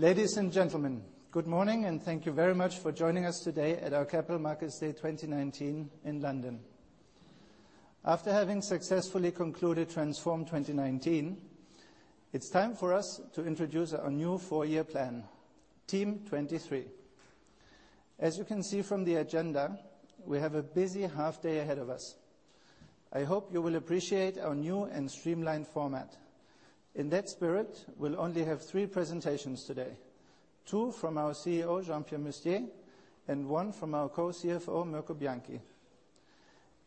Ladies and gentlemen, good morning. Thank you very much for joining us today at our Capital Markets Day 2019 in London. After having successfully concluded Transform 2019, it's time for us to introduce our new four-year plan, Team 23. As you can see from the agenda, we have a busy half-day ahead of us. I hope you will appreciate our new and streamlined format. In that spirit, we'll only have three presentations today, two from our Chief Executive Officer, Jean-Pierre Mustier, one from our Co-Chief Financial Officer, Mirko Bianchi.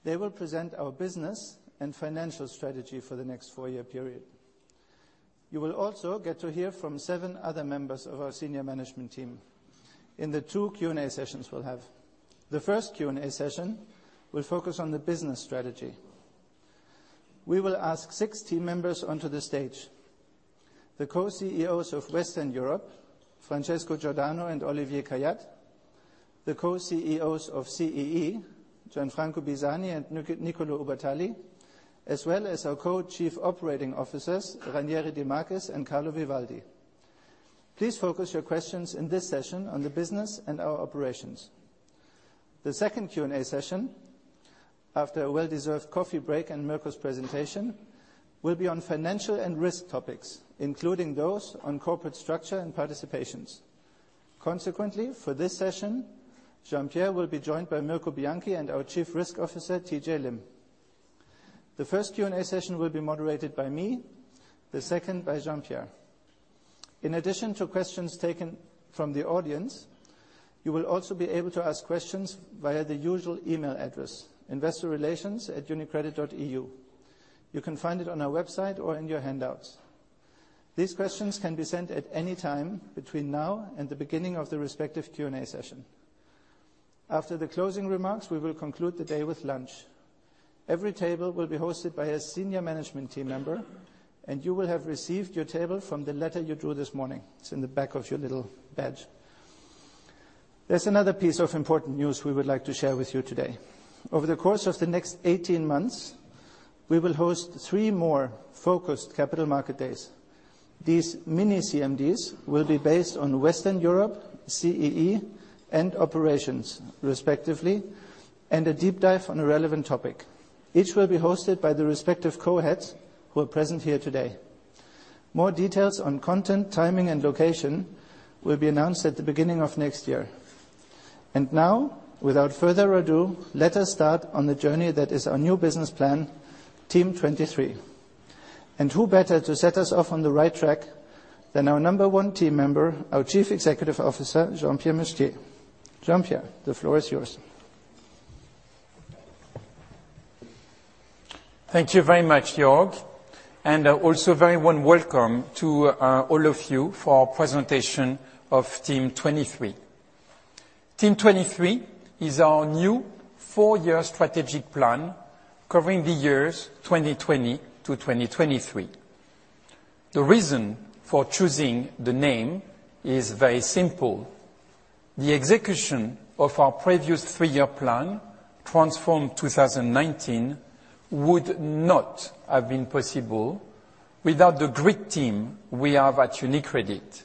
They will present our business and financial strategy for the next four-year period. You will also get to hear from seven other members of our senior management team in the two Q&A sessions we'll have. The first Q&A session will focus on the business strategy. We will ask six team members onto the stage. The Co-CEOs of Western Europe, Francesco Giordano and Olivier Khayat, the Co-Chief Executive Officers of CEE, Gianfranco Bisagni and Niccolò Ubertalli, as well as our Co-Chief Operating Officers, Ranieri de Marchis and Carlo Vivaldi. Please focus your questions in this session on the business and our operations. The second Q&A session, after a well-deserved coffee break and Mirko's presentation, will be on financial and risk topics, including those on corporate structure and participations. Consequently, for this session, Jean-Pierre will be joined by Mirko Bianchi and our Chief Risk Officer, TJ Lim. The first Q&A session will be moderated by me, the second by Jean-Pierre. In addition to questions taken from the audience, you will also be able to ask questions via the usual email address, investorrelations@unicredit.eu. You can find it on our website or in your handouts. These questions can be sent at any time between now and the beginning of the respective Q&A session. After the closing remarks, we will conclude the day with lunch. Every table will be hosted by a senior management team member, and you will have received your table from the letter you drew this morning. It's in the back of your little badge. There's another piece of important news we would like to share with you today. Over the course of the next 18 months, we will host three more focused Capital Markets Days. These mini-CMDs will be based on Western Europe, CEE, and operations respectively, and a deep dive on a relevant topic. Each will be hosted by the respective co-heads who are present here today. More details on content, timing, and location will be announced at the beginning of next year. Now, without further ado, let us start on the journey that is our new business plan, Team 23. Who better to set us off on the right track than our number one team member, our Chief Executive Officer, Jean-Pierre Mustier. Jean-Pierre, the floor is yours. Thank you very much, Jörg. Also, a very warm welcome to all of you for our presentation of Team 23. Team 23 is our new four-year strategic plan covering the years 2020 to 2023. The reason for choosing the name is very simple. The execution of our previous three-year plan, Transform 2019, would not have been possible without the great team we have at UniCredit.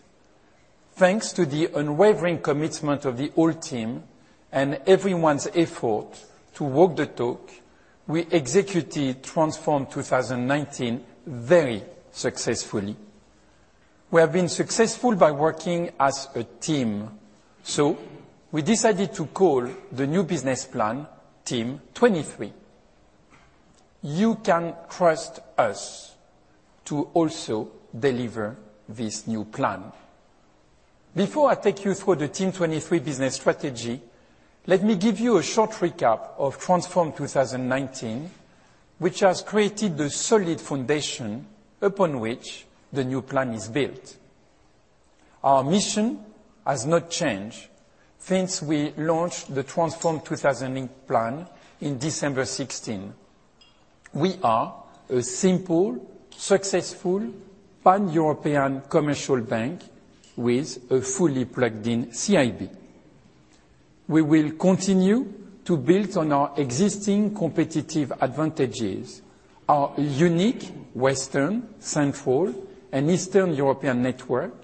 Thanks to the unwavering commitment of the whole team and everyone's effort to walk the talk, we executed Transform 2019 very successfully. We have been successful by working as a team, we decided to call the new business plan Team 23. You can trust us to also deliver this new plan. Before I take you through the Team 23 business strategy, let me give you a short recap of Transform 2019, which has created the solid foundation upon which the new plan is built. Our mission has not changed since we launched the Transform 2019 plan in December 2016. We are a simple, successful, pan-European commercial bank with a fully plugged-in CIB. We will continue to build on our existing competitive advantages, our unique Western, Central, and Eastern European network,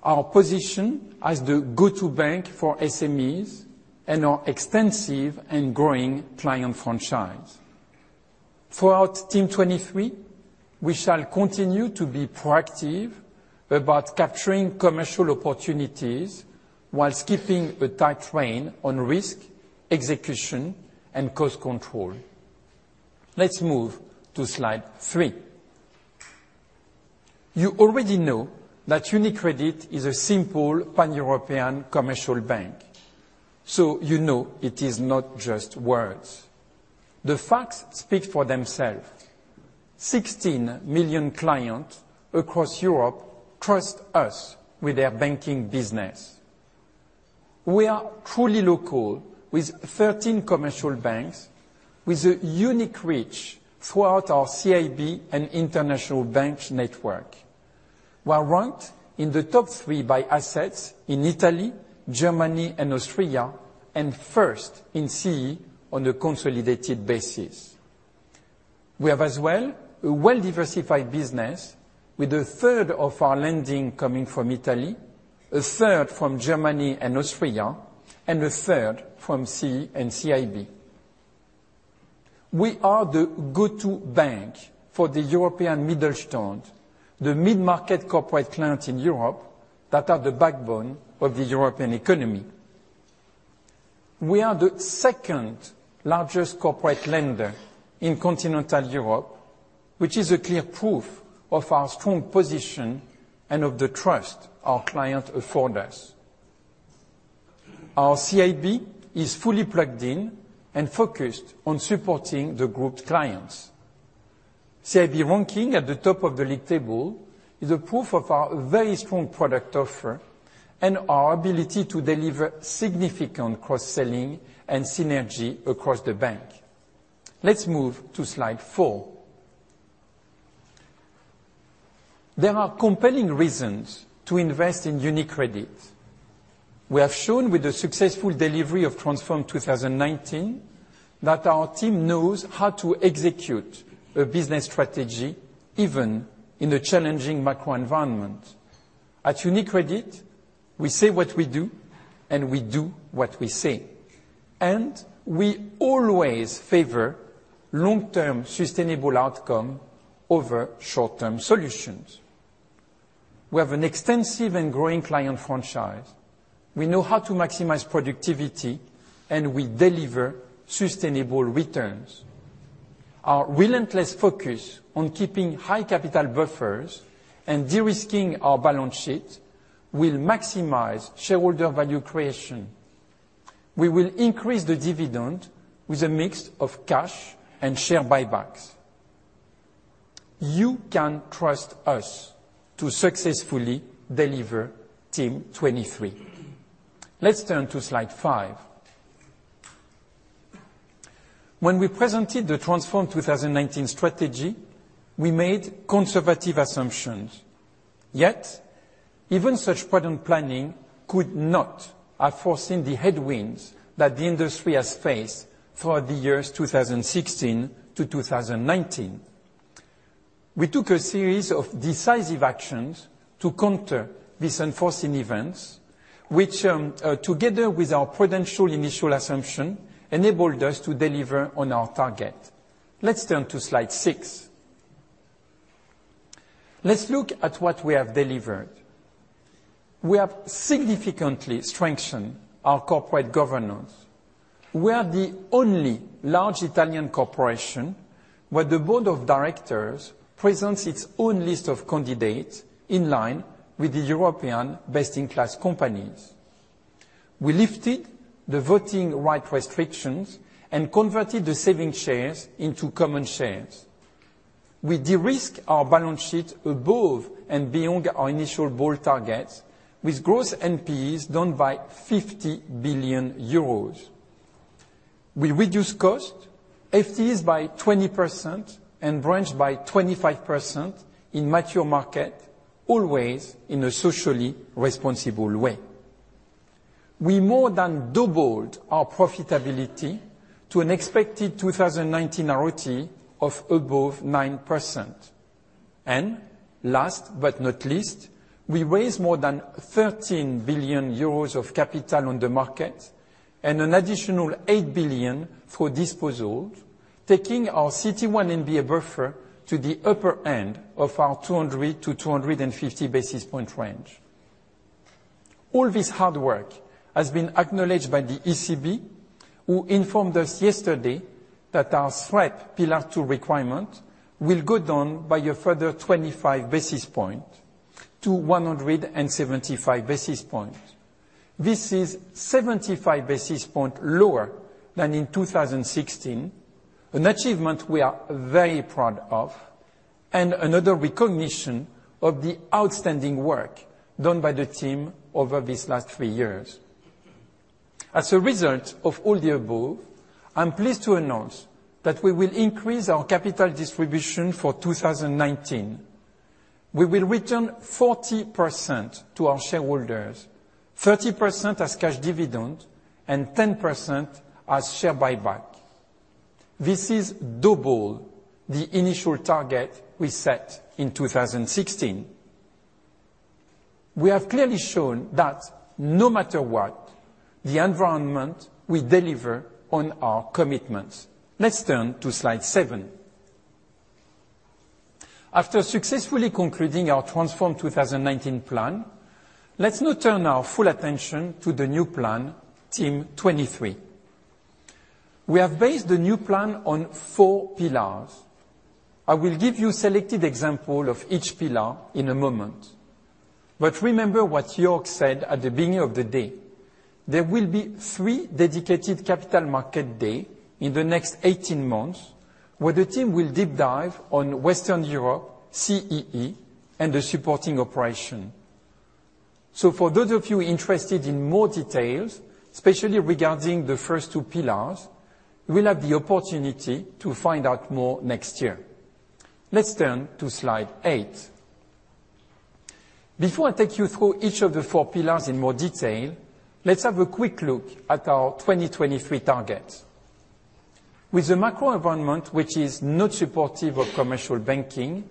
our position as the go-to bank for SMEs, and our extensive and growing client franchise. Throughout Team 23, we shall continue to be proactive about capturing commercial opportunities while keeping a tight rein on risk, execution, and cost control. Let's move to slide three. You already know that UniCredit is a simple pan-European commercial bank, you know it is not just words. The facts speak for themselves. 16 million clients across Europe trust us with their banking business. We are truly local with 13 commercial banks with a unique reach throughout our CIB and international bank network. We are ranked in the top three by assets in Italy, Germany, and Austria, and first in CEE on a consolidated basis. We have as well, a well-diversified business with a third of our lending coming from Italy, a third from Germany and Austria, and a third from CEE and CIB. We are the go-to bank for the European Mittelstand, the mid-market corporate clients in Europe that are the backbone of the European economy. We are the second-largest corporate lender in continental Europe, which is a clear proof of our strong position and of the trust our clients afford us. Our CIB is fully plugged in and focused on supporting the group clients. CIB ranking at the top of the league table is a proof of our very strong product offer and our ability to deliver significant cross-selling and synergy across the bank. Let's move to slide four. There are compelling reasons to invest in UniCredit. We have shown with the successful delivery of Transform 2019, that our team knows how to execute a business strategy, even in a challenging macro environment. At UniCredit, we say what we do, and we do what we say. We always favor long-term sustainable outcome over short-term solutions. We have an extensive and growing client franchise. We know how to maximize productivity, and we deliver sustainable returns. Our relentless focus on keeping high capital buffers and de-risking our balance sheet will maximize shareholder value creation. We will increase the dividend with a mix of cash and share buybacks. You can trust us to successfully deliver Team 23. Let's turn to slide five. When we presented the Transform 2019 strategy, we made conservative assumptions, yet even such prudent planning could not have foreseen the headwinds that the industry has faced throughout the years 2016-2019. We took a series of decisive actions to counter these unforeseen events, which, together with our prudential initial assumption, enabled us to deliver on our target. Let's turn to slide six. Let's look at what we have delivered. We have significantly strengthened our corporate governance. We are the only large Italian corporation where the board of directors presents its own list of candidates in line with the European best-in-class companies. We lifted the voting right restrictions and converted the saving shares into common shares. We de-risk our balance sheet above and beyond our initial bold targets with gross NPEs down by 50 billion euros. We reduce cost, FTEs by 20% and branch by 25% in mature market, always in a socially responsible way. We more than doubled our profitability to an expected 2019 ROTE of above 9%. Last but not least, we raised more than 13 billion euros of capital on the market and an additional 8 billion for disposal, taking our CET1 MDA buffer to the upper end of our 200-250 basis point range. All this hard work has been acknowledged by the ECB, who informed us yesterday that our SREP Pillar 2 requirement will go down by a further 25 basis points to 175 basis points. This is 75 basis point lower than in 2016, an achievement we are very proud of, and another recognition of the outstanding work done by the team over these last three years. As a result of all the above, I'm pleased to announce that we will increase our capital distribution for 2019. We will return 40% to our shareholders, 30% as cash dividend and 10% as share buyback. This is double the initial target we set in 2016. We have clearly shown that no matter what the environment, we deliver on our commitments. Let's turn to slide seven. After successfully concluding our Transform 2019 plan, let's now turn our full attention to the new plan, Team 23. We have based the new plan on four pillars. I will give you a selected example of each pillar in a moment, remember what Jörg said at the beginning of the day. There will be three dedicated Capital Markets Day in the next 18 months, where the team will deep dive on Western Europe, CEE, and the supporting operation. For those of you interested in more details, especially regarding the first two pillars, you will have the opportunity to find out more next year. Let's turn to slide eight. Before I take you through each of the four pillars in more detail, let's have a quick look at our 2023 targets. With the macro environment, which is not supportive of commercial banking,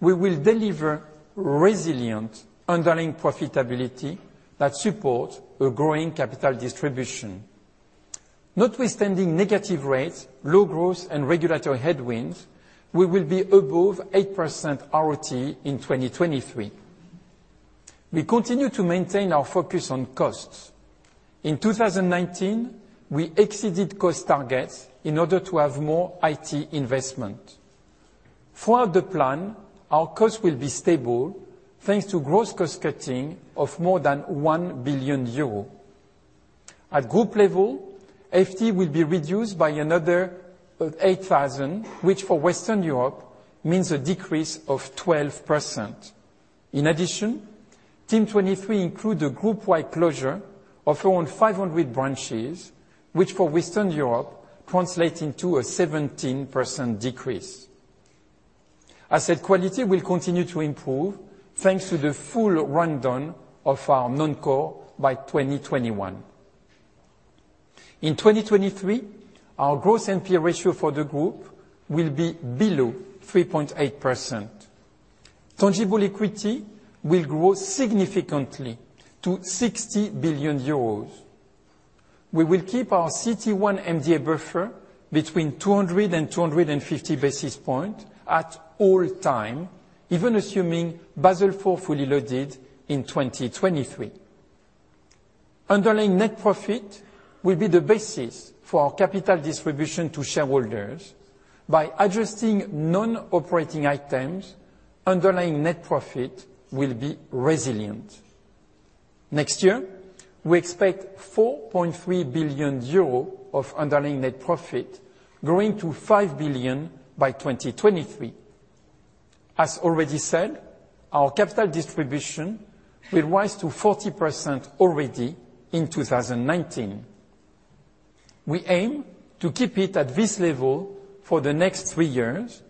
we will deliver resilient underlying profitability that supports a growing capital distribution. Notwithstanding negative rates, low growth, and regulatory headwinds, we will be above 8% ROTE in 2023. We continue to maintain our focus on costs. In 2019, we exceeded cost targets in order to have more IT investment. Throughout the plan, our costs will be stable thanks to gross cost-cutting of more than 1 billion euros. At group level, FTEs will be reduced by another 8,000, which for Western Europe, means a decrease of 12%. In addition, Team 23 includes a group-wide closure of around 500 branches, which for Western Europe translates into a 17% decrease. Asset quality will continue to improve, thanks to the full rundown of our non-core by 2021. In 2023, our gross NPE ratio for the group will be below 3.8%. Tangible equity will grow significantly to 60 billion euros. We will keep our CET1 MDA buffer between 200 and 250 basis points at all times, even assuming Basel IV fully loaded in 2023. Underlying net profit will be the basis for our capital distribution to shareholders. By adjusting non-operating items, underlying net profit will be resilient. Next year, we expect 4.3 billion euro of underlying net profit, growing to 5 billion by 2023. As already said, our capital distribution will rise to 40% already in 2019. We aim to keep it at this level for the next three years,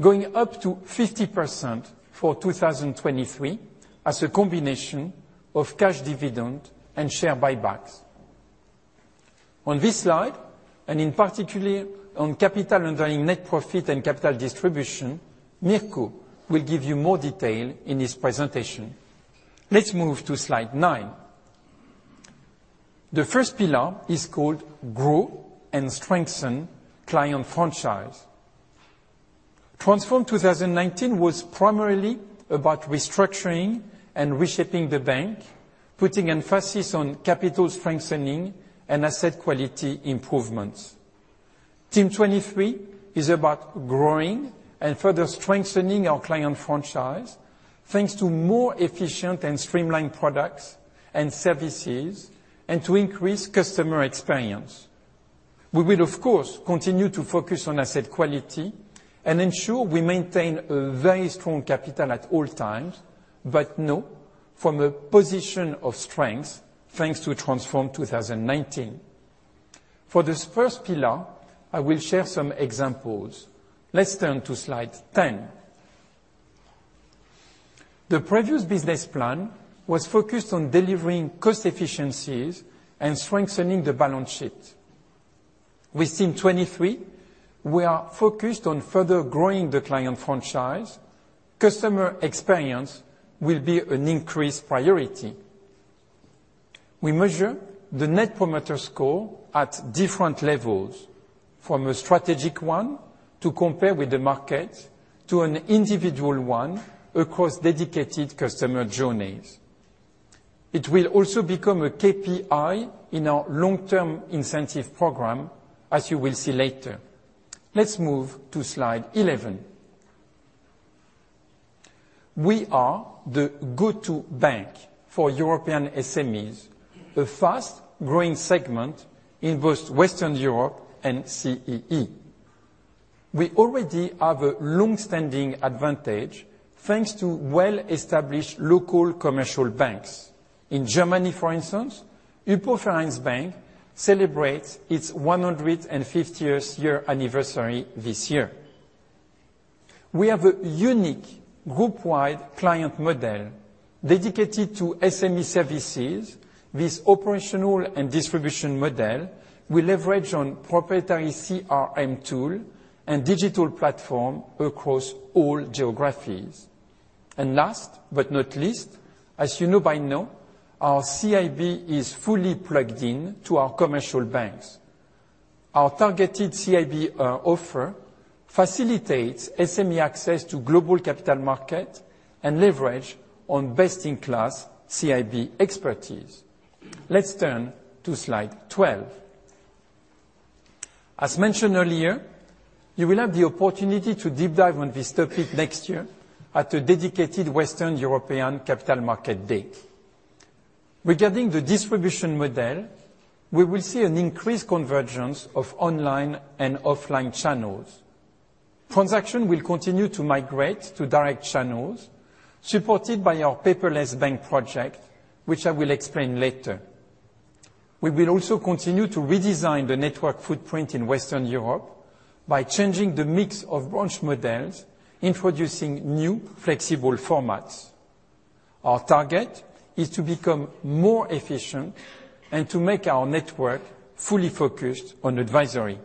going up to 50% for 2023 as a combination of cash dividend and share buybacks. On this slide, and in particular on capital underlying net profit and capital distribution, Mirko will give you more detail in his presentation. Let's move to slide nine. The first pillar is called Grow and Strengthen Client Franchise. Transform 2019 was primarily about restructuring and reshaping the bank, putting emphasis on capital strengthening and asset quality improvements. Team 23 is about growing and further strengthening our client franchise, thanks to more efficient and streamlined products and services, and to increase customer experience. We will, of course, continue to focus on asset quality and ensure we maintain a very strong capital at all times, but now from a position of strength, thanks to Transform 2019. For this first pillar, I will share some examples. Let's turn to slide 10. The previous business plan was focused on delivering cost efficiencies and strengthening the balance sheet. With Team 23, we are focused on further growing the client franchise. Customer experience will be an increased priority. We measure the net promoter score at different levels, from a strategic one to compare with the market, to an individual one across dedicated customer journeys. It will also become a KPI in our long-term incentive program, as you will see later. Let's move to slide 11. We are the go-to bank for European SMEs, a fast-growing segment in both Western Europe and CEE. We already have a long-standing advantage thanks to well-established local commercial banks. In Germany, for instance, HypoVereinsbank celebrates its 150 years year anniversary this year. We have a unique group-wide client model dedicated to SME services. This operational and distribution model will leverage on proprietary CRM tool and digital platform across all geographies. Last but not least, as you know by now, our CIB is fully plugged in to our commercial banks. Our targeted CIB offer facilitates SME access to global capital market and leverage on best-in-class CIB expertise. Let's turn to slide 12. As mentioned earlier, you will have the opportunity to deep dive on this topic next year at a dedicated Western European Capital Market Date. Regarding the distribution model, we will see an increased convergence of online and offline channels. Transaction will continue to migrate to direct channels supported by our paperless bank project, which I will explain later. We will also continue to redesign the network footprint in Western Europe by changing the mix of branch models, introducing new flexible formats. Our target is to become more efficient and to make our network fully focused on advisory.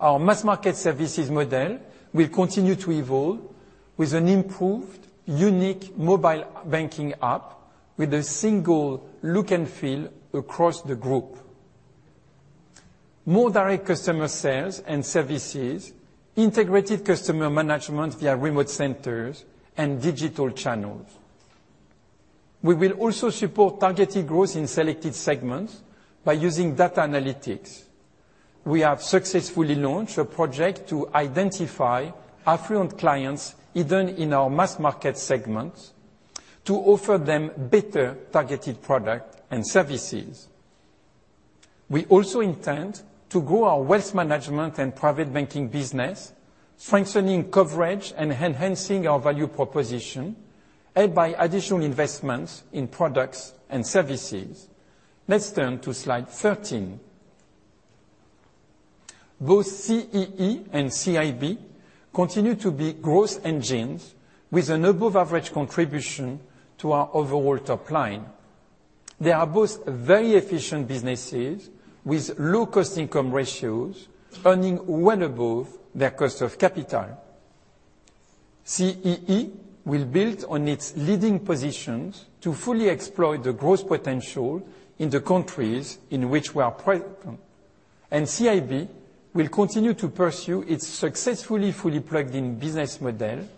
Our mass market services model will continue to evolve with an improved unique mobile banking app with a single look and feel across the group. More direct customer sales and services, integrated customer management via remote centers and digital channels. We will also support targeted growth in selected segments by using data analytics. We have successfully launched a project to identify affluent clients, even in our mass market segments, to offer them better targeted product and services. We also intend to grow our wealth management and private banking business, strengthening coverage and enhancing our value proposition, aided by additional investments in products and services. Let's turn to slide 13. Both CEE and CIB continue to be growth engines with an above-average contribution to our overall top line. They are both very efficient businesses with low-cost income ratios, earning well above their cost of capital. CEE will build on its leading positions to fully exploit the growth potential in the countries in which we operate, and CIB will continue to pursue its successfully fully plugged-in business model,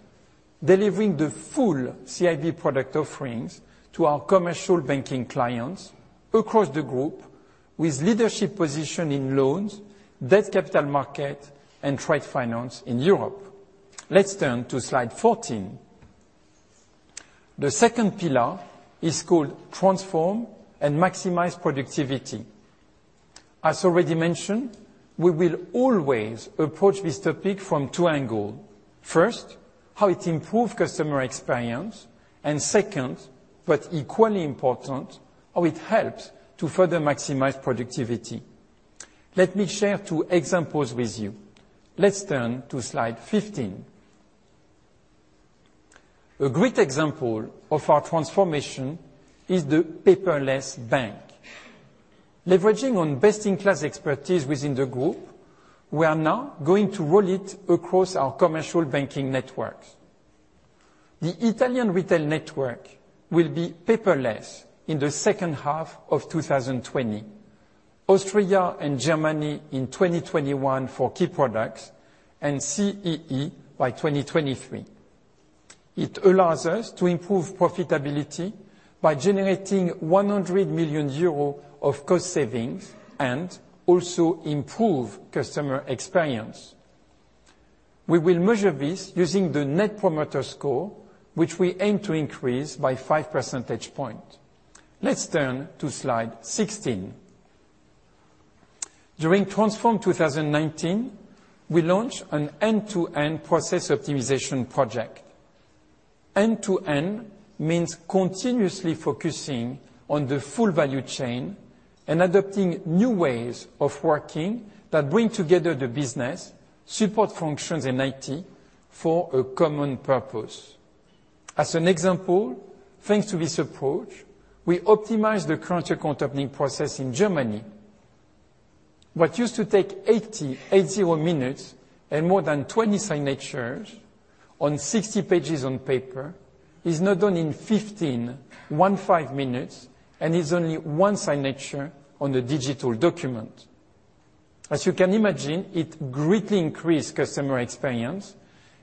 delivering the full CIB product offerings to our commercial banking clients across the group, with leadership position in loans, debt capital market, and trade finance in Europe. Let's turn to slide 14. The second pillar is called transform and maximize productivity. As already mentioned, we will always approach this topic from two angle. First, how it improve customer experience, and second, but equally important, how it helps to further maximize productivity. Let me share two examples with you. Let's turn to slide 15. A great example of our transformation is the paperless bank. Leveraging on best-in-class expertise within the group, we are now going to roll it across our commercial banking networks. The Italian retail network will be paperless in the second half of 2020, Austria and Germany in 2021 for key products, and CEE by 2023. It allows us to improve profitability by generating 100 million euros of cost savings and also improve customer experience. We will measure this using the net promoter score, which we aim to increase by five percentage point. Let's turn to slide 16. During Transform 2019, we launched an end-to-end process optimization project. End-to-end means continuously focusing on the full value chain and adopting new ways of working that bring together the business, support functions, and IT for a common purpose. As an example, thanks to this approach, we optimized the current account opening process in Germany. What used to take 80 minutes and more than 20 signatures on 60 pages on paper is now done in 15 minutes and is only one signature on a digital document. As you can imagine, it greatly increased customer experience,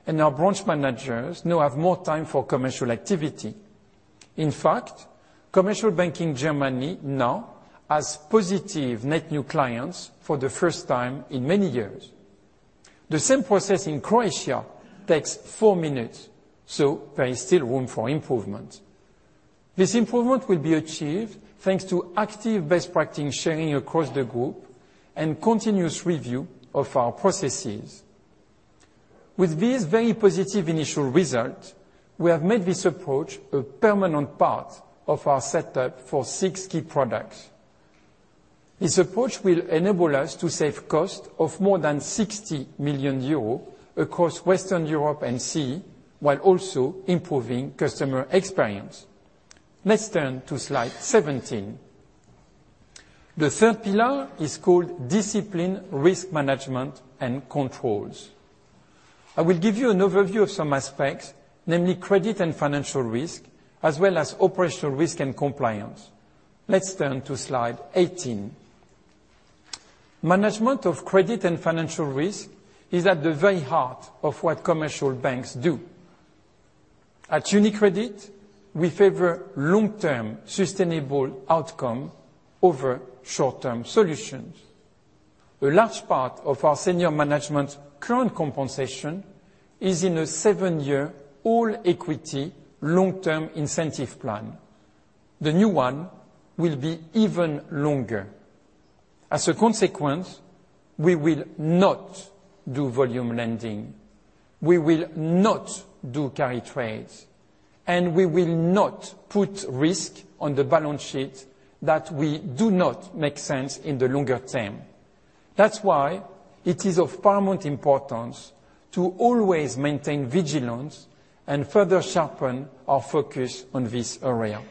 and our branch managers now have more time for commercial activity. In fact, commercial banking Germany now has positive net new clients for the first time in many years. There is still room for improvement. This improvement will be achieved thanks to active best practice sharing across the group and continuous review of our processes. With this very positive initial result, we have made this approach a permanent part of our setup for six key products. This approach will enable us to save cost of more than 60 million euros across Western Europe and C, while also improving customer experience. Let's turn to slide 17. The third pillar is called discipline, risk management, and controls. I will give you an overview of some aspects, namely credit and financial risk, as well as operational risk and compliance. Let's turn to slide 18. Management of credit and financial risk is at the very heart of what commercial banks do. At UniCredit, we favor long-term, sustainable outcome over short-term solutions. A large part of our senior management's current compensation is in a seven-year, all-equity, long-term incentive plan. The new one will be even longer. As a consequence, we will not do volume lending, we will not do carry trades, and we will not put risk on the balance sheet that we do not make sense in the longer term. That's why it is of paramount importance to always maintain vigilance and further sharpen our focus on this area.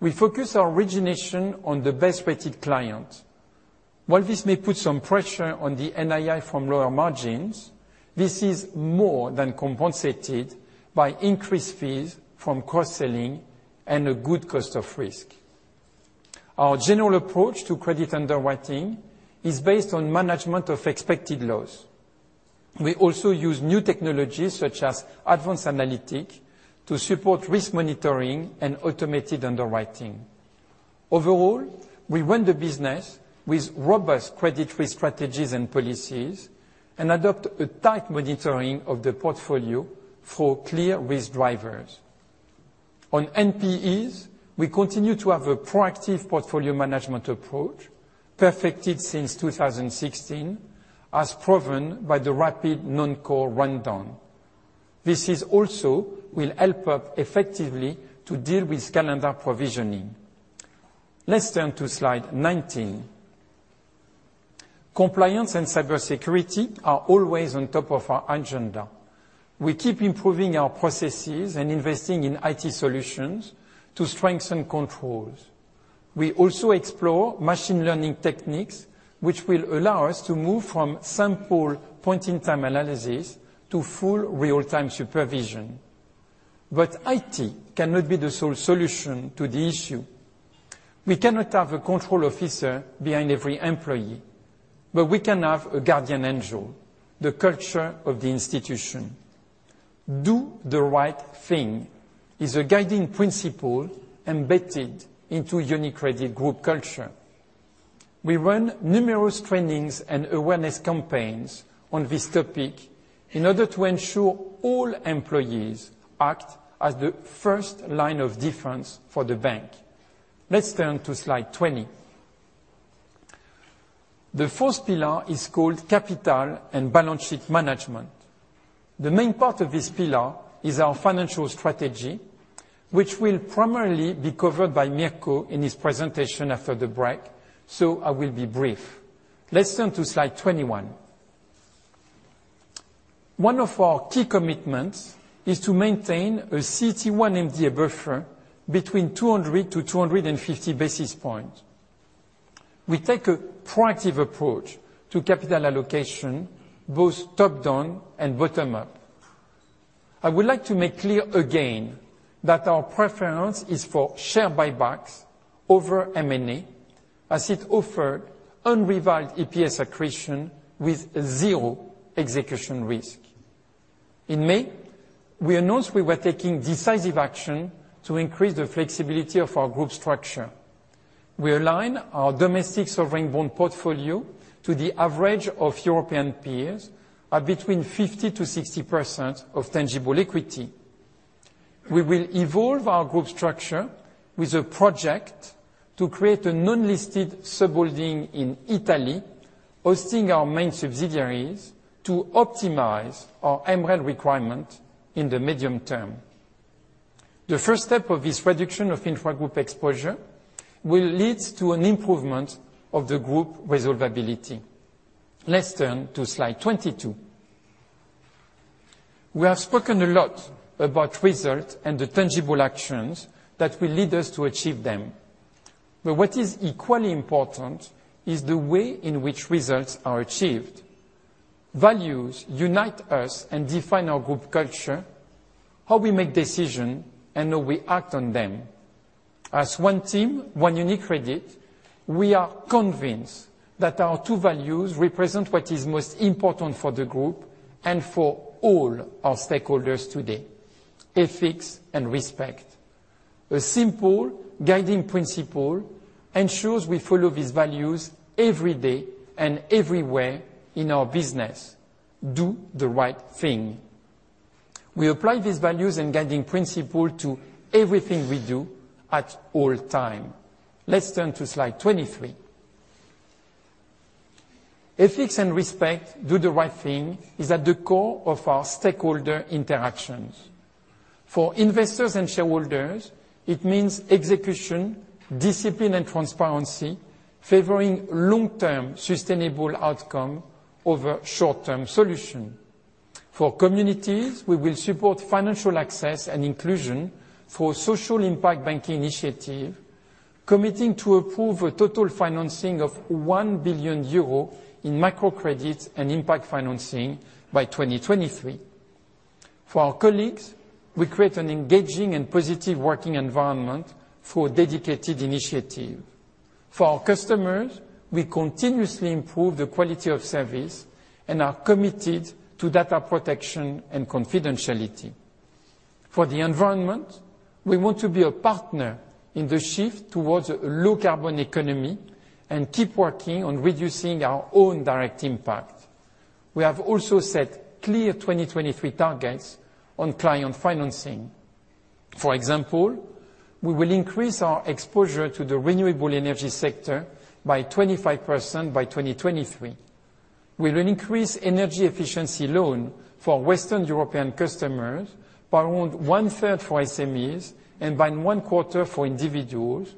We focus our origination on the best-rated client. While this may put some pressure on the NII from lower margins, this is more than compensated by increased fees from cross-selling and a good cost of risk. Our general approach to credit underwriting is based on management of expected loss. We also use new technologies such as advanced analytics to support risk monitoring and automated underwriting. Overall, we run the business with robust credit risk strategies and policies and adopt a tight monitoring of the portfolio for clear risk drivers. On NPEs, we continue to have a proactive portfolio management approach, perfected since 2016, as proven by the rapid non-core rundown. This will help up effectively to deal with calendar provisioning. Let's turn to slide 19. Compliance and cybersecurity are always on top of our agenda. We keep improving our processes and investing in IT solutions to strengthen controls. We also explore machine learning techniques, which will allow us to move from sample point-in-time analysis to full real-time supervision. IT cannot be the sole solution to the issue. We cannot have a control officer behind every employee, we can have a guardian angel, the culture of the institution. Do the right thing is a guiding principle embedded into UniCredit Group culture. We run numerous trainings and awareness campaigns on this topic in order to ensure all employees act as the first line of defense for the bank. Let's turn to slide 20. The fourth pillar is called capital and balance sheet management. The main part of this pillar is our financial strategy, which will primarily be covered by Mirko in his presentation after the break, so I will be brief. Let's turn to slide 21. One of our key commitments is to maintain a CET1 MREL buffer between 200-250 basis points. We take a proactive approach to capital allocation, both top-down and bottom-up. I would like to make clear again that our preference is for share buybacks over M&A, as it offered unrivaled EPS accretion with zero execution risk. In May, we announced we were taking decisive action to increase the flexibility of our group structure. We align our domestic sovereign bond portfolio to the average of European peers at between 50%-60% of tangible equity. We will evolve our group structure with a project to create a non-listed sub-holding in Italy, hosting our main subsidiaries to optimize our MREL requirement in the medium term. The first step of this reduction of intragroup exposure will lead to an improvement of the group resolvability. Let's turn to slide 22. We have spoken a lot about results and the tangible actions that will lead us to achieve them, but what is equally important is the way in which results are achieved. Values unite us and define our group culture, how we make decisions, and how we act on them. As one team, one UniCredit, we are convinced that our two values represent what is most important for the group and for all our stakeholders today, ethics and respect. A simple guiding principle ensures we follow these values every day and everywhere in our business. Do the right thing. We apply these values and guiding principle to everything we do at all time. Let's turn to slide 23. Ethics and respect, do the right thing, is at the core of our stakeholder interactions. For investors and shareholders, it means execution, discipline, and transparency, favoring long-term sustainable outcome over short-term solution. For communities, we will support financial access and inclusion for social impact banking initiative, committing to approve a total financing of 1 billion euro in microcredit and impact financing by 2023. For our colleagues, we create an engaging and positive working environment through a dedicated initiative. For our customers, we continuously improve the quality of service and are committed to data protection and confidentiality. For the environment, we want to be a partner in the shift towards a low-carbon economy and keep working on reducing our own direct impact. We have also set clear 2023 targets on client financing. For example, we will increase our exposure to the renewable energy sector by 25% by 2023. We will increase energy efficiency loan for Western European customers by around one-third for SMEs and by one quarter for individuals,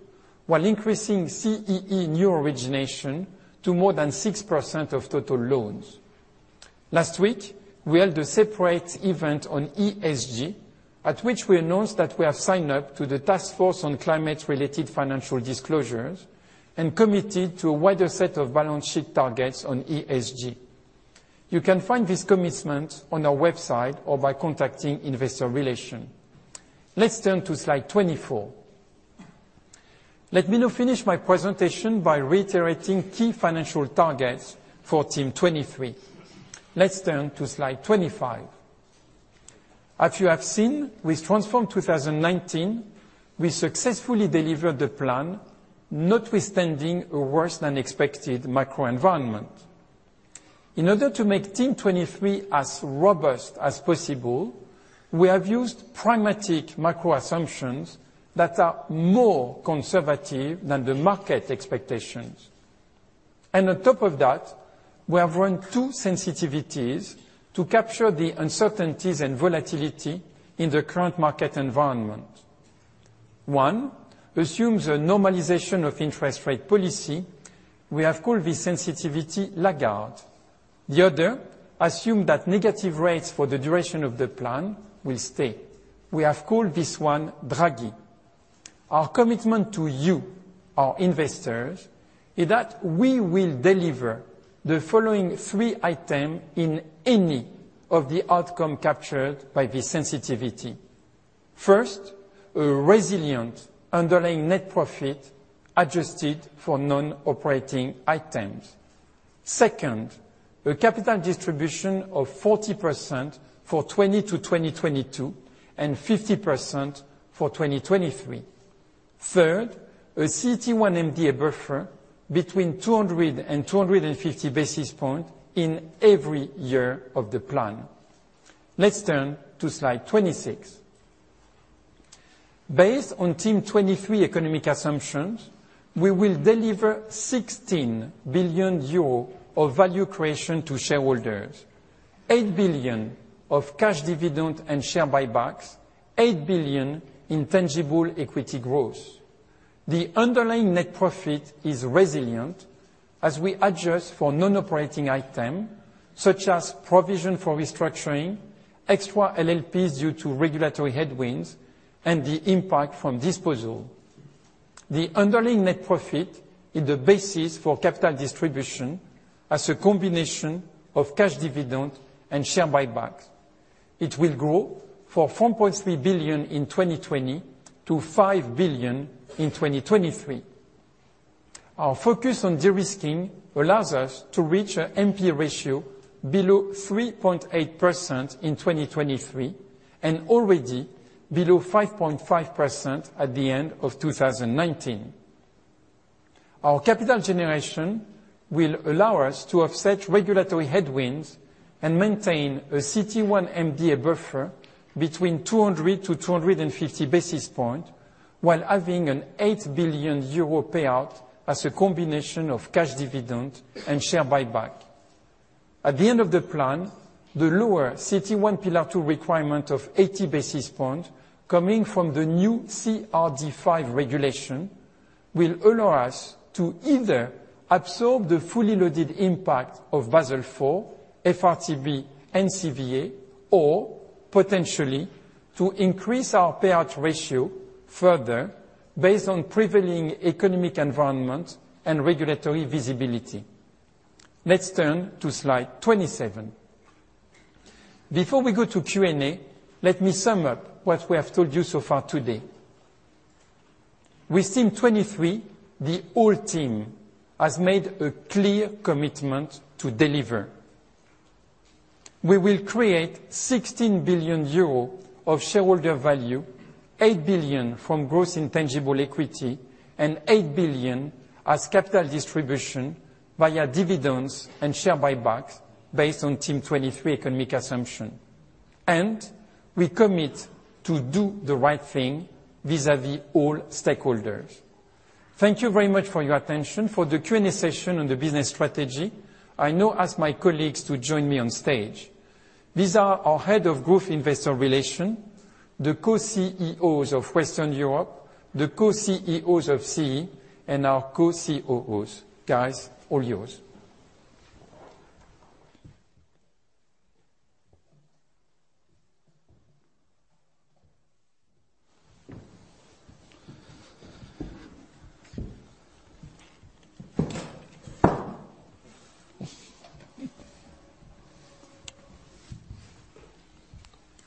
while increasing CEE new origination to more than 6% of total loans. Last week, we held a separate event on ESG, at which we announced that we have signed up to the Task Force on Climate-related Financial Disclosures and committed to a wider set of balance sheet targets on ESG. You can find this commitment on our website or by contacting Investor Relations. Let's turn to slide 24. Let me now finish my presentation by reiterating key financial targets for Team 23. Let's turn to slide 25. As you have seen, with Transform 2019, we successfully delivered the plan, notwithstanding a worse-than-expected macro environment. In order to make Team 23 as robust as possible, we have used pragmatic macro assumptions that are more conservative than the market expectations. On top of that, we have run two sensitivities to capture the uncertainties and volatility in the current market environment. One assumes a normalization of interest rate policy. We have called this sensitivity Lagarde. The other assume that negative rates for the duration of the plan will stay. We have called this one Draghi. Our commitment to you, our investors, is that we will deliver the following three item in any of the outcome captured by this sensitivity. First, a resilient underlying net profit adjusted for non-operating items. Second, a capital distribution of 40% for 2020 to 2022, and 50% for 2023. Third, a CET1 MDA buffer between 200 and 250 basis point in every year of the plan. Let's turn to slide 26. Based on Team 23 economic assumptions, we will deliver 16 billion euro of value creation to shareholders, 8 billion of cash dividend and share buybacks, 8 billion in tangible equity growth. The underlying net profit is resilient as we adjust for non-operating item, such as provision for restructuring, extra LLPs due to regulatory headwinds, and the impact from disposal. The underlying net profit is the basis for capital distribution as a combination of cash dividend and share buybacks. It will grow from 4.3 billion in 2020 to 5 billion in 2023. Our focus on de-risking allows us to reach a NPE ratio below 3.8% in 2023 and already below 5.5% at the end of 2019. Our capital generation will allow us to offset regulatory headwinds and maintain a CET1 MDA buffer between 200-250 basis points, while having an 8 billion euro payout as a combination of cash dividend and share buyback. At the end of the plan, the lower CET1 Pillar 2 requirement of 80 basis points coming from the new CRD V regulation will allow us to either absorb the fully loaded impact of Basel IV, FRTB, and CVA, or potentially, to increase our payout ratio further based on prevailing economic environment and regulatory visibility. Let's turn to slide 27. Before we go to Q&A, let me sum up what we have told you so far today. With Team '23, the whole team has made a clear commitment to deliver. We will create 16 billion euro of shareholder value, 8 billion from growth in tangible equity, and 8 billion as capital distribution via dividends and share buybacks based on Team '23 economic assumption. We commit to do the right thing vis-à-vis all stakeholders. Thank you very much for your attention. For the Q&A session on the business strategy, I now ask my colleagues to join me on stage. These are our Head of Group Investor Relations, the Co-Chief Executive Officers of Western Europe, the Co-Chief Executive Officers of CEE, and our Co-Chief Operation Officers. Guys, all yours.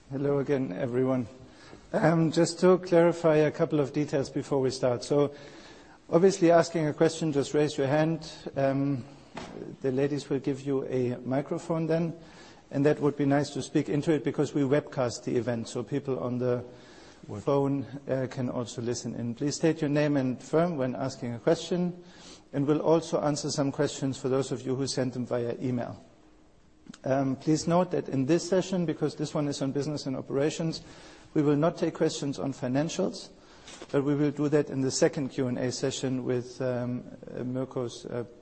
Hello again, everyone. Just to clarify a couple of details before we start. Obviously, asking a question, just raise your hand. The ladies will give you a microphone then, and that would be nice to speak into it because we webcast the event so people on the phone can also listen in. Please state your name and firm when asking a question, and we'll also answer some questions for those of you who sent them via email. Please note that in this session, because this one is on business and operations, we will not take questions on financials, but we will do that in the second Q&A session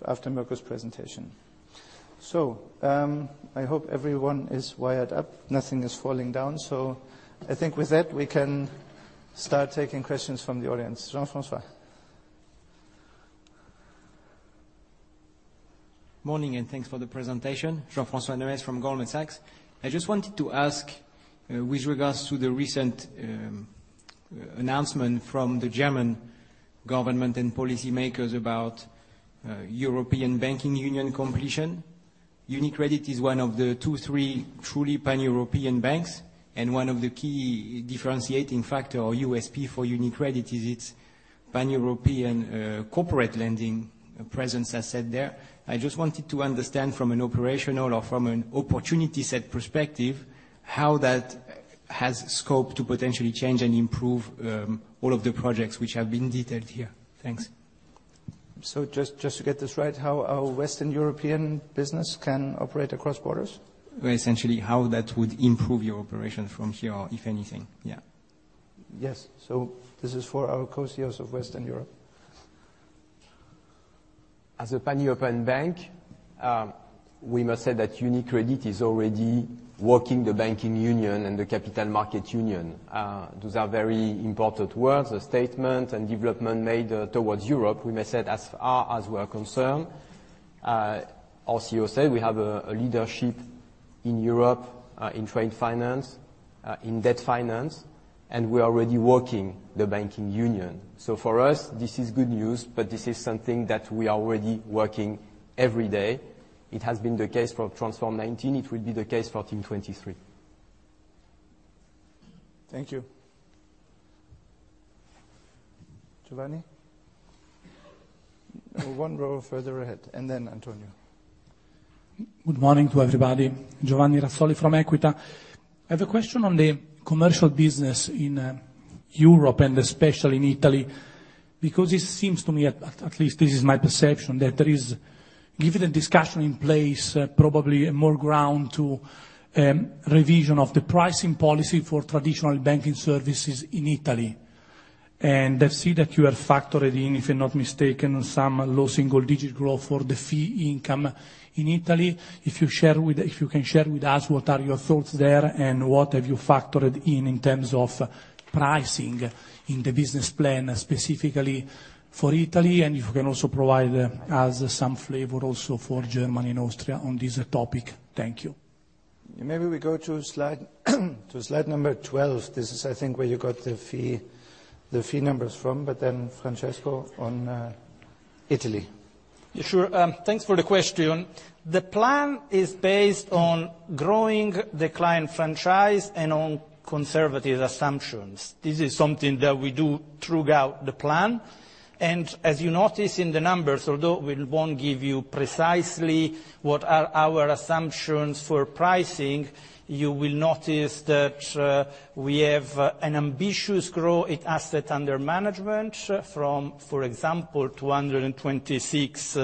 after Mirko's presentation. I hope everyone is wired up, nothing is falling down. I think with that, we can start taking questions from the audience. Jean-François. Morning, thanks for the presentation. Jean-François Neuez from Goldman Sachs. I just wanted to ask, with regards to the recent announcement from the German government and policymakers about European banking union completion. UniCredit is one of the two, three truly pan-European banks, and one of the key differentiating factor or USP for UniCredit is its pan-European corporate lending presence as said there. I just wanted to understand from an operational or from an opportunity set perspective, how that has scope to potentially change and improve all of the projects which have been detailed here. Thanks. Just to get this right, how our Western European business can operate across borders? Well, essentially how that would improve your operation from here, if anything. Yeah. Yes. This is for our Co-Chief Executive Officers of Western Europe. As a pan-European bank, we must say that UniCredit is already working the Banking Union and the Capital Markets Union. Those are very important words, a statement and development made towards Europe. We may say as far as we're concerned, our Chief Executive Officer said we have a leadership in Europe, in trade finance, in debt finance. We are already working the Banking Union. For us, this is good news, but this is something that we are already working every day. It has been the case for Transform 2019. It will be the case for Team 23. Thank you. Giovanni. One row further ahead, and then Antonio. Good morning to everybody. Giovanni Razzoli from EQUITA. I have a question on the commercial business in Europe and especially in Italy, because it seems to me, at least this is my perception, that there is, given a discussion in place, probably more ground to revision of the pricing policy for traditional banking services in Italy. I see that you have factored in, if I'm not mistaken, some low single-digit growth for the fee income in Italy. If you can share with us what are your thoughts there, and what have you factored in terms of pricing in the business plan specifically for Italy, and if you can also provide us some flavor also for Germany and Austria on this topic. Thank you. Maybe we go to slide number 12. This is, I think, where you got the fee numbers from, but then Francesco on Italy. Yeah, sure. Thanks for the question. The plan is based on growing the client franchise and on conservative assumptions. This is something that we do throughout the plan. As you notice in the numbers, although we won't give you precisely what are our assumptions for pricing, you will notice that we have an ambitious growth in asset under management from, for example, 226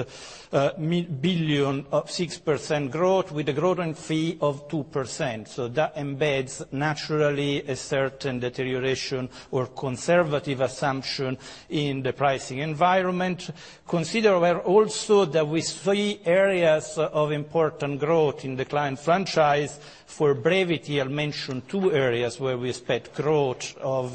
billion of 6% growth with a growth in fee of 2%. That embeds naturally a certain deterioration or conservative assumption in the pricing environment. Consider also that with three areas of important growth in the client franchise. For brevity, I'll mention two areas where we expect growth of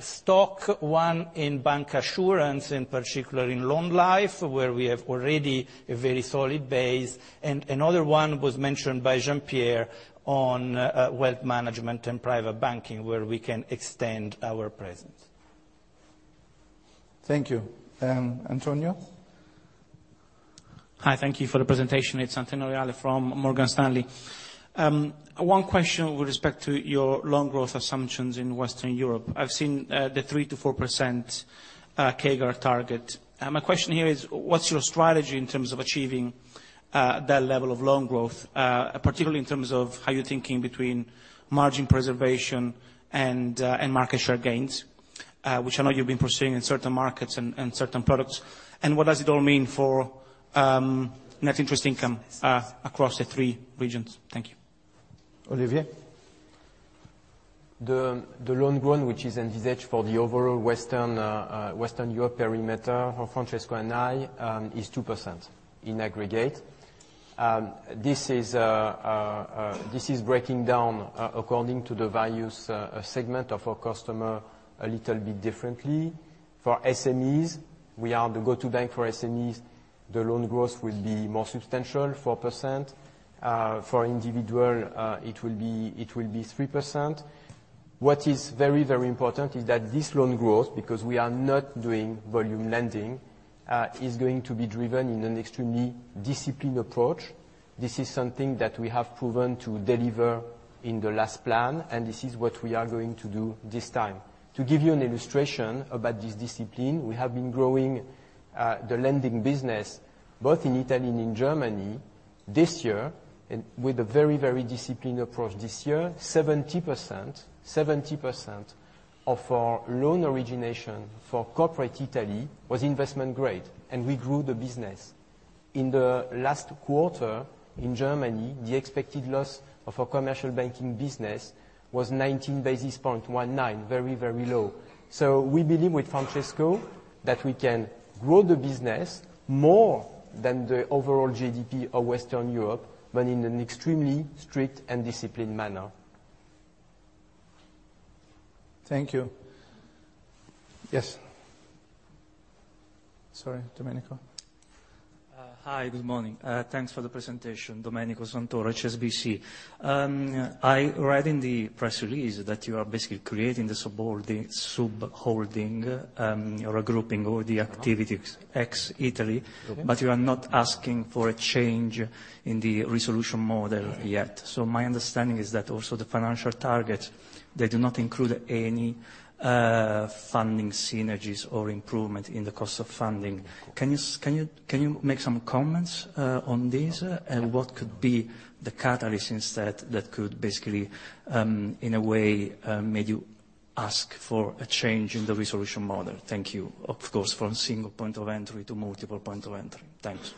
stock, one in bancassurance, in particular in long life, where we have already a very solid base, and another one was mentioned by Jean-Pierre on wealth management and private banking, where we can extend our presence. Thank you. Antonio? Hi, thank you for the presentation. It's Antonio Reale from Morgan Stanley. One question with respect to your loan growth assumptions in Western Europe. I've seen the 3%-4% CAGR target. My question here is, what's your strategy in terms of achieving that level of loan growth, particularly in terms of how you're thinking between margin preservation and market share gains, which I know you've been pursuing in certain markets and certain products. What does it all mean for net interest income across the three regions? Thank you. Olivier? The loan growth, which is envisaged for the overall Western Europe perimeter for Francesco and I, is 2% in aggregate. This is breaking down according to the values segment of our customer a little bit differently. For SMEs, we are the go-to bank for SMEs. The loan growth will be more substantial, 4%. For individual, it will be 3%. What is very, very important is that this loan growth, because we are not doing volume lending, is going to be driven in an extremely disciplined approach. This is something that we have proven to deliver in the last plan, and this is what we are going to do this time. To give you an illustration about this discipline, we have been growing the lending business both in Italy and in Germany this year, and with a very, very disciplined approach. This year, 70% of our loan origination for corporate Italy was investment grade, and we grew the business. In the last quarter in Germany, the expected loss of our commercial banking business was 19 basis points, very low. We believe with Francesco that we can grow the business more than the overall GDP of Western Europe, but in an extremely strict and disciplined manner. Thank you. Yes. Sorry, Domenico. Hi, good morning. Thanks for the presentation. Domenico Santoro, HSBC. I read in the press release that you are basically creating the sub-holding or a grouping of the activities ex-Italy. You are not asking for a change in the resolution model yet. My understanding is that also the financial targets, they do not include any funding synergies or improvement in the cost of funding. Can you make some comments on this? What could be the catalyst instead that could basically, in a way, make you ask for a change in the resolution model? Thank you. Of course, from Single Point of Entry to Multiple Point of Entry. Thanks.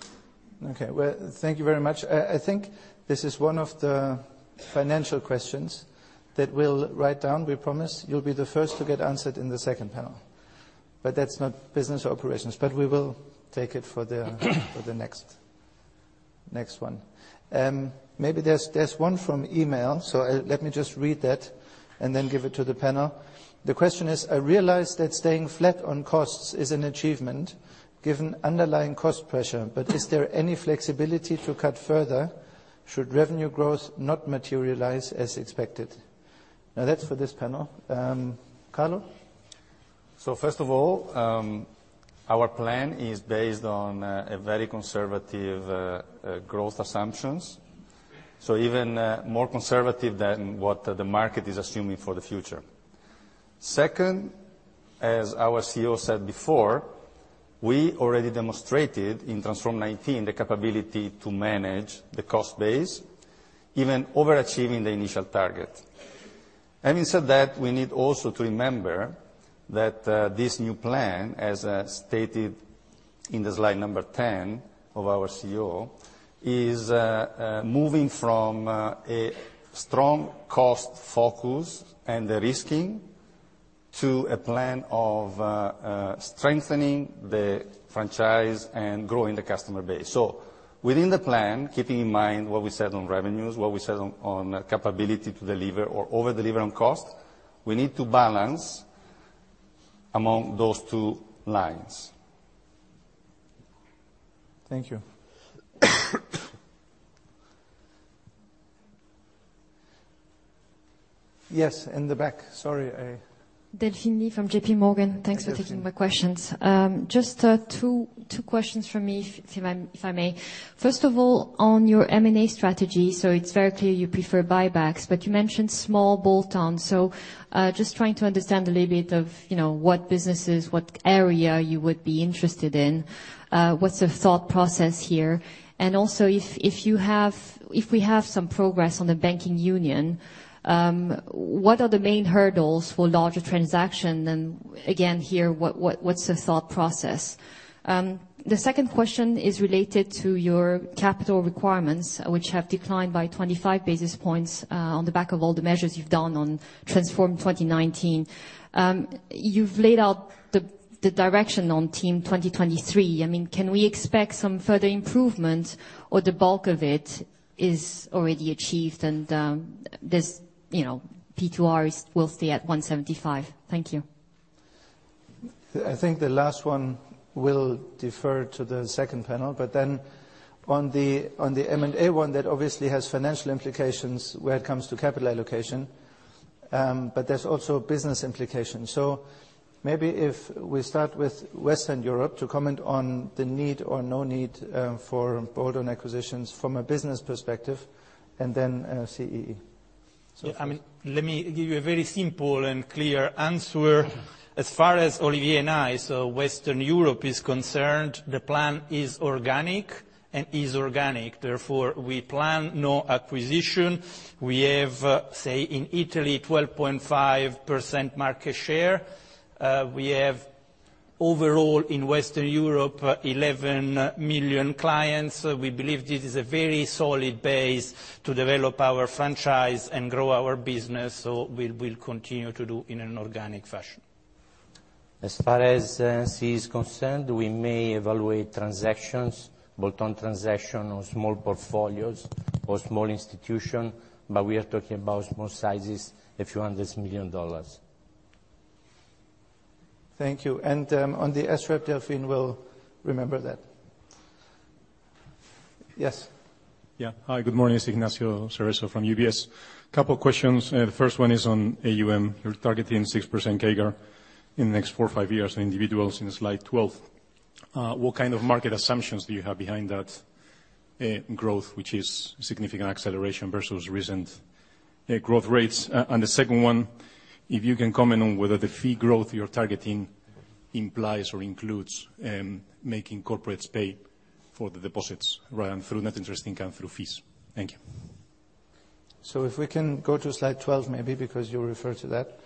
Okay. Well, thank you very much. I think this is one of the financial questions that we'll write down. We promise you'll be the first to get answered in the second panel. That's not business operations, but we will take it for the next one. Maybe there's one from email, let me just read that and then give it to the panel. The question is: I realize that staying flat on costs is an achievement given underlying cost pressure, is there any flexibility to cut further should revenue growth not materialize as expected? That's for this panel. Carlo? First of all, our plan is based on very conservative growth assumptions, so even more conservative than what the market is assuming for the future. Second, as our Chief Executive Officer said before, we already demonstrated in Transform 2019 the capability to manage the cost base, even overachieving the initial target. Having said that, we need also to remember that this new plan, as stated in slide number 10 of our Chief Executive Officer, is moving from a strong cost focus and de-risking to a plan of strengthening the franchise and growing the customer base. Within the plan, keeping in mind what we said on revenues, what we said on capability to deliver or over-deliver on cost, we need to balance among those two lines. Thank you. Yes, in the back. Sorry, I... Delphine Lee from JP Morgan. Thanks for taking my questions. Just two questions from me, if I may. First of all, on your M&A strategy. It's very clear you prefer buybacks, but you mentioned small bolt-ons. Just trying to understand a little bit of what businesses, what area you would be interested in. What's the thought process here? Also, if we have some progress on the banking union, what are the main hurdles for larger transaction? Again, here, what's the thought process? The second question is related to your capital requirements, which have declined by 25 basis points on the back of all the measures you've done on Transform 2019. You've laid out the direction on Team 23. Can we expect some further improvement or the bulk of it is already achieved and this P2R will stay at 175? Thank you. I think the last one we'll defer to the second panel. On the M&A one, that obviously has financial implications where it comes to capital allocation. There's also business implications. Maybe if we start with Western Europe to comment on the need or no need for bolt-on acquisitions from a business perspective and then CEE. Let me give you a very simple and clear answer. As far as Olivier and I, Western Europe is concerned, the plan is organic, therefore we plan no acquisition. We have, say, in Italy, 12.5% market share. We have overall in Western Europe, 11 million clients. We believe this is a very solid base to develop our franchise and grow our business. We will continue to do in an organic fashion. As far as CEE is concerned, we may evaluate transactions, bolt-on transaction on small portfolios or small institution, but we are talking about small sizes, a few hundred million EUR. Thank you. On the SREP, Delphine, we'll remember that. Yes. Yeah. Hi, good morning. It's Ignacio Cerezo from UBS. Couple questions. The first one is on AUM. You're targeting 6% CAGR in the next four or five years in individuals in slide 12. What kind of market assumptions do you have behind that growth, which is significant acceleration versus recent growth rates? The second one, if you can comment on whether the fee growth you're targeting implies or includes making corporates pay for the deposits rather than through net interest income through fees. Thank you. If we can go to slide 12, maybe because you refer to that.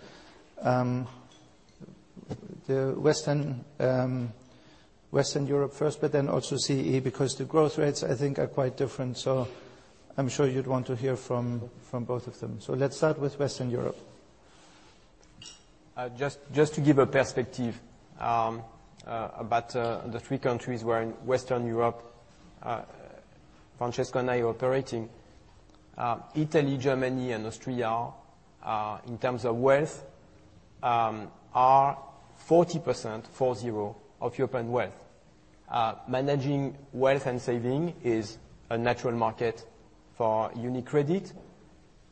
The Western Europe first, also CEE, because the growth rates, I think are quite different. I'm sure you'd want to hear from both of them. Let's start with Western Europe. Just to give a perspective about the three countries where in Western Europe, Francesco and I are operating. Italy, Germany, and Austria are, in terms of wealth, are 40% of European wealth. Managing wealth and saving is a natural market for UniCredit.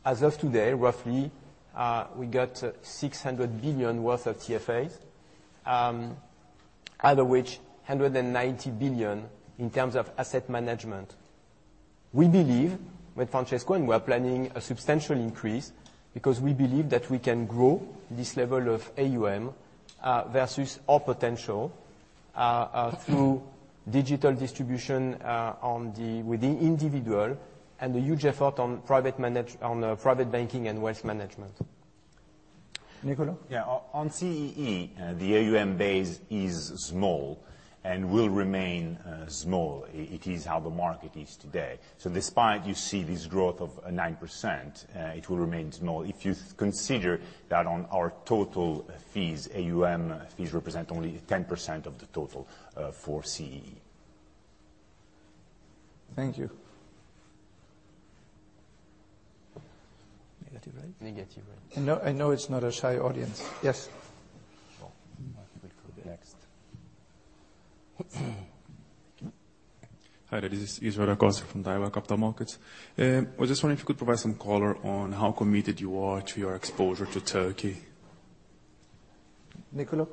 As of today, roughly, we got 600 billion worth of TFAs, out of which 190 billion in terms of asset management. We believe, with Francesco, we are planning a substantial increase, because we believe that we can grow this level of AUM versus our potential through digital distribution with the individual and a huge effort on private banking and wealth management. Niccol`o? Yeah. On CEE, the AUM base is small and will remain small. It is how the market is today. Despite you see this growth of 9%, it will remain small. If you consider that on our total fees, AUM fees represent only 10% of the total for CEE. Thank you. Negative, right? Negative, right. I know it's not a shy audience. Yes. I think we go next. Hi there. This is Israel Akosa from Daiwa Capital Markets. I was just wondering if you could provide some color on how committed you are to your exposure to Turkey? Niccol`o?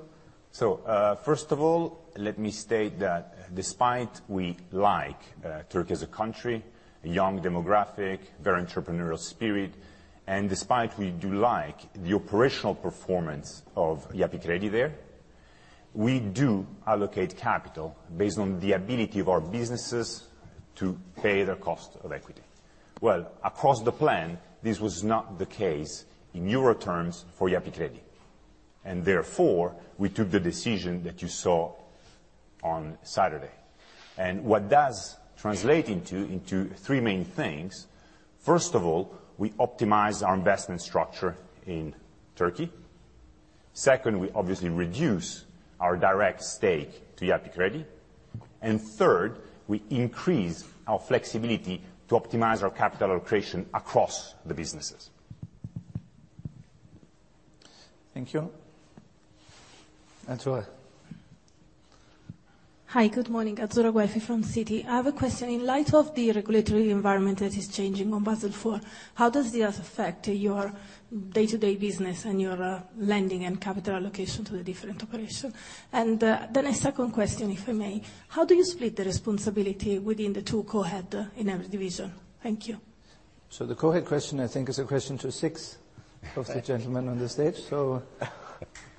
First of all, let me state that despite we like Turkey as a country, a young demographic, very entrepreneurial spirit, and despite we do like the operational performance of Yapı Kredi there, we do allocate capital based on the ability of our businesses to pay their cost of equity. Well, across the plan, this was not the case in Euro terms for Yapı Kredi, and therefore, we took the decision that you saw on Saturday. What does translate into three main things. First of all, we optimize our investment structure in Turkey. Second, we obviously reduce our direct stake to Yapı Kredi. Third, we increase our flexibility to optimize our capital allocation across the businesses. Thank you. Azzurra. Hi, good morning. Azzurra Guelfi from Citi. I have a question. In light of the regulatory environment that is changing on Basel IV, how does this affect your day-to-day business and your lending and capital allocation to the different operation? Then a second question, if I may. How do you split the responsibility within the two co-head in every division? Thank you. The co-head question I think is a question to six of the gentlemen on the stage.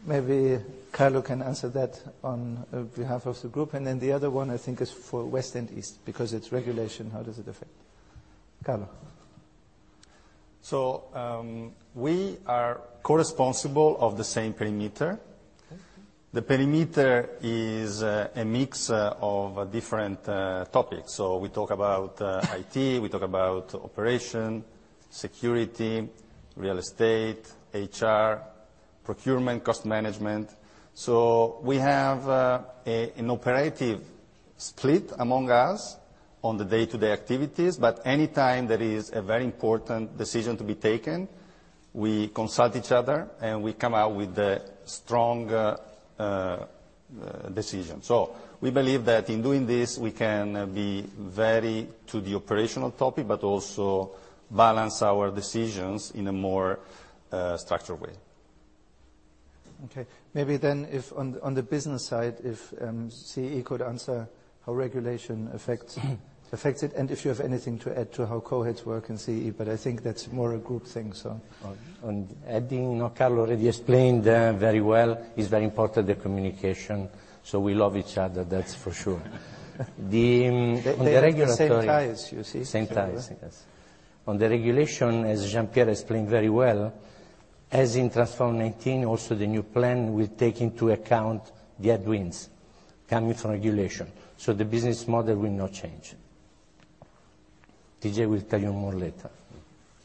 Maybe Carlo can answer that on behalf of the group. The other one I think is for West and East because it's regulation, how does it affect? Carlo. We are co-responsible of the same perimeter. The perimeter is a mix of different topics. We talk about IT, we talk about operation, security, real estate, HR, procurement, cost management. We have an operative split among us on the day-to-day activities, but anytime there is a very important decision to be taken, we consult each other, and we come out with a strong decision. We believe that in doing this, we can be very to the operational topic, but also balance our decisions in a more structured way. Okay. Maybe if on the business side, if CEE could answer how regulation affects it, and if you have anything to add to how co-heads work in CEE, but I think that's more a group thing. On adding, Carlo already explained very well. It's very important, the communication, so we love each other, that's for sure. They have the same ties, you see. Same ties, yes. On the regulation, as Jean-Pierre explained very well, as in Transform 2019 also the new plan will take into account the headwinds coming from regulation, the business model will not change. TJ will tell you more later.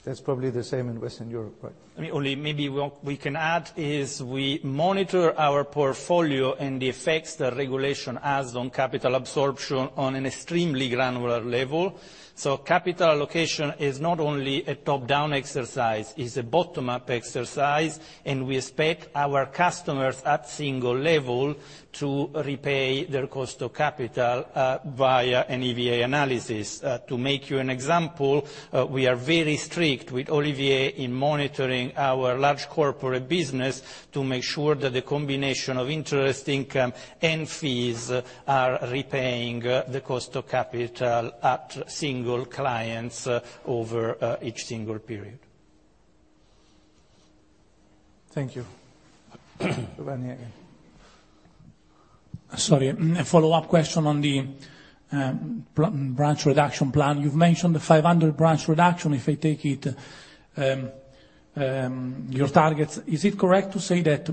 That's probably the same in Western Europe, right? Only maybe what we can add is we monitor our portfolio and the effects the regulation has on capital absorption on an extremely granular level. Capital allocation is not only a top-down exercise, it's a bottom-up exercise, and we expect our customers at single level to repay their cost of capital via an EVA analysis. To make you an example, we are very strict with Olivier in monitoring our large corporate business to make sure that the combination of interest income and fees are repaying the cost of capital at single clients over each single period. Thank you. Daniele. Sorry, a follow-up question on the branch reduction plan. You've mentioned the 500 branch reduction, if I take it, your targets. Is it correct to say that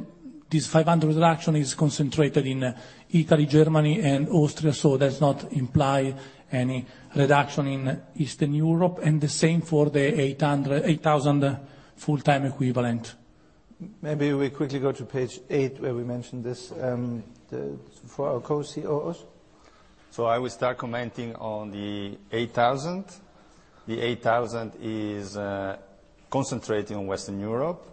this 500 reduction is concentrated in Italy, Germany, and Austria, so does not imply any reduction in Eastern Europe? The same for the 8,000 full-time equivalent. Maybe we quickly go to page eight, where we mentioned this, for our co-CEOs. I will start commenting on the 8,000. The 8,000 is concentrating on Western Europe.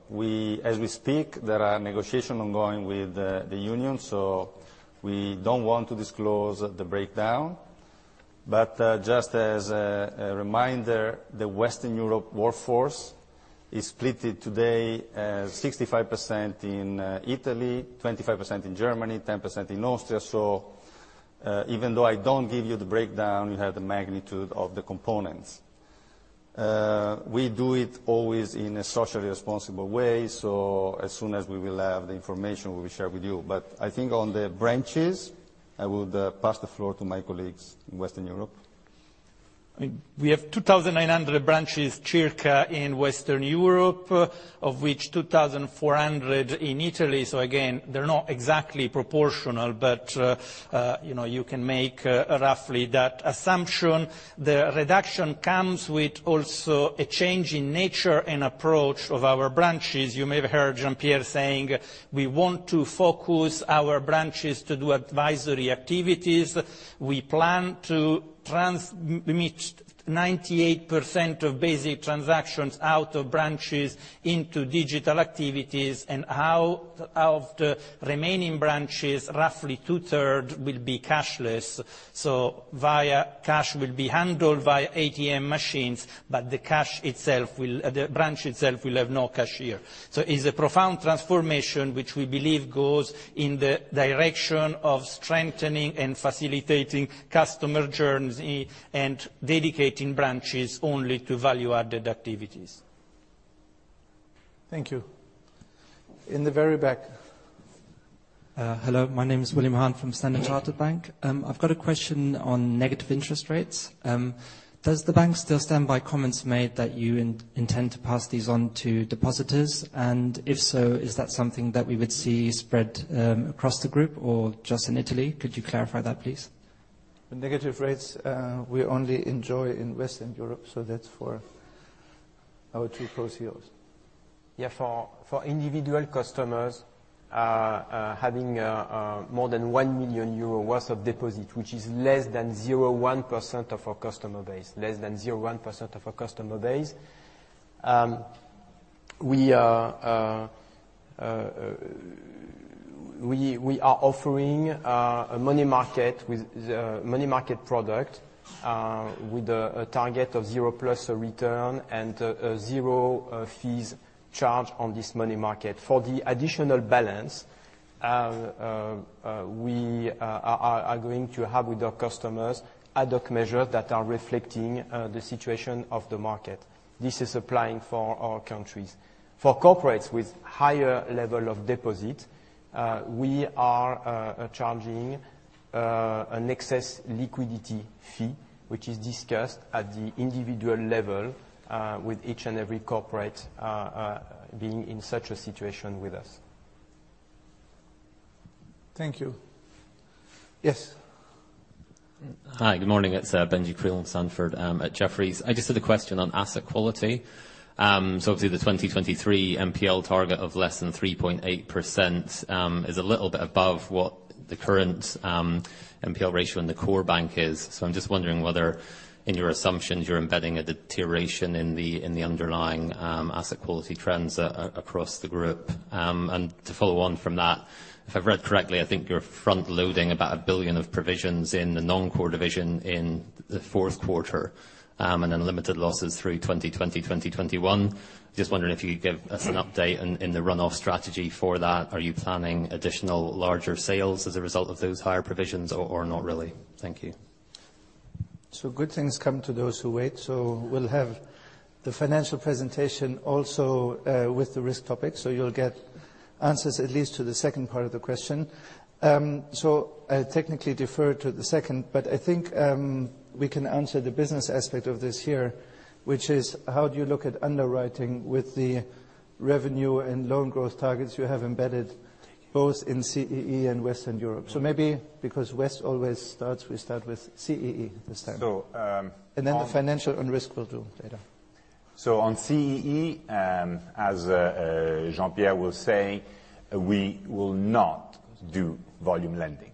As we speak, there are negotiations ongoing with the union, we don't want to disclose the breakdown. Just as a reminder, the Western Europe workforce is split today as 65% in Italy, 25% in Germany, 10% in Austria. Even though I don't give you the breakdown, you have the magnitude of the components. We do it always in a socially responsible way, as soon as we will have the information, we will share with you. I think on the branches, I would pass the floor to my colleagues in Western Europe. We have 2,900 branches circa in Western Europe, of which 2,400 in Italy. Again, they're not exactly proportional, but you can make roughly that assumption. The reduction comes with also a change in nature and approach of our branches. You may have heard Jean-Pierre saying we want to focus our branches to do advisory activities. We plan to transmit 98% of basic transactions out of branches into digital activities, and out of the remaining branches, roughly 2/3 will be cashless. Via cash will be handled via ATM machines, but the branch itself will have no cashier. It's a profound transformation, which we believe goes in the direction of strengthening and facilitating customer journeys and dedicating branches only to value-added activities. Thank you. In the very back. Hello, my name is William Hahn from Standard Chartered Bank. I've got a question on negative interest rates. Does the bank still stand by comments made that you intend to pass these on to depositors? If so, is that something that we would see spread across the group or just in Italy? Could you clarify that, please? The negative rates we only enjoy in Western Europe. That's for our two Co-CEOs. Yeah, for individual customers having more than 1 million euro worth of deposit, which is less than 0.1% of our customer base. We are offering a money market product with a target of zero plus return and zero fees charged on this money market. For the additional balance, we are going to have with our customers ad hoc measures that are reflecting the situation of the market. This is applying for all countries. For corporates with higher levels of deposit, we are charging an excess liquidity fee, which is discussed at the individual level with each and every corporate being in such a situation with us. Thank you. Yes. Hi, good morning. It's Benjie Creelan-Sandford at Jefferies. I just had a question on asset quality. Obviously the 2023 NPL target of less than 3.8% is a little bit above what the current NPL ratio in the core bank is. I'm just wondering whether in your assumptions, you're embedding a deterioration in the underlying asset quality trends across the group. To follow on from that, if I've read correctly, I think you're front-loading about 1 billion of provisions in the non-core division in the fourth quarter, then limited losses through 2020, 2021. Just wondering if you could give us an update in the run-off strategy for that. Are you planning additional larger sales as a result of those higher provisions, or not really? Thank you. Good things come to those who wait. We'll have the financial presentation also with the risk topic, so you'll get answers at least to the second part of the question. I technically defer to the second, but I think we can answer the business aspect of this here, which is how do you look at underwriting with the revenue and loan growth targets you have embedded both in CEE and Western Europe? Maybe because West always starts, we start with CEE this time. So on- The financial and risk we'll do later. On CEE, as Jean-Pierre will say, we will not do volume lending.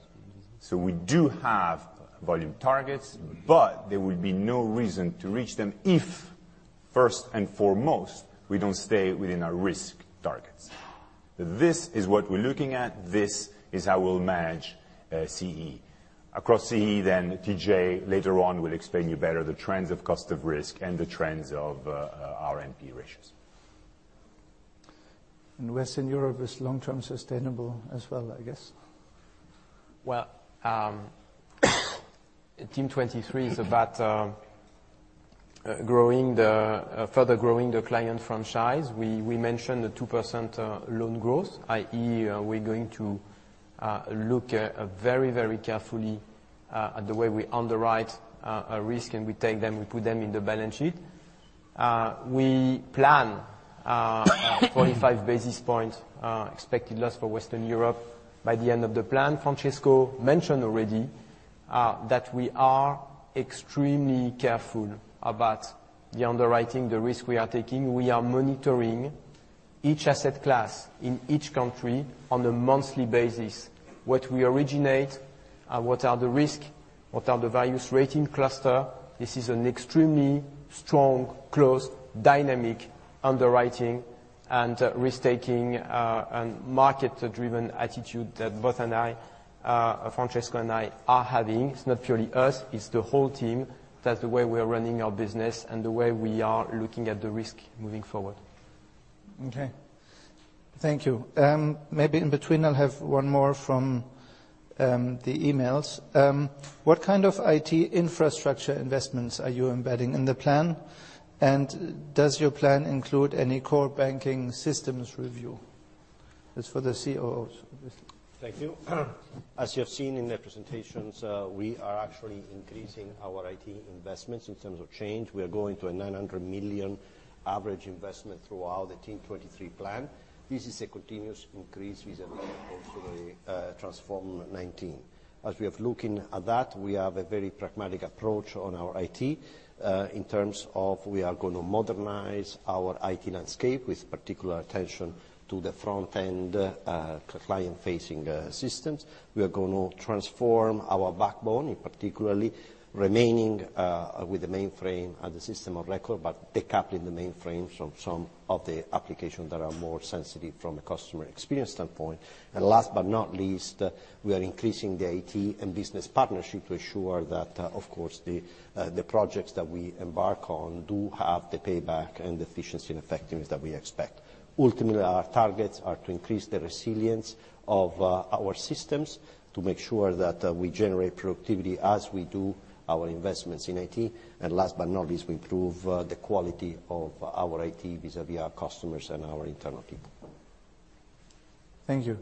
We do have volume targets, but there will be no reason to reach them if, first and foremost, we don't stay within our risk targets. This is what we're looking at. This is how we'll manage CEE. Across CEE then, TJ later on will explain you better the trends of cost of risk and the trends of our NP ratios. Western Europe is long-term sustainable as well, I guess? Well Team 23 is about further growing the client franchise. We mentioned the 2% loan growth, i.e., we're going to look very carefully at the way we underwrite risk, and we take them, we put them in the balance sheet. We plan 25 basis points expected loss for Western Europe by the end of the plan. Francesco mentioned already that we are extremely careful about the underwriting, the risk we are taking. We are monitoring each asset class in each country on a monthly basis. What we originate, what are the risk, what are the values rating cluster. This is an extremely strong, close dynamic underwriting and risk-taking, and market-driven attitude that both Francesco and I are having. It's not purely us, it's the whole team. That's the way we are running our business, and the way we are looking at the risk moving forward. Okay. Thank you. Maybe in between, I'll have one more from the emails. What kind of IT infrastructure investments are you embedding in the plan? Does your plan include any core banking systems review? That's for the Chief Operating Officers. Thank you. As you have seen in the presentations, we are actually increasing our IT investments in terms of change. We are going to a 900 million average investment throughout the Team 23 plan. This is a continuous increase vis-à-vis also the Transform 2019. As we are looking at that, we have a very pragmatic approach on our IT, in terms of we are going to modernize our IT landscape with particular attention to the front end, client-facing systems. We are going to transform our backbone, particularly remaining with the mainframe and the system of record, but decoupling the mainframes from some of the applications that are more sensitive from a customer experience standpoint. Last but not least, we are increasing the IT and business partnership to ensure that, of course, the projects that we embark on do have the payback and efficiency and effectiveness that we expect. Ultimately, our targets are to increase the resilience of our systems to make sure that we generate productivity as we do our investments in IT. Last but not least, we improve the quality of our IT vis-à-vis our customers and our internal people. Thank you.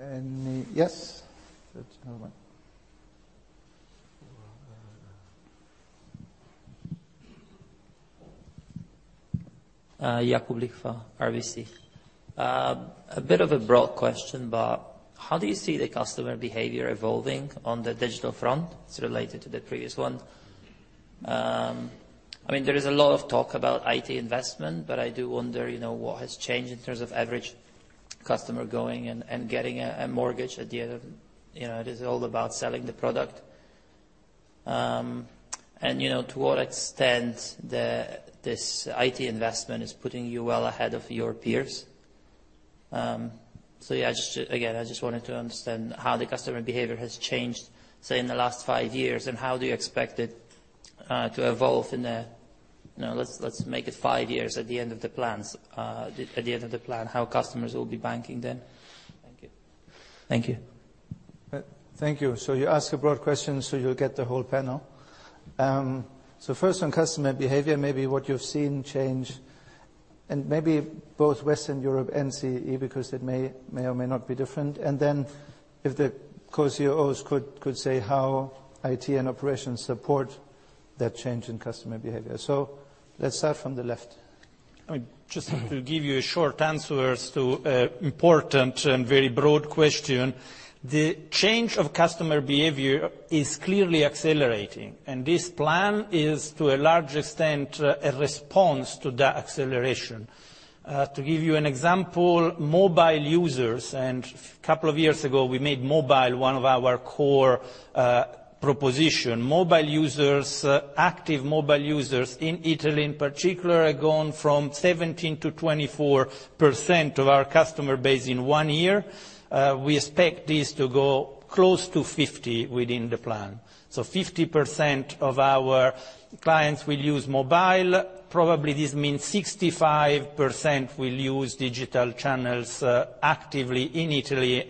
Any Yes. Third gentleman. Jakub Lichwa, RBC. A bit of a broad question, how do you see the customer behavior evolving on the digital front? It's related to the previous one. There is a lot of talk about IT investment, I do wonder what has changed in terms of average customer going and getting a mortgage. It is all about selling the product. To what extent this IT investment is putting you well ahead of your peers. Yeah, again, I just wanted to understand how the customer behavior has changed, say in the last five years, and how do you expect it to evolve in the, let's make it five years at the end of the plan, how customers will be banking then. Thank you. Thank you. You ask a broad question, so you'll get the whole panel. First on customer behavior, maybe what you've seen change and maybe both Western Europe and CEE, because it may or may not be different. If the Co-Chief Operating Officers could say how IT and operations support that change in customer behavior. Let's start from the left. Just to give you a short answer as to important and very broad question, the change of customer behavior is clearly accelerating. This plan is, to a large extent, a response to that acceleration. To give you an example, mobile users, couple of years ago, we made mobile one of our core proposition. Mobile users, active mobile users in Italy in particular, have gone from 17% to 24% of our customer base in one year. We expect this to go close to 50% within the plan. 50% of our clients will use mobile. Probably this means 65% will use digital channels actively in Italy.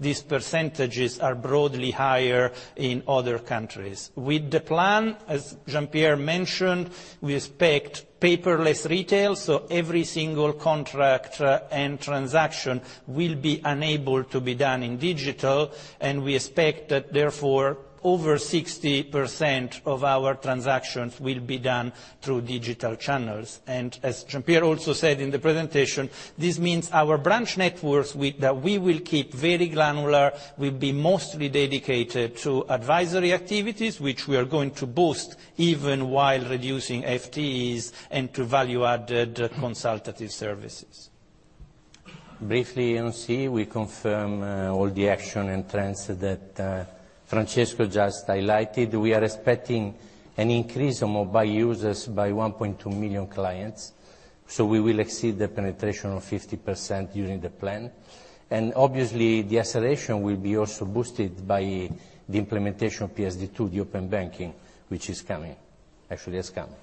These percentages are broadly higher in other countries. With the plan, as Jean-Pierre mentioned, we expect paperless retail, so every single contract and transaction will be unable to be done in digital, and we expect that therefore over 60% of our transactions will be done through digital channels. As Jean-Pierre also said in the presentation, this means our branch networks that we will keep very granular will be mostly dedicated to advisory activities, which we are going to boost even while reducing FTEs and to value-added consultative services. Briefly on C, we confirm all the action and trends that Francesco just highlighted. We are expecting an increase of mobile users by 1.2 million clients. We will exceed the penetration of 50% during the plan. Obviously, the acceleration will be also boosted by the implementation of PSD2, the open banking, which is coming. Actually, that's coming.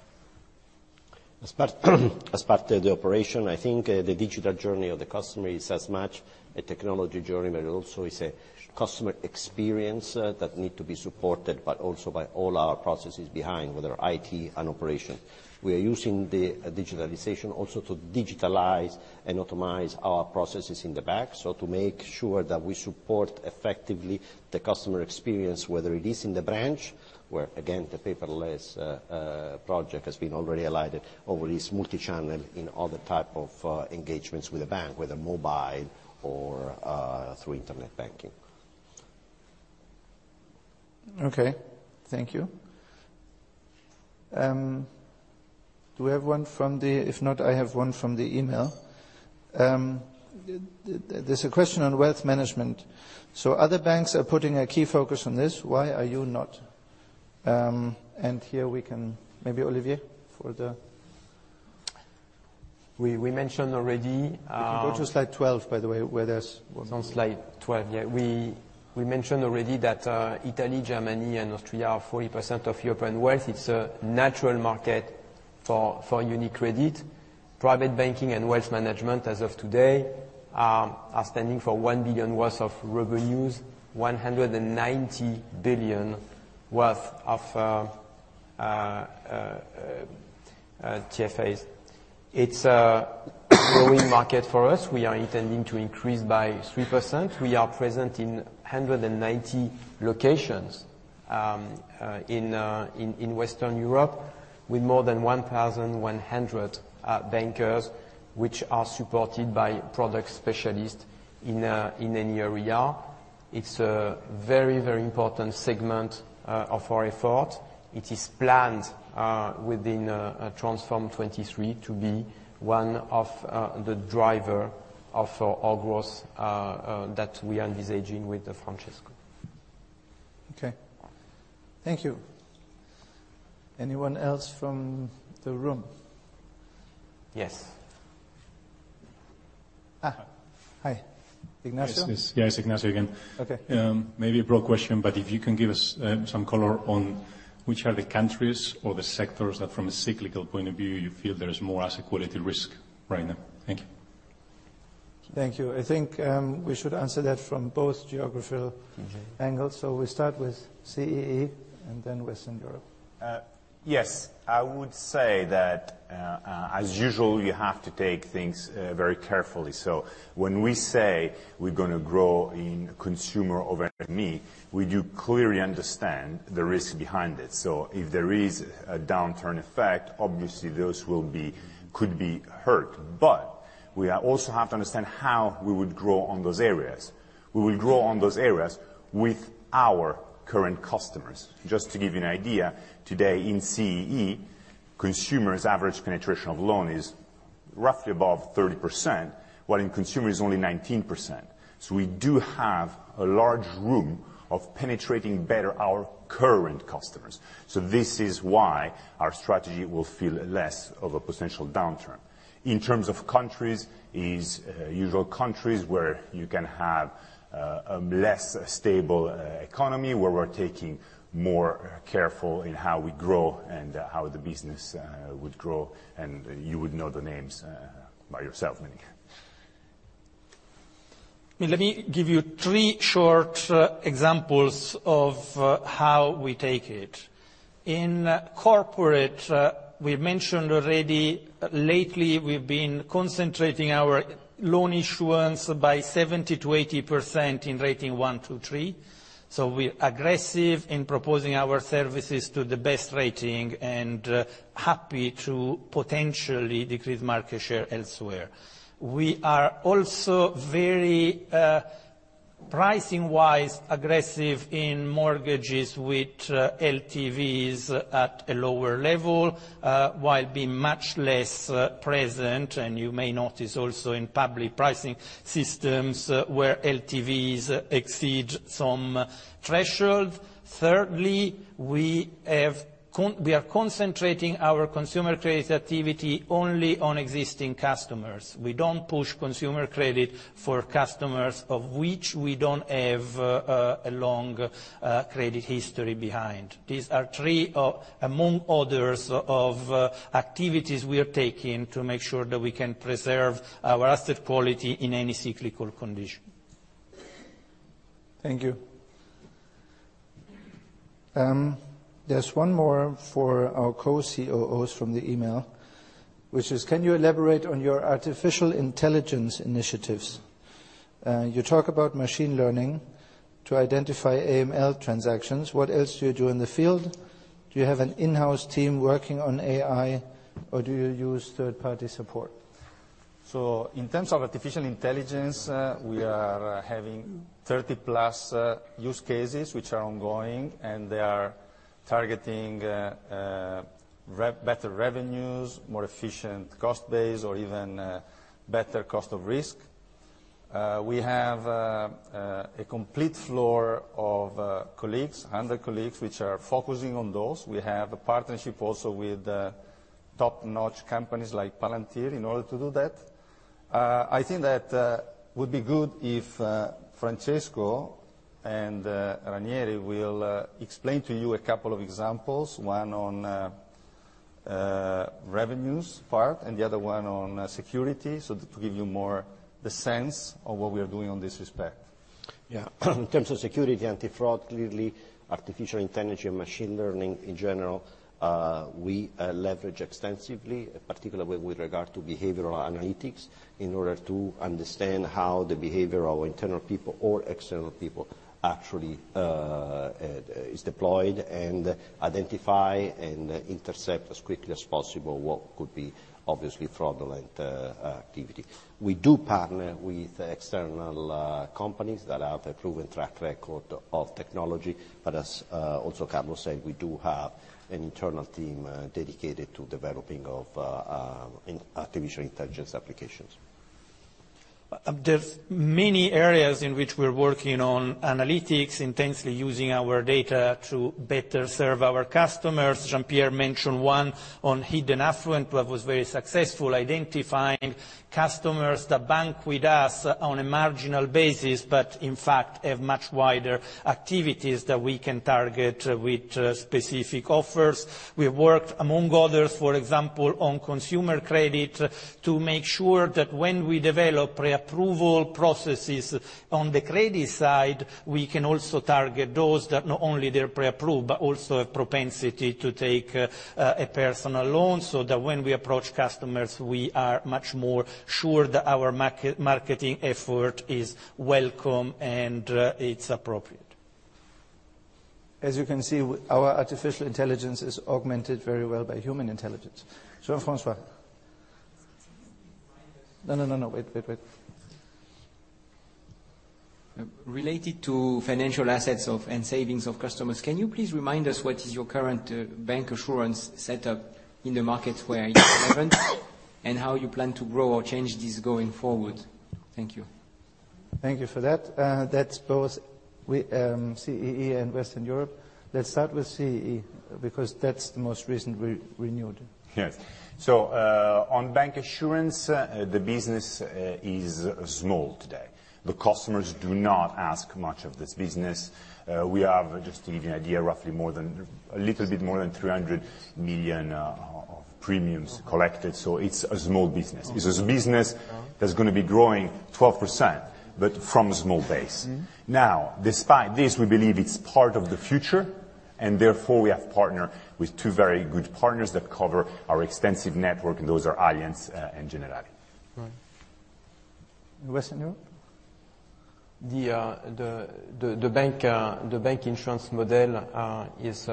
As part of the operation, I think the digital journey of the customer is as much a technology journey, but it also is a customer experience that need to be supported, but also by all our processes behind, whether IT and operation. We are using the digitalization also to digitalize and optimize our processes in the back, to make sure that we support effectively the customer experience, whether it is in the branch, where, again, the paperless project has been already highlighted, or it is multi-channel in other type of engagements with the bank, whether mobile or through internet banking. Okay. Thank you. Do we have one from the If not, I have one from the email. There's a question on wealth management. Other banks are putting a key focus on this. Why are you not? Here we can, maybe Olivier for the We mentioned already- You go to slide 12, by the way, where. On slide 12. We mentioned already that Italy, Germany, and Austria are 40% of European wealth. It's a natural market for UniCredit. Private banking and wealth management as of today are standing for 1 billion worth of revenues, 190 billion worth of TFAs. It's a growing market for us. We are intending to increase by 3%. We are present in 190 locations in Western Europe with more than 1,100 bankers, which are supported by product specialists in any area. It's a very important segment of our effort. It is planned within Team 23 to be one of the driver of our growth that we are envisaging with Francesco. Okay. Thank you. Anyone else from the room? Yes. Hi. Ignacio? Yes. It's Ignacio again. Okay. Maybe a broad question, but if you can give us some color on which are the countries or the sectors that from a cyclical point of view you feel there is more asset quality risk right now? Thank you. Thank you. I think we should answer that from both geographical angles. We start with CEE and then Western Europe. Yes. I would say that, as usual, you have to take things very carefully. When we say we're going to grow in consumer over ME, we do clearly understand the risk behind it. If there is a downturn effect, obviously those could be hurt. We also have to understand how we would grow on those areas. We will grow on those areas with our current customers. Just to give you an idea, today in CEE, consumers average penetration of loan is roughly above 30%, while in consumer is only 19%. We do have a large room of penetrating better our current customers. This is why our strategy will feel less of a potential downturn. In terms of countries, is usual countries where you can have a less stable economy, where we're taking more careful in how we grow and how the business would grow. You would know the names by yourself, Minnie. Let me give you three short examples of how we take it. In corporate, we mentioned already, lately, we've been concentrating our loan issuance by 70% to 80% in rating one to three. We're aggressive in proposing our services to the best rating and happy to potentially decrease market share elsewhere. We are also very, pricing-wise, aggressive in mortgages with LTVs at a lower level, while being much less present, and you may notice also in public pricing systems where LTVs exceed some threshold. Thirdly, we are concentrating our consumer credit activity only on existing customers. We don't push consumer credit for customers of which we don't have a long credit history behind. These are three, among others, of activities we are taking to make sure that we can preserve our asset quality in any cyclical condition. Thank you. There is one more for our Co-Chief Operating Officers from the email, which is, can you elaborate on your artificial intelligence initiatives? You talk about machine learning to identify AML transactions. What else do you do in the field? Do you have an in-house team working on AI, or do you use third-party support? In terms of artificial intelligence, we are having 30+ use cases, which are ongoing, and they are targeting better revenues, more efficient cost base, or even better cost of risk. We have a complete floor of colleagues, 100 colleagues, which are focusing on those. We have a partnership also with top-notch companies like Palantir in order to do that. I think that would be good if Francesco and Ranieri will explain to you a couple of examples, one on revenues part and the other one on security, so to give you more the sense of what we are doing on this respect. Yeah. In terms of security, anti-fraud, clearly artificial intelligence and machine learning in general, we leverage extensively, particularly with regard to behavioral analytics, in order to understand how the behavior of internal people or external people actually is deployed, and identify and intercept as quickly as possible what could be obviously fraudulent activity. We do partner with external companies that have a proven track record of technology, but as also Carlo said, we do have an internal team dedicated to developing of artificial intelligence applications. There's many areas in which we're working on analytics, intensely using our data to better serve our customers. Jean-Pierre mentioned one on hidden affluent, that was very successful identifying customers that bank with us on a marginal basis, but in fact have much wider activities that we can target with specific offers. We've worked among others, for example, on consumer credit to make sure that when we develop pre-approval processes on the credit side, we can also target those that not only they're pre-approved, but also have propensity to take a personal loan, so that when we approach customers, we are much more sure that our marketing effort is welcome and it's appropriate. As you can see, our artificial intelligence is augmented very well by human intelligence. Jean-Francois. Can you remind us- No. Wait. Related to financial assets and savings of customers, can you please remind us what is your current bancassurance setup in the markets where you are present and how you plan to grow or change this going forward? Thank you. Thank you for that. That's both CEE and Western Europe. Let's start with CEE, because that's the most recent renewed. Yes. On bancassurance, the business is small today. The customers do not ask much of this business. We have, just to give you an idea, roughly a little bit more than 300 million of premiums collected. It's a small business. It's a business that's going to be growing 12%, from a small base. Now, despite this, we believe it's part of the future and therefore we have partnered with two very good partners that cover our extensive network, and those are Allianz and Generali. Right. Western Europe? The bank insurance model is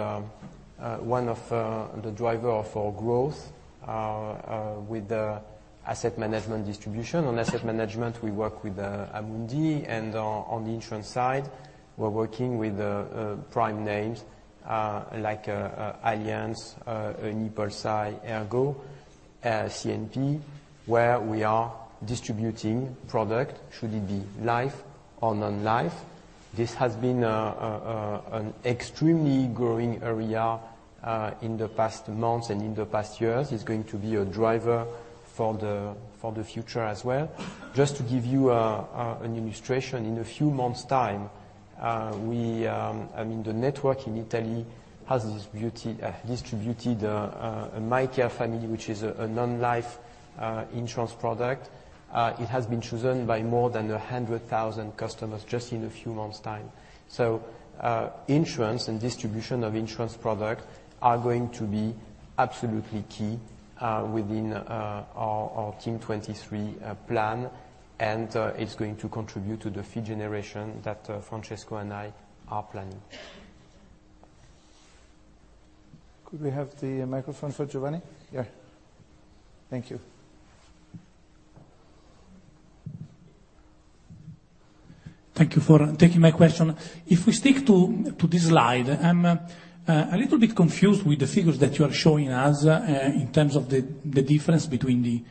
one of the driver for growth, with the asset management distribution. On asset management, we work with Amundi, and on the insurance side, we're working with prime names, like Allianz, UnipolSai, Ergo, CNP, where we are distributing product, should it be life or non-life. This has been an extremely growing area in the past months and in the past years. It's going to be a driver for the future as well. Just to give you an illustration, in a few months' time, the network in Italy has distributed My Care Famiglia, which is a non-life insurance product. It has been chosen by more than 100,000 customers just in a few months' time. Insurance and distribution of insurance product are going to be absolutely key within our Team 23 plan, and it's going to contribute to the fee generation that Francesco and I are planning. Could we have the microphone for Giovanni? Yeah. Thank you. Thank you for taking my question. If we stick to this slide, I'm a little bit confused with the figures that you are showing us in terms of the difference between the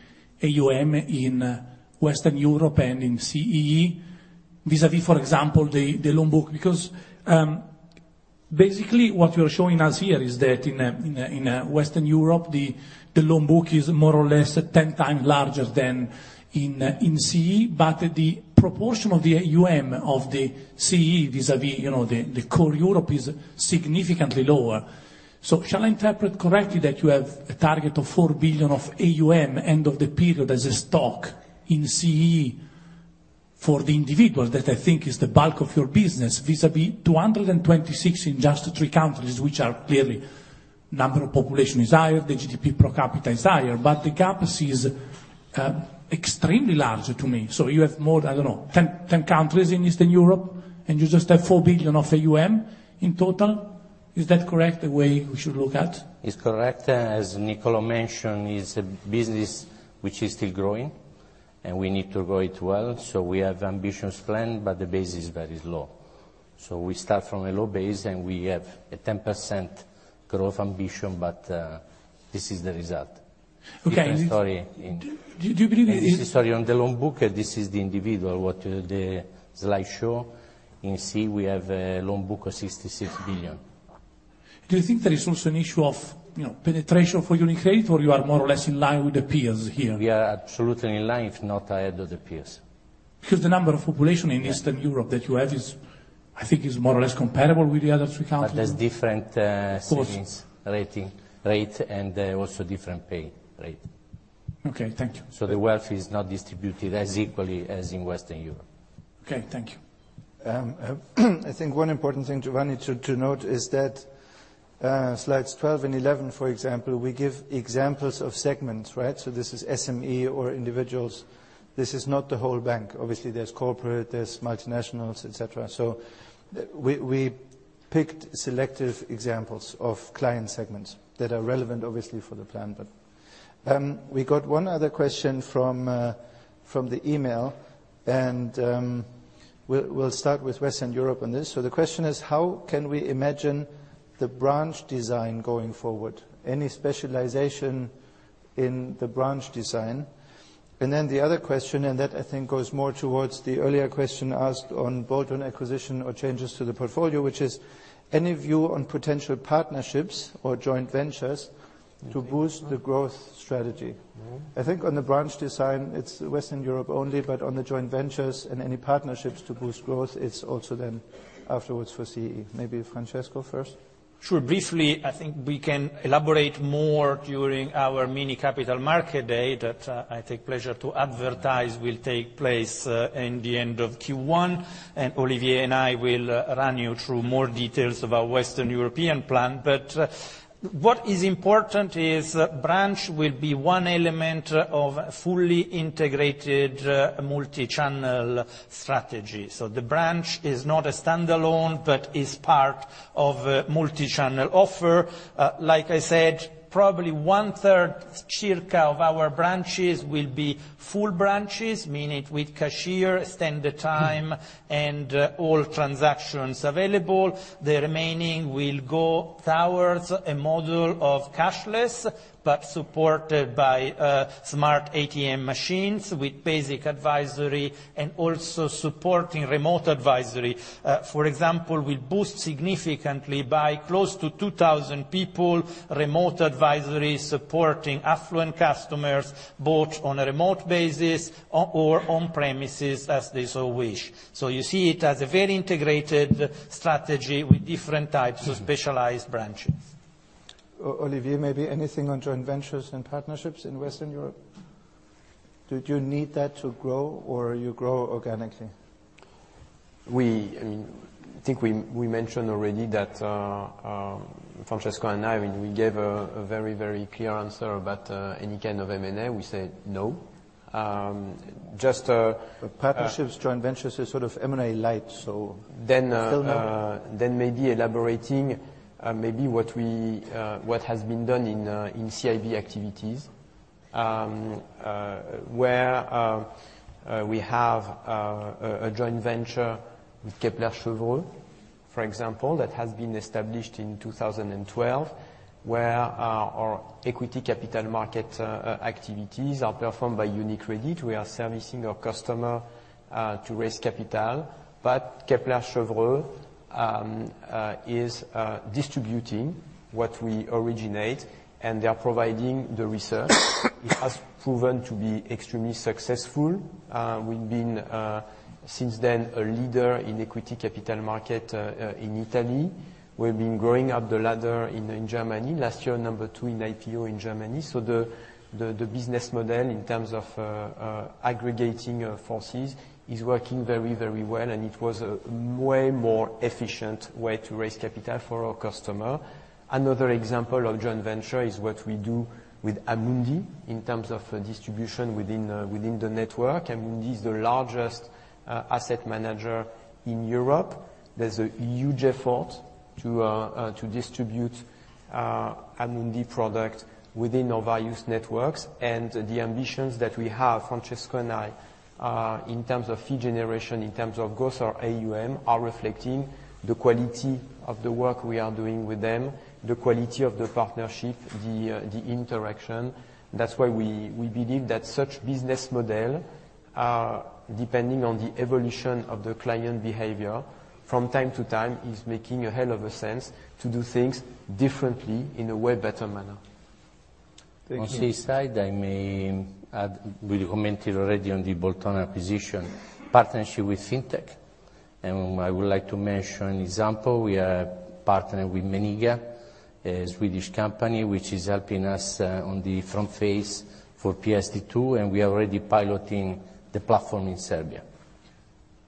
AUM in Western Europe and in CEE vis-à-vis, for example, the loan book. Basically what you're showing us here is that in Western Europe, the loan book is more or less 10 times larger than in CEE, but the proportion of the AUM of the CEE vis-à-vis the core Europe is significantly lower. Shall I interpret correctly that you have a target of 4 billion of AUM end of the period as a stock in CEE for the individual? That I think is the bulk of your business vis-à-vis 226 in just three countries, which are clearly, number of population is higher, the GDP per capita is higher, but the gap seems extremely large to me. You have more, I don't know, 10 countries in Eastern Europe, and you just have 4 billion of AUM in total. Is that correct, the way we should look at? It's correct. As Niccol`o mentioned, it's a business which is still growing, and we need to grow it well. We have ambitious plan, but the base is very low. We start from a low base, and we have a 10% growth ambition, but this is the result. Okay. Different story in- Do you believe- This story on the loan book, this is the individual, what the slide show. In CEE, we have a loan book of 66 billion. Do you think there is also an issue of penetration for UniCredit, or you are more or less in line with the peers here? We are absolutely in line, if not ahead of the peers. Because the number of population in Eastern Europe that you have, I think, is more or less comparable with the others we talked about. There's different savings. Of course. Rating rate and also different pay rate. Okay. Thank you. The wealth is not distributed as equally as in Western Europe. Okay, thank you. I think one important thing, Giovanni, to note is that Slides 12 and 11, for example, we give examples of segments. This is SME or individuals. This is not the whole bank. Obviously, there's corporate, there's multinationals, et cetera. We picked selective examples of client segments that are relevant, obviously, for the plan. We got one other question from the email, and we'll start with Western Europe on this. The question is, how can we imagine the branch design going forward? Any specialization in the branch design? Then the other question, and that I think goes more towards the earlier question asked on bolt-on acquisition or changes to the portfolio, which is, any view on potential partnerships or joint ventures to boost the growth strategy? I think on the branch design, it's Western Europe only, but on the joint ventures and any partnerships to boost growth, it's also then afterwards for CEE. Maybe Francesco first. Sure. Briefly, I think we can elaborate more during our mini Capital Markets Day, that I take pleasure to advertise, will take place in the end of Q1. Olivier and I will run you through more details of our Western European plan. What is important is branch will be one element of a fully integrated multi-channel strategy. The branch is not a standalone, but is part of a multi-channel offer. Like I said, probably one-third circa of our branches will be full branches, meaning with cashier, standard time, and all transactions available. The remaining will go towards a model of cashless, but supported by smart ATM machines with basic advisory and also supporting remote advisory. For example, we boost significantly by close to 2,000 people, remote advisory, supporting affluent customers, both on a remote basis or on premises as they so wish. You see it as a very integrated strategy with different types of specialized branches. Olivier, maybe anything on joint ventures and partnerships in Western Europe? Do you need that to grow, or you grow organically? I think we mentioned already that, Francesco and I, we gave a very clear answer about any kind of M&A. We said no. Partnerships, joint ventures is sort of M&A light, so fill me in. Maybe elaborating maybe what has been done in CIB activities, where we have a joint venture with Kepler Cheuvreux, for example, that has been established in 2012, where our equity capital market activities are performed by UniCredit. We are servicing our customer, to raise capital. Kepler Cheuvreux is distributing what we originate, and they are providing the research. It has proven to be extremely successful. We've been, since then, a leader in equity capital market in Italy. We've been growing up the ladder in Germany. Last year, number two in IPO in Germany. The business model in terms of aggregating forces is working very well, and it was a way more efficient way to raise capital for our customer. Another example of joint venture is what we do with Amundi in terms of distribution within the network. Amundi is the largest asset manager in Europe. There's a huge effort to distribute Amundi product within our various networks, and the ambitions that we have, Francesco and I, in terms of fee generation, in terms of growth or AUM, are reflecting the quality of the work we are doing with them, the quality of the partnership, the interaction. That's why we believe that such business model, depending on the evolution of the client behavior from time to time, is making a hell of a sense to do things differently in a way better manner. Thank you. On this side, I may add, we commented already on the Boltin acquisition partnership with FinTech. I would like to mention an example. We are partnered with Meniga, a Swedish company, which is helping us on the front face for PSD2. We are already piloting the platform in Serbia.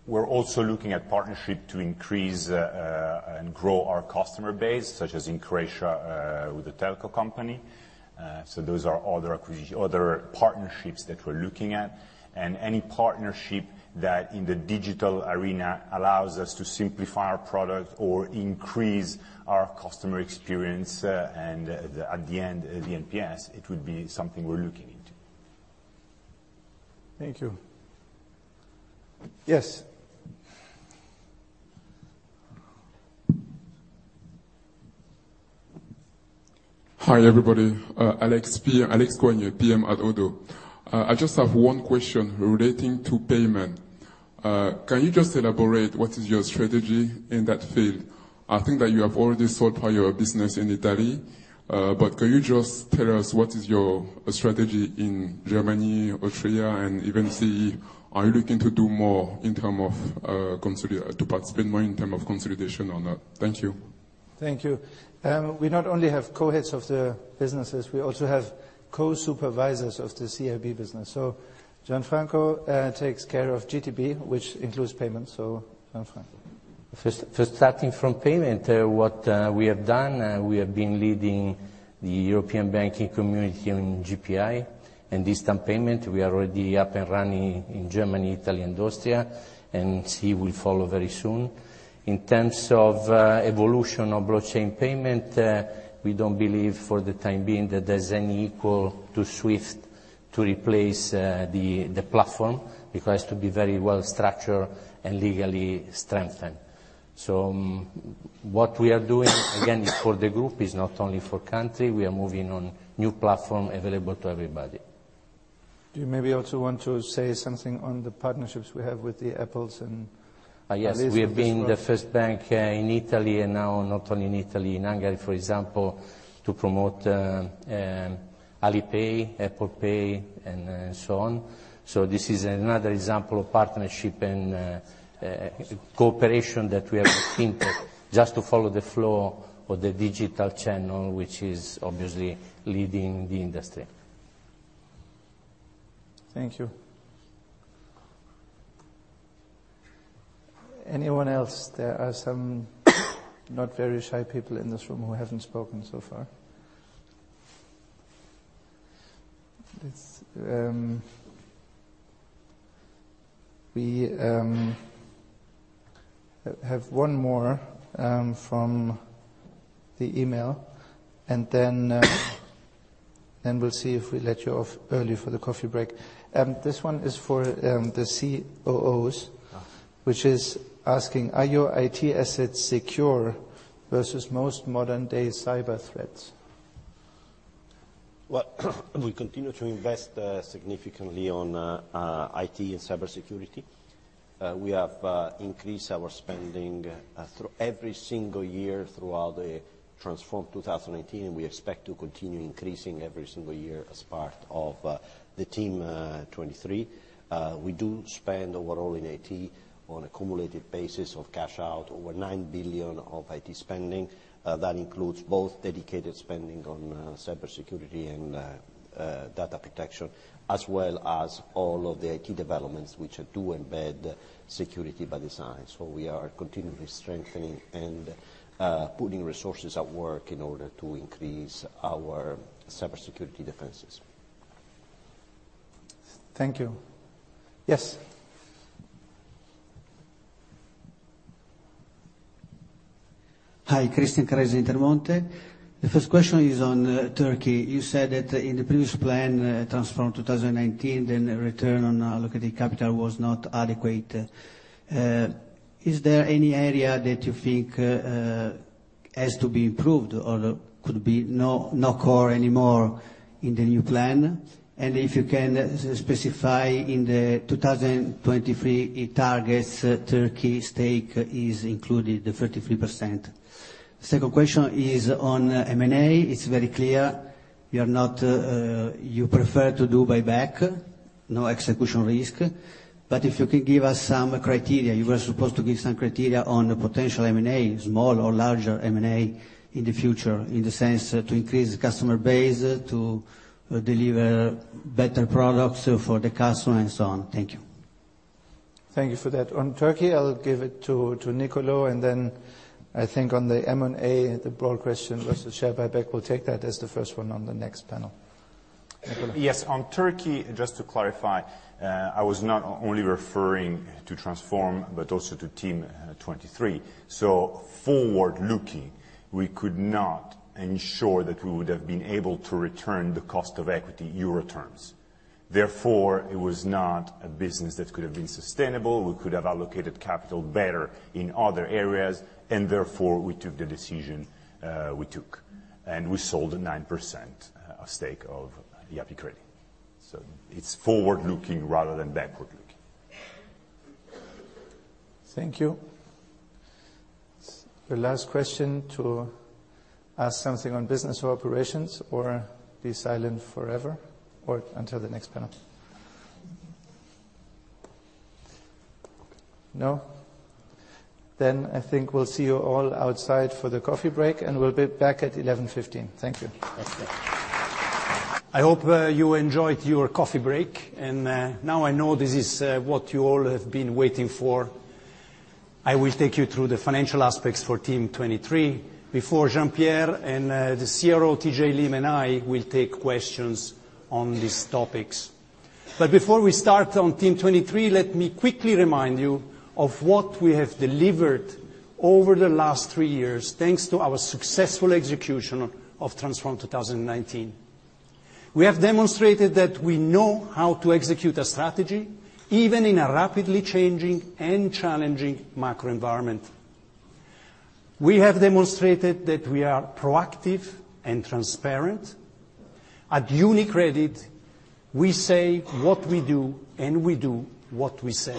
We're also looking at partnership to increase and grow our customer base, such as in Croatia with the telco company. Those are other partnerships that we're looking at, and any partnership that in the digital arena allows us to simplify our product or increase our customer experience, and at the end, the NPS, it would be something we're looking into. Thank you. Yes. Hi, everybody. Alex Koagne, PM at ODDO. I just have one question relating to payment. Can you just elaborate what is your strategy in that field? I think that you have already sold part of your business in Italy, but can you just tell us what is your strategy in Germany, Austria, and even CE? Are you looking to do more to participate more in term of consolidation on that? Thank you. Thank you. We not only have co-heads of the businesses, we also have co-supervisors of the CIB business. Gianfranco takes care of GTB, which includes payments. Gianfranco. Starting from payment, what we have done, we have been leading the European banking community on GPI and instant payment. We are already up and running in Germany, Italy, and Austria. CE will follow very soon. In terms of evolution of blockchain payment, we don't believe for the time being that there's any equal to SWIFT to replace the platform. It has to be very well structured and legally strengthened. What we are doing, again, is for the group, is not only for country, we are moving on new platform available to everybody. Do you maybe also want to say something on the partnerships we have with the Apples? Yes. We have been the first bank in Italy, and now not only in Italy, in Hungary for example, to promote Alipay, Apple Pay, and so on. This is another example of partnership and cooperation that we have been thinking, just to follow the flow of the digital channel, which is obviously leading the industry. Thank you. Anyone else? There are some not very shy people in this room who haven't spoken so far. We have one more from the email, and then we'll see if we let you off early for the coffee break. This one is for the Chief Operating Officers, which is asking, "Are your IT assets secure versus most modern-day cyber threats? Well, we continue to invest significantly on IT and cybersecurity. We have increased our spending through every single year throughout the Transform 2019, and we expect to continue increasing every single year as part of the Team 23. We do spend overall in IT on a cumulative basis of cash out over 9 billion of IT spending. That includes both dedicated spending on cybersecurity and data protection, as well as all of the IT developments, which do embed security by design. We are continually strengthening and putting resources at work in order to increase our cybersecurity defenses. Thank you. Yes. Hi. Christian Carrese, Intermonte. The first question is on Turkey. You said that in the previous plan, Transform 2019, return on allocated capital was not adequate. Is there any area that you think has to be improved or could be not core anymore in the new plan? If you can specify in the 2023 targets, Turkey stake is included, the 33%. The second question is on M&A. It's very clear you prefer to do buyback, no execution risk. If you can give us some criteria, you were supposed to give some criteria on potential M&A, small or larger M&A in the future, in the sense to increase customer base, to deliver better products for the customer, and so on. Thank you. Thank you for that. On Turkey, I'll give it to Niccolò, and then I think on the M&A, the broad question versus share buyback, we'll take that as the first one on the next panel. Niccolò. Yes. On Turkey, just to clarify, I was not only referring to Transform, but also to Team 23. Forward-looking, we could not ensure that we would have been able to return the cost of equity EUR terms. It was not a business that could have been sustainable. We could have allocated capital better in other areas, and therefore, we took the decision we took, and we sold a 9% stake of Yapı Kredi. It's forward-looking rather than backward-looking. Thank you. The last question to ask something on business operations or be silent forever or until the next panel. No? I think we'll see you all outside for the coffee break, and we'll be back at 11:15 A.M. Thank you. I hope you enjoyed your coffee break. Now I know this is what you all have been waiting for. I will take you through the financial aspects for Team 23 before Jean-Pierre and the CRO, TJ Lim, and I will take questions on these topics. Before we start on Team 23, let me quickly remind you of what we have delivered over the last three years, thanks to our successful execution of Transform 2019. We have demonstrated that we know how to execute a strategy even in a rapidly changing and challenging macro environment. We have demonstrated that we are proactive and transparent. At UniCredit, we say what we do and we do what we say.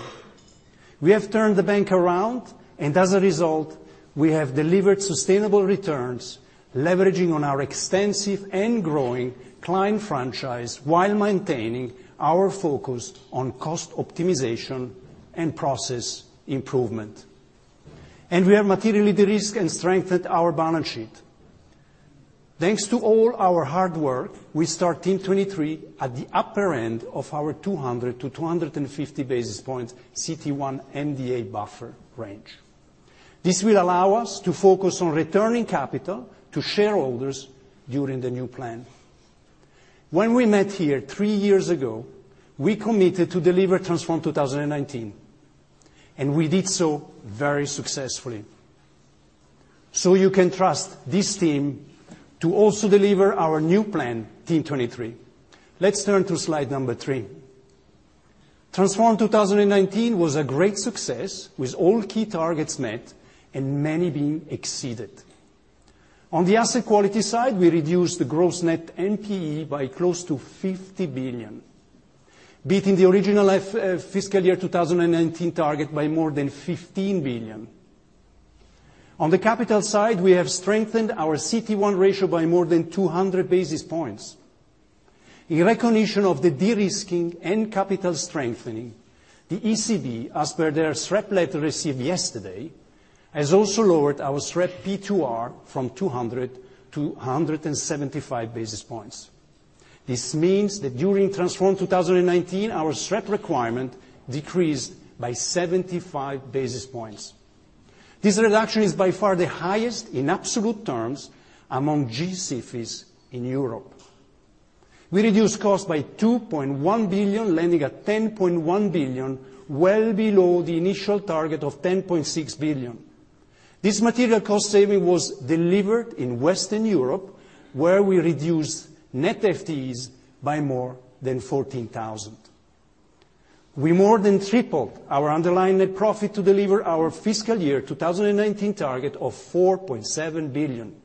We have turned the bank around, as a result, we have delivered sustainable returns, leveraging on our extensive and growing client franchise while maintaining our focus on cost optimization and process improvement. We have materially de-risked and strengthened our balance sheet. Thanks to all our hard work, we start 2023 at the upper end of our 200-250 basis points CET1 MDA buffer range. This will allow us to focus on returning capital to shareholders during the new plan. When we met here three years ago, we committed to deliver Transform 2019, we did so very successfully. You can trust this team to also deliver our new plan, Team 23. Let's turn to slide number three. Transform 2019 was a great success with all key targets met and many being exceeded. On the asset quality side, we reduced the gross net NPE by close to 50 billion, beating the original fiscal year 2019 target by more than 15 billion. On the capital side, we have strengthened our CET1 ratio by more than 200 basis points. In recognition of the de-risking and capital strengthening, the ECB, as per their SREP letter received yesterday, has also lowered our SREP P2R from 200 to 175 basis points. This means that during Transform 2019, our SREP requirement decreased by 75 basis points. This reduction is by far the highest in absolute terms among G-SIFIs in Europe. We reduced costs by 2.1 billion, landing at 10.1 billion, well below the initial target of 10.6 billion. This material cost saving was delivered in Western Europe, where we reduced net FTEs by more than 14,000. We more than tripled our underlying net profit to deliver our fiscal year 2019 target of 4.7 billion.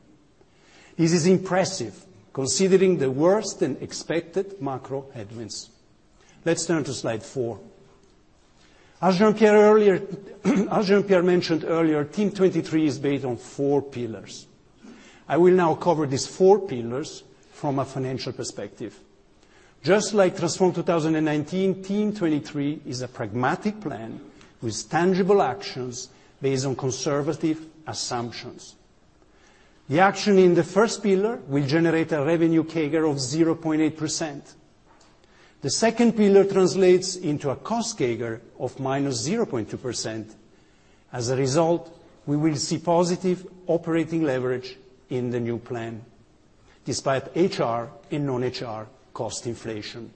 This is impressive considering the worse than expected macro headwinds. Let's turn to slide four. As Jean-Pierre mentioned earlier, Team 23 is based on four pillars. I will now cover these four pillars from a financial perspective. Just like Transform 2019, Team 23 is a pragmatic plan with tangible actions based on conservative assumptions. The action in the first pillar will generate a revenue CAGR of 0.8%. The second pillar translates into a cost CAGR of -0.2%. As a result, we will see positive operating leverage in the new plan despite HR and non-HR cost inflation.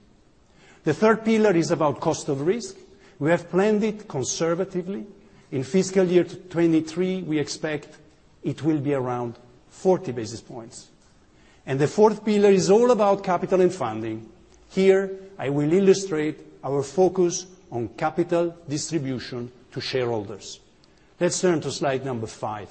The third pillar is about cost of risk. We have planned it conservatively. In fiscal year 2023, we expect it will be around 40 basis points. The fourth pillar is all about capital and funding. Here, I will illustrate our focus on capital distribution to shareholders. Let's turn to slide number five.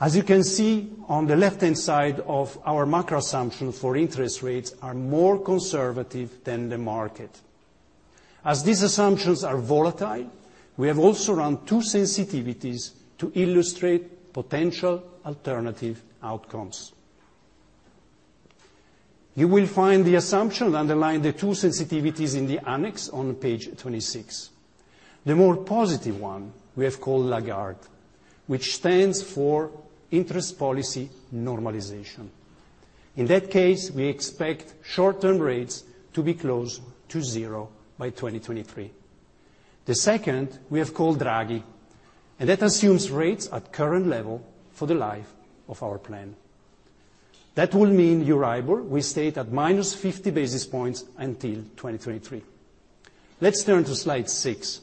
As you can see on the left-hand side of our macro assumptions for interest rates are more conservative than the market. As these assumptions are volatile, we have also run two sensitivities to illustrate potential alternative outcomes. You will find the assumption underlying the two sensitivities in the annex on page 26. The more positive one we have called Lagarde, which stands for interest policy normalization. In that case, we expect short-term rates to be close to zero by 2023. The second we have called Draghi. That assumes rates at current level for the life of our plan. That will mean EURIBOR will stay at -50 basis points until 2023. Let's turn to slide six.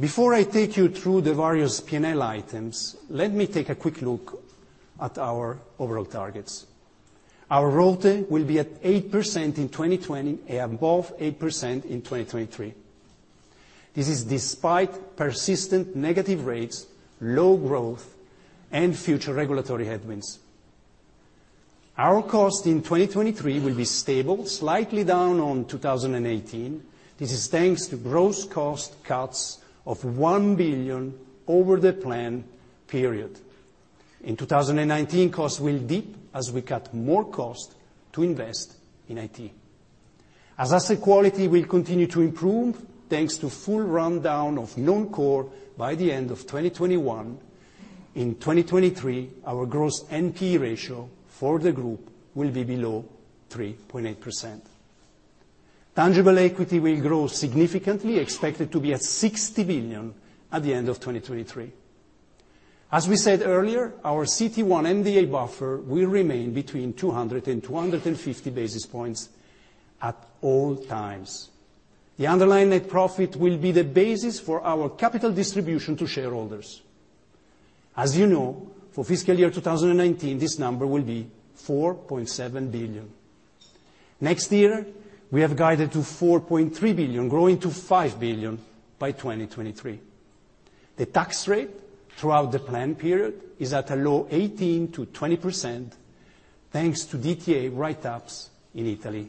Before I take you through the various P&L items, let me take a quick look at our overall targets. Our ROTE will be at 8% in 2020 and above 8% in 2023. This is despite persistent negative rates, low growth, and future regulatory headwinds. Our cost in 2023 will be stable, slightly down on 2018. This is thanks to gross cost cuts of 1 billion over the plan period. In 2019 costs will dip as we cut more cost to invest in IT. Asset quality will continue to improve, thanks to full rundown of non-core by the end of 2021, in 2023, our gross NPE ratio for the group will be below 3.8%. Tangible equity will grow significantly, expected to be at 60 billion at the end of 2023. As we said earlier, our CET1 MDA buffer will remain between 200-250 basis points at all times. The underlying net profit will be the basis for our capital distribution to shareholders. As you know, for fiscal year 2019, this number will be 4.7 billion. Next year, we have guided to 4.3 billion, growing to 5 billion by 2023. The tax rate throughout the plan period is at a low 18%-20% thanks to DTA write-ups in Italy.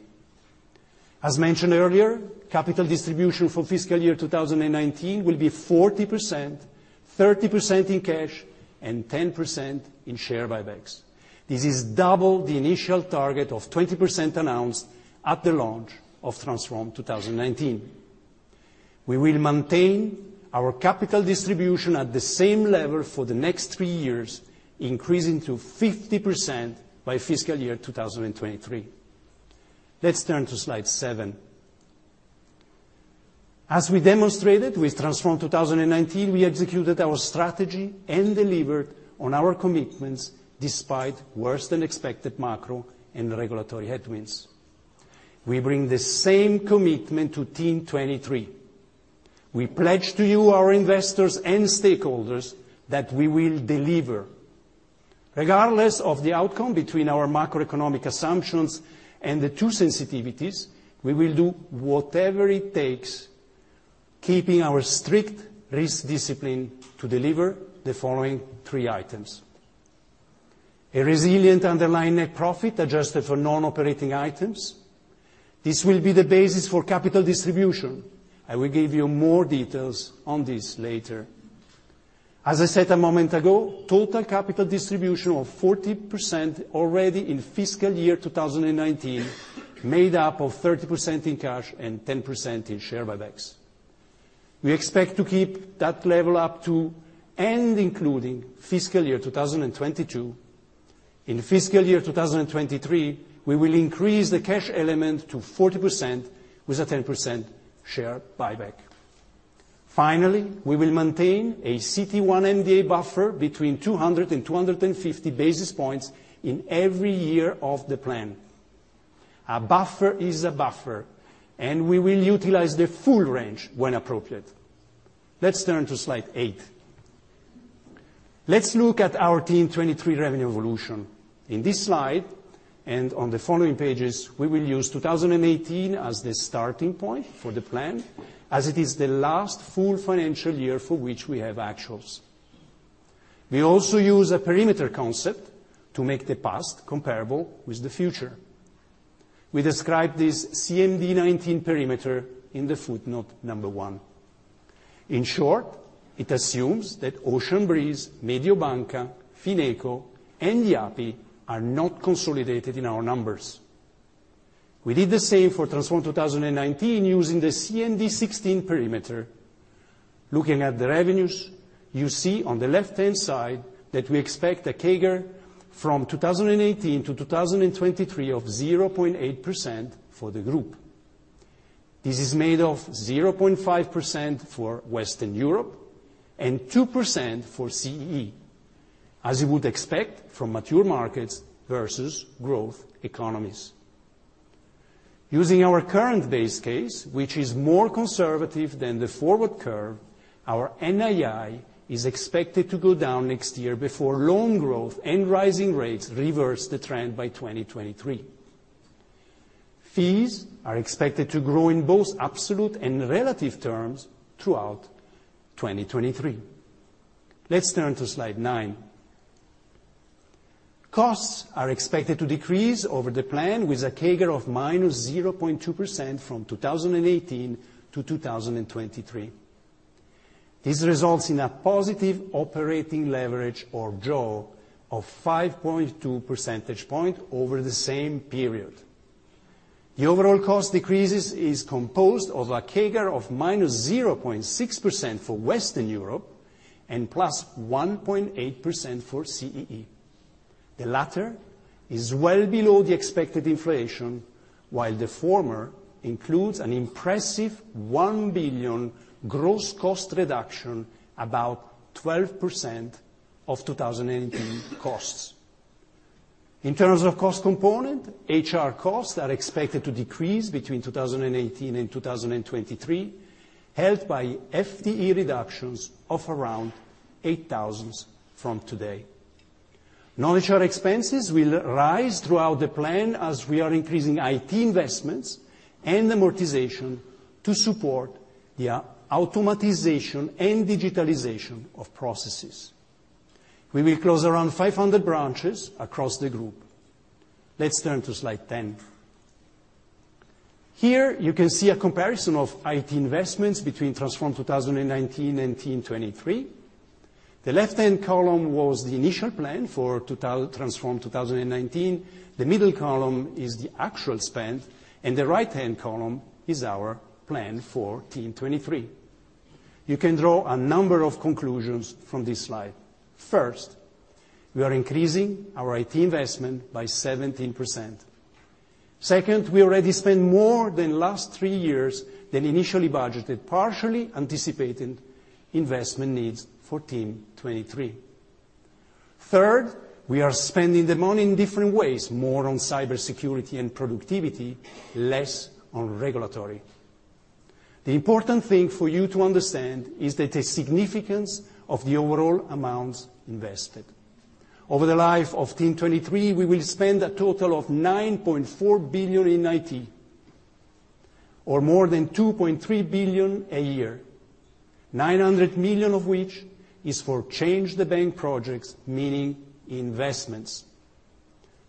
As mentioned earlier, capital distribution for fiscal year 2019 will be 40%, 30% in cash, and 10% in share buybacks. This is double the initial target of 20% announced at the launch of Transform 2019. We will maintain our capital distribution at the same level for the next three years, increasing to 50% by fiscal year 2023. Let's turn to slide seven. As we demonstrated with Transform 2019, we executed our strategy and delivered on our commitments despite worse than expected macro and regulatory headwinds. We bring the same commitment to Team 23. We pledge to you, our investors and stakeholders, that we will deliver. Regardless of the outcome between our macroeconomic assumptions and the two sensitivities, we will do whatever it takes, keeping our strict risk discipline to deliver the following three items. A resilient underlying net profit adjusted for non-operating items. This will be the basis for capital distribution. I will give you more details on this later. As I said a moment ago, total capital distribution of 40% already in fiscal year 2019, made up of 30% in cash and 10% in share buybacks. We expect to keep that level up to and including fiscal year 2022. In fiscal year 2023, we will increase the cash element to 40% with a 10% share buyback. Finally, we will maintain a CET1 MDA buffer between 200 and 250 basis points in every year of the plan. A buffer is a buffer, and we will utilize the full range when appropriate. Let's turn to slide eight. Let's look at our Team 23 revenue evolution. In this slide, and on the following pages, we will use 2018 as the starting point for the plan, as it is the last full financial year for which we have actuals. We also use a perimeter concept to make the past comparable with the future. We describe this CMD19 perimeter in the footnote number one. In short, it assumes that Ocean Breeze, Mediobanca, Fineco, and Yapı are not consolidated in our numbers. We did the same for Transform 2019 using the CMD16 perimeter. Looking at the revenues, you see on the left-hand side that we expect a CAGR from 2018 to 2023 of 0.8% for the group. This is made of 0.5% for Western Europe and 2% for CEE, as you would expect from mature markets versus growth economies. Using our current base case, which is more conservative than the forward curve, our NII is expected to go down next year before loan growth and rising rates reverse the trend by 2023. Fees are expected to grow in both absolute and relative terms throughout 2023. Let's turn to slide nine. Costs are expected to decrease over the plan with a CAGR of -0.2% from 2018 to 2023. This results in a positive operating leverage or of 5.2 percentage point over the same period. The overall cost decreases is composed of a CAGR of -0.6% for Western Europe and +1.8% for CEE. The latter is well below the expected inflation, while the former includes an impressive 1 billion gross cost reduction, about 12% of 2018 costs. In terms of cost component, HR costs are expected to decrease between 2018 and 2023, helped by FTE reductions of around 8,000 from today. Non-HR expenses will rise throughout the plan as we are increasing IT investments and amortization to support the automation and digitalization of processes. We will close around 500 branches across the group. Let's turn to slide 10. Here, you can see a comparison of IT investments between Transform 2019 and Team 23. The left-hand column was the initial plan for Transform 2019, the middle column is the actual spend, and the right-hand column is our plan for Team 23. You can draw a number of conclusions from this slide. First, we are increasing our IT investment by 17%. Second, we already spent more than last three years than initially budgeted, partially anticipating investment needs for Team 23. Third, we are spending the money in different ways, more on cybersecurity and productivity, less on regulatory. The important thing for you to understand is that the significance of the overall amounts invested. Over the life of Team 23, we will spend a total of 9.4 billion in IT, or more than 2.3 billion a year, 900 million of which is for Change the Bank projects, meaning investments.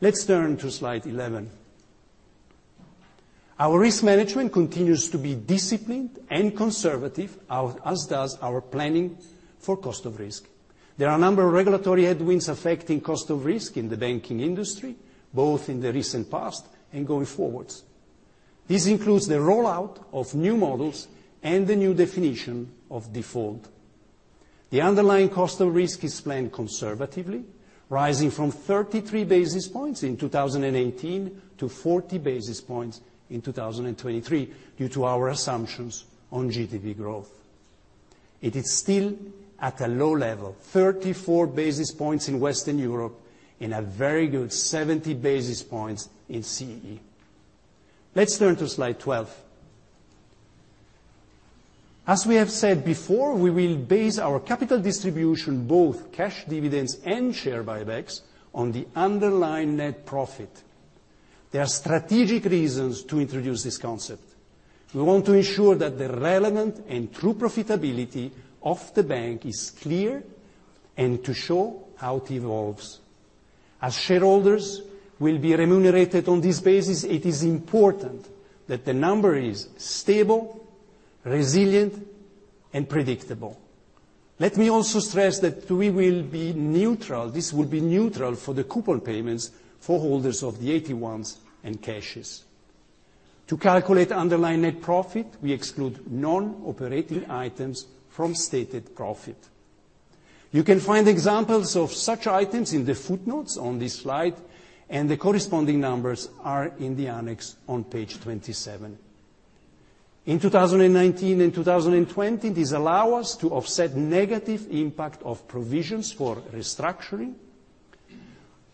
Let's turn to slide 11. Our risk management continues to be disciplined and conservative, as does our planning for cost of risk. There are a number of regulatory headwinds affecting cost of risk in the banking industry, both in the recent past and going forwards. This includes the rollout of new models and the new definition of default. The underlying cost of risk is planned conservatively, rising from 33 basis points in 2018 to 40 basis points in 2023 due to our assumptions on GDP growth. It is still at a low level, 34 basis points in Western Europe and a very good 70 basis points in CEE. Let's turn to slide 12. As we have said before, we will base our capital distribution, both cash dividends and share buybacks, on the underlying net profit. There are strategic reasons to introduce this concept. We want to ensure that the relevant and true profitability of the bank is clear and to show how it evolves. As shareholders will be remunerated on this basis, it is important that the number is stable, resilient, and predictable. Let me also stress that this will be neutral for the coupon payments for holders of the AT1s and CoCos. To calculate underlying net profit, we exclude non-operating items from stated profit. You can find examples of such items in the footnotes on this slide, and the corresponding numbers are in the annex on page 27. In 2019 and 2020, this allow us to offset negative impact of provisions for restructuring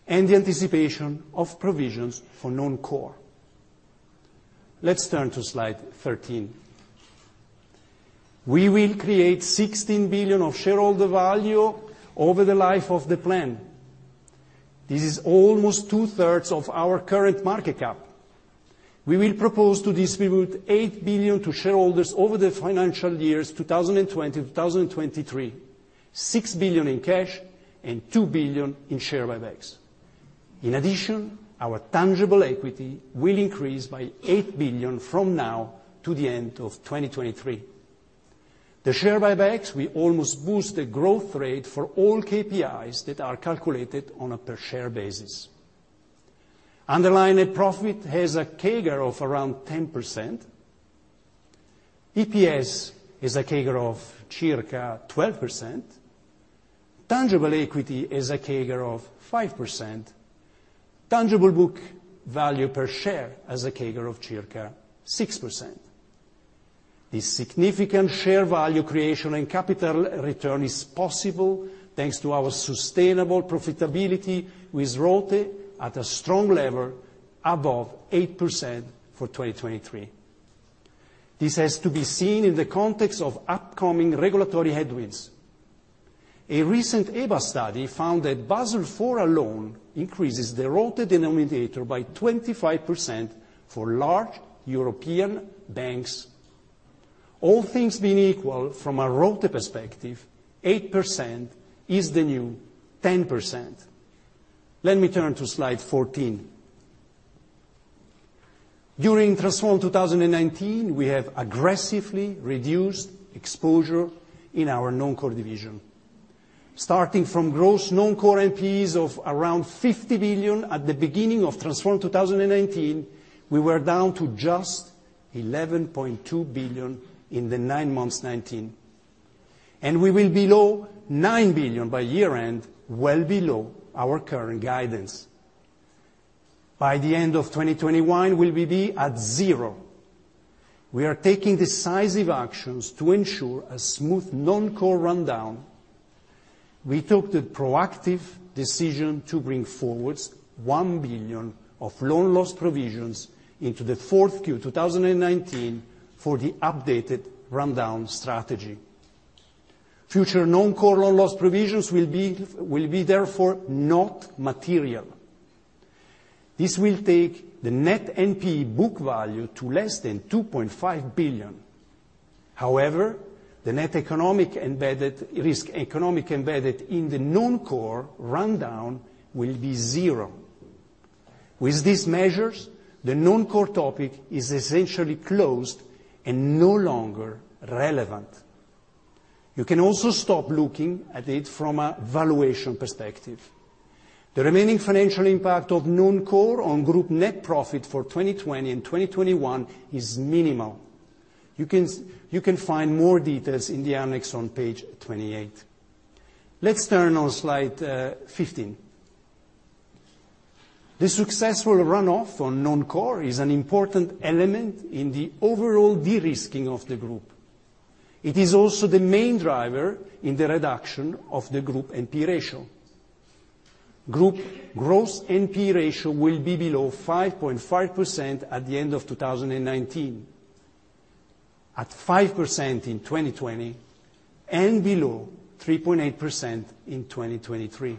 and the anticipation of provisions for non-core. Let's turn to slide 13. We will create 16 billion of shareholder value over the life of the plan. This is almost two-thirds of our current market cap. We will propose to distribute 8 billion to shareholders over the financial years 2020-2023, 6 billion in cash and 2 billion in share buybacks. In addition, our tangible equity will increase by 8 billion from now to the end of 2023. The share buybacks will almost boost the growth rate for all KPIs that are calculated on a per share basis. Underlying profit has a CAGR of around 10%. EPS has a CAGR of circa 12%. Tangible equity has a CAGR of 5%. Tangible book value per share has a CAGR of circa 6%. This significant share value creation and capital return is possible thanks to our sustainable profitability with ROTE at a strong level above 8% for 2023. This has to be seen in the context of upcoming regulatory headwinds. A recent EBA study found that Basel IV alone increases the ROTE denominator by 25% for large European banks. All things being equal, from a ROTE perspective, 8% is the new 10%. Let me turn to slide 14. During Transform 2019, we have aggressively reduced exposure in our non-core division. Starting from gross non-core NPEs of around 50 billion at the beginning of Transform 2019, we were down to just 11.2 billion in the nine months 2019, and we will below 9 billion by year-end, well below our current guidance. By the end of 2021, we will be at zero. We are taking decisive actions to ensure a smooth non-core rundown. We took the proactive decision to bring forwards 1 billion of loan loss provisions into the fourth Q2 2019 for the updated rundown strategy. Future non-core loan loss provisions will be therefore not material. This will take the net NPE book value to less than 2.5 billion. The net economic embedded risk, economic embedded in the non-core rundown will be zero. With these measures, the non-core topic is essentially closed and no longer relevant. You can also stop looking at it from a valuation perspective. The remaining financial impact of non-core on group net profit for 2020 and 2021 is minimal. You can find more details in the annex on page 28. Let's turn on slide 15. The successful runoff on non-core is an important element in the overall de-risking of the group. It is also the main driver in the reduction of the group NPE ratio. Group gross NPE ratio will be below 5.5% at the end of 2019, at 5% in 2020, and below 3.8% in 2023.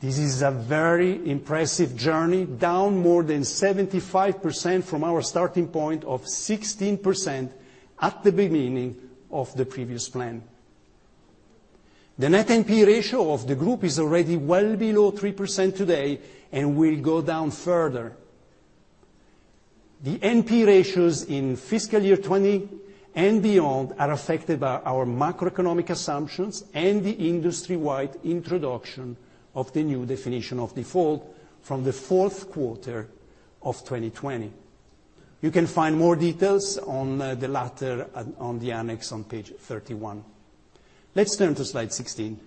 This is a very impressive journey, down more than 75% from our starting point of 16% at the beginning of the previous plan. The net NPE ratio of the group is already well below 3% today and will go down further. The NPE ratios in fiscal year 2020 and beyond are affected by our macroeconomic assumptions and the industry-wide introduction of the new definition of default from the fourth quarter of 2020. You can find more details on the latter on the annex on page 31. Let's turn to slide 16.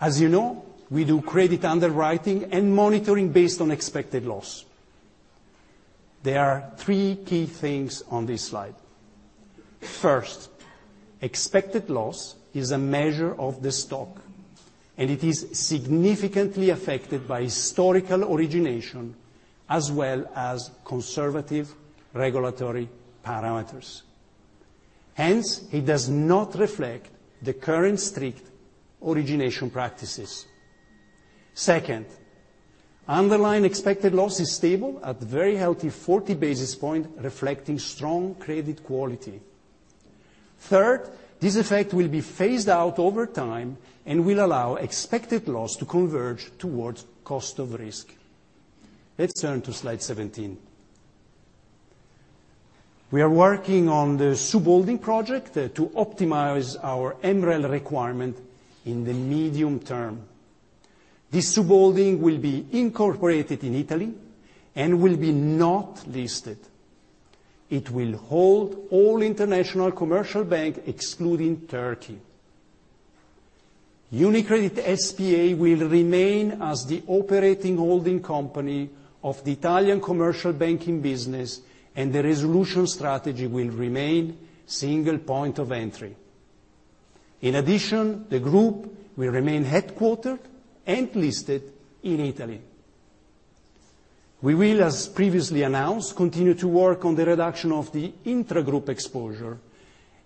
As you know, we do credit underwriting and monitoring based on expected loss. There are three key things on this slide. First, expected loss is a measure of the stock, and it is significantly affected by historical origination as well as conservative regulatory parameters. Hence, it does not reflect the current strict origination practices. Underlying expected loss is stable at a very healthy 40 basis points, reflecting strong credit quality. This effect will be phased out over time and will allow expected loss to converge towards cost of risk. Let's turn to slide 17. We are working on the subholding project to optimize our MREL requirement in the medium term. This subholding will be incorporated in Italy and will be not listed. It will hold all international commercial bank excluding Turkey. UniCredit S.p.A. will remain as the operating holding company of the Italian commercial banking business, and the resolution strategy will remain Single Point of Entry. The group will remain headquartered and listed in Italy. We will, as previously announced, continue to work on the reduction of the intragroup exposure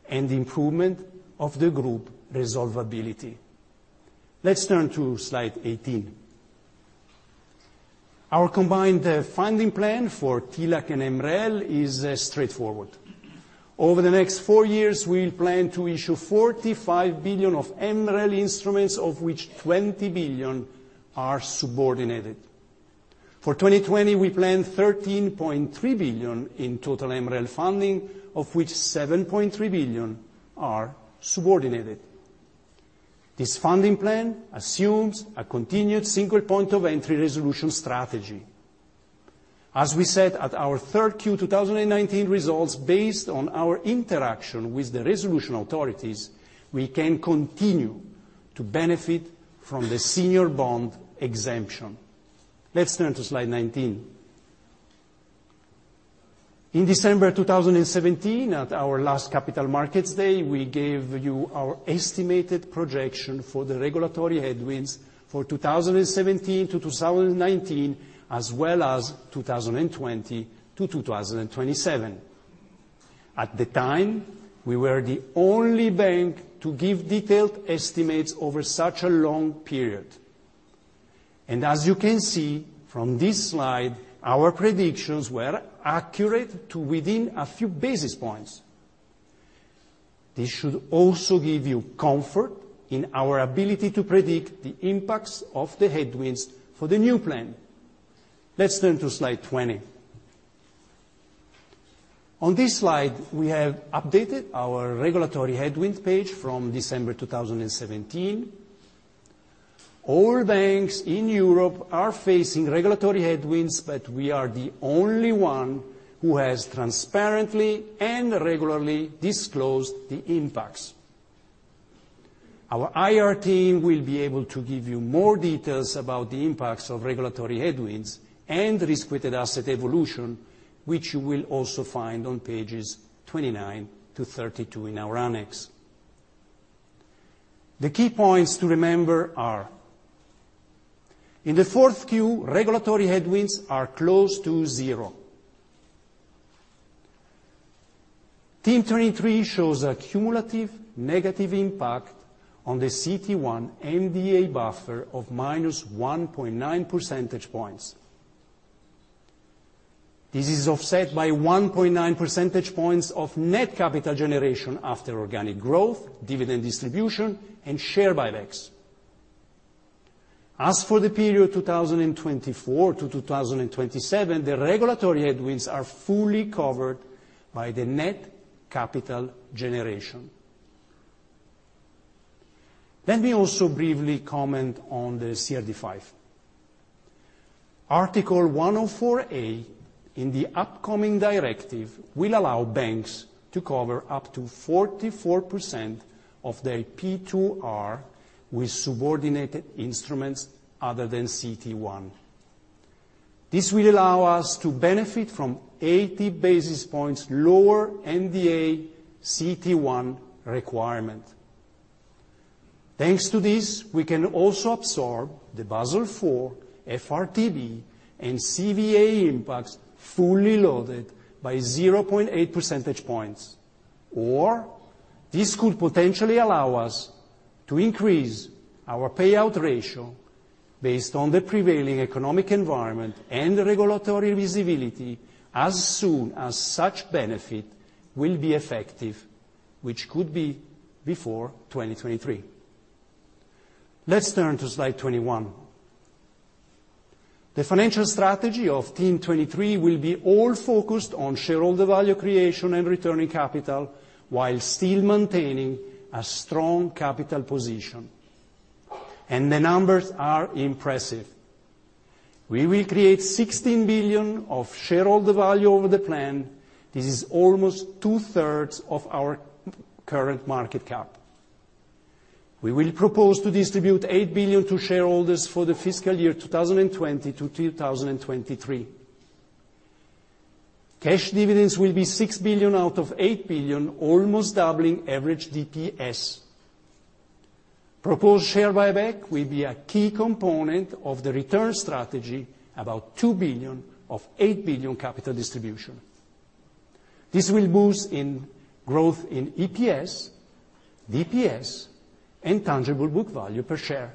and improvement of the group resolvability. Let's turn to slide 18. Our combined funding plan for TLAC and MREL is straightforward. Over the next four years, we plan to issue 45 billion of MREL instruments, of which 20 billion are subordinated. For 2020, we plan 13.3 billion in total MREL funding, of which 7.3 billion are subordinated. This funding plan assumes a continued Single Point of Entry resolution strategy. As we said at our third Q 2019 results, based on our interaction with the resolution authorities, we can continue to benefit from the senior bond exemption. Let's turn to slide 19. In December 2017, at our last Capital Markets Day, we gave you our estimated projection for the regulatory headwinds for 2017-2019, as well as 2020-2027. At the time, we were the only bank to give detailed estimates over such a long period. As you can see from this slide, our predictions were accurate to within a few basis points. This should also give you comfort in our ability to predict the impacts of the headwinds for the new plan. Let's turn to slide 20. On this slide, we have updated our regulatory headwinds page from December 2017. All banks in Europe are facing regulatory headwinds, we are the only one who has transparently and regularly disclosed the impacts. Our IR team will be able to give you more details about the impacts of regulatory headwinds and risk-weighted asset evolution, which you will also find on pages 29 to 32 in our annex. The key points to remember are, in the 4Q, regulatory headwinds are close to zero. Team 23 shows a cumulative negative impact on the CET1 MDA buffer of minus 1.9 percentage points. This is offset by 1.9 percentage points of net capital generation after organic growth, dividend distribution, and share buybacks. As for the period 2024 to 2027, the regulatory headwinds are fully covered by the net capital generation. Let me also briefly comment on the CRD V. Article 104A in the upcoming directive will allow banks to cover up to 44% of their P2R with subordinated instruments other than CET1. This will allow us to benefit from 80 basis points lower MDA CET1 requirement. Thanks to this, we can also absorb the Basel IV, FRTB, and CVA impacts fully loaded by 0.8 percentage points, or this could potentially allow us to increase our payout ratio based on the prevailing economic environment and regulatory visibility as soon as such benefit will be effective, which could be before 2023. Let's turn to slide 21. The financial strategy of Team 23 will be all focused on shareholder value creation and returning capital while still maintaining a strong capital position. The numbers are impressive. We will create 16 billion of shareholder value over the plan. This is almost two-thirds of our current market cap. We will propose to distribute 8 billion to shareholders for the fiscal year 2020-2023. Cash dividends will be 6 billion out of 8 billion, almost doubling average DPS. Proposed share buyback will be a key component of the return strategy, about 2 billion of 8 billion capital distribution. This will boost in growth in EPS, DPS, and tangible book value per share.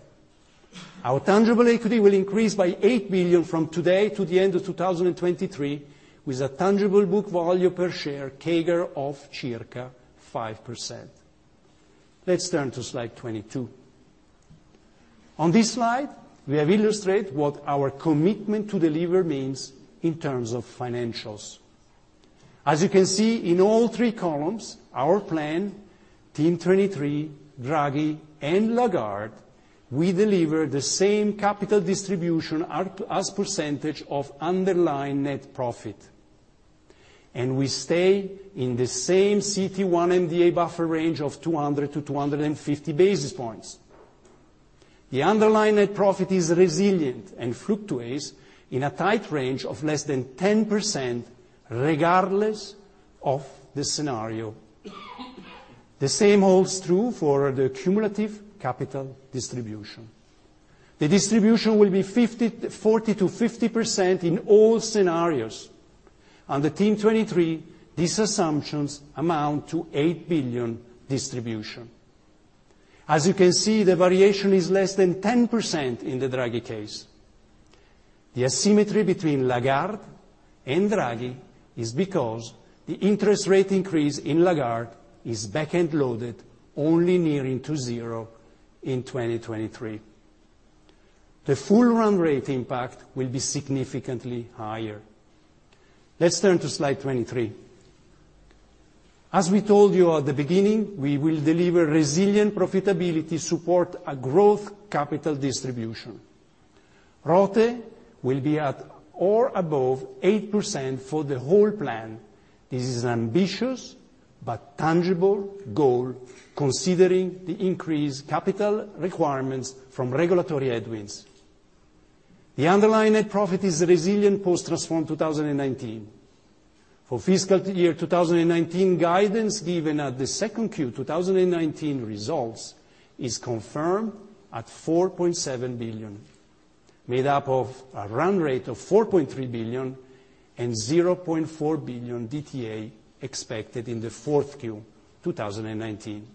Our tangible equity will increase by 8 billion from today to the end of 2023, with a tangible book value per share CAGR of circa 5%. Let's turn to slide 22. On this slide, we have illustrated what our commitment to deliver means in terms of financials. As you can see in all three columns, our plan, Team 23, Draghi, and Lagarde, we deliver the same capital distribution as percentage of underlying net profit. We stay in the same CET1 MDA buffer range of 200 to 250 basis points. The underlying net profit is resilient and fluctuates in a tight range of less than 10% regardless of the scenario. The same holds true for the cumulative capital distribution. The distribution will be 40%-50% in all scenarios. Under Team 23, these assumptions amount to 8 billion distribution. As you can see, the variation is less than 10% in the Draghi case. The asymmetry between Lagarde and Draghi is because the interest rate increase in Lagarde is back-end loaded, only nearing to zero in 2023. The full run rate impact will be significantly higher. Let's turn to slide 23. As we told you at the beginning, we will deliver resilient profitability support, a growth capital distribution. ROTE will be at or above 8% for the whole plan. This is ambitious but tangible goal considering the increased capital requirements from regulatory headwinds. The underlying net profit is resilient post Transform 2019. For FY 2019, guidance given at the 2Q 2019 results is confirmed at 4.7 billion, made up of a run rate of 4.3 billion and 0.4 billion DTA expected in the 4Q 2019.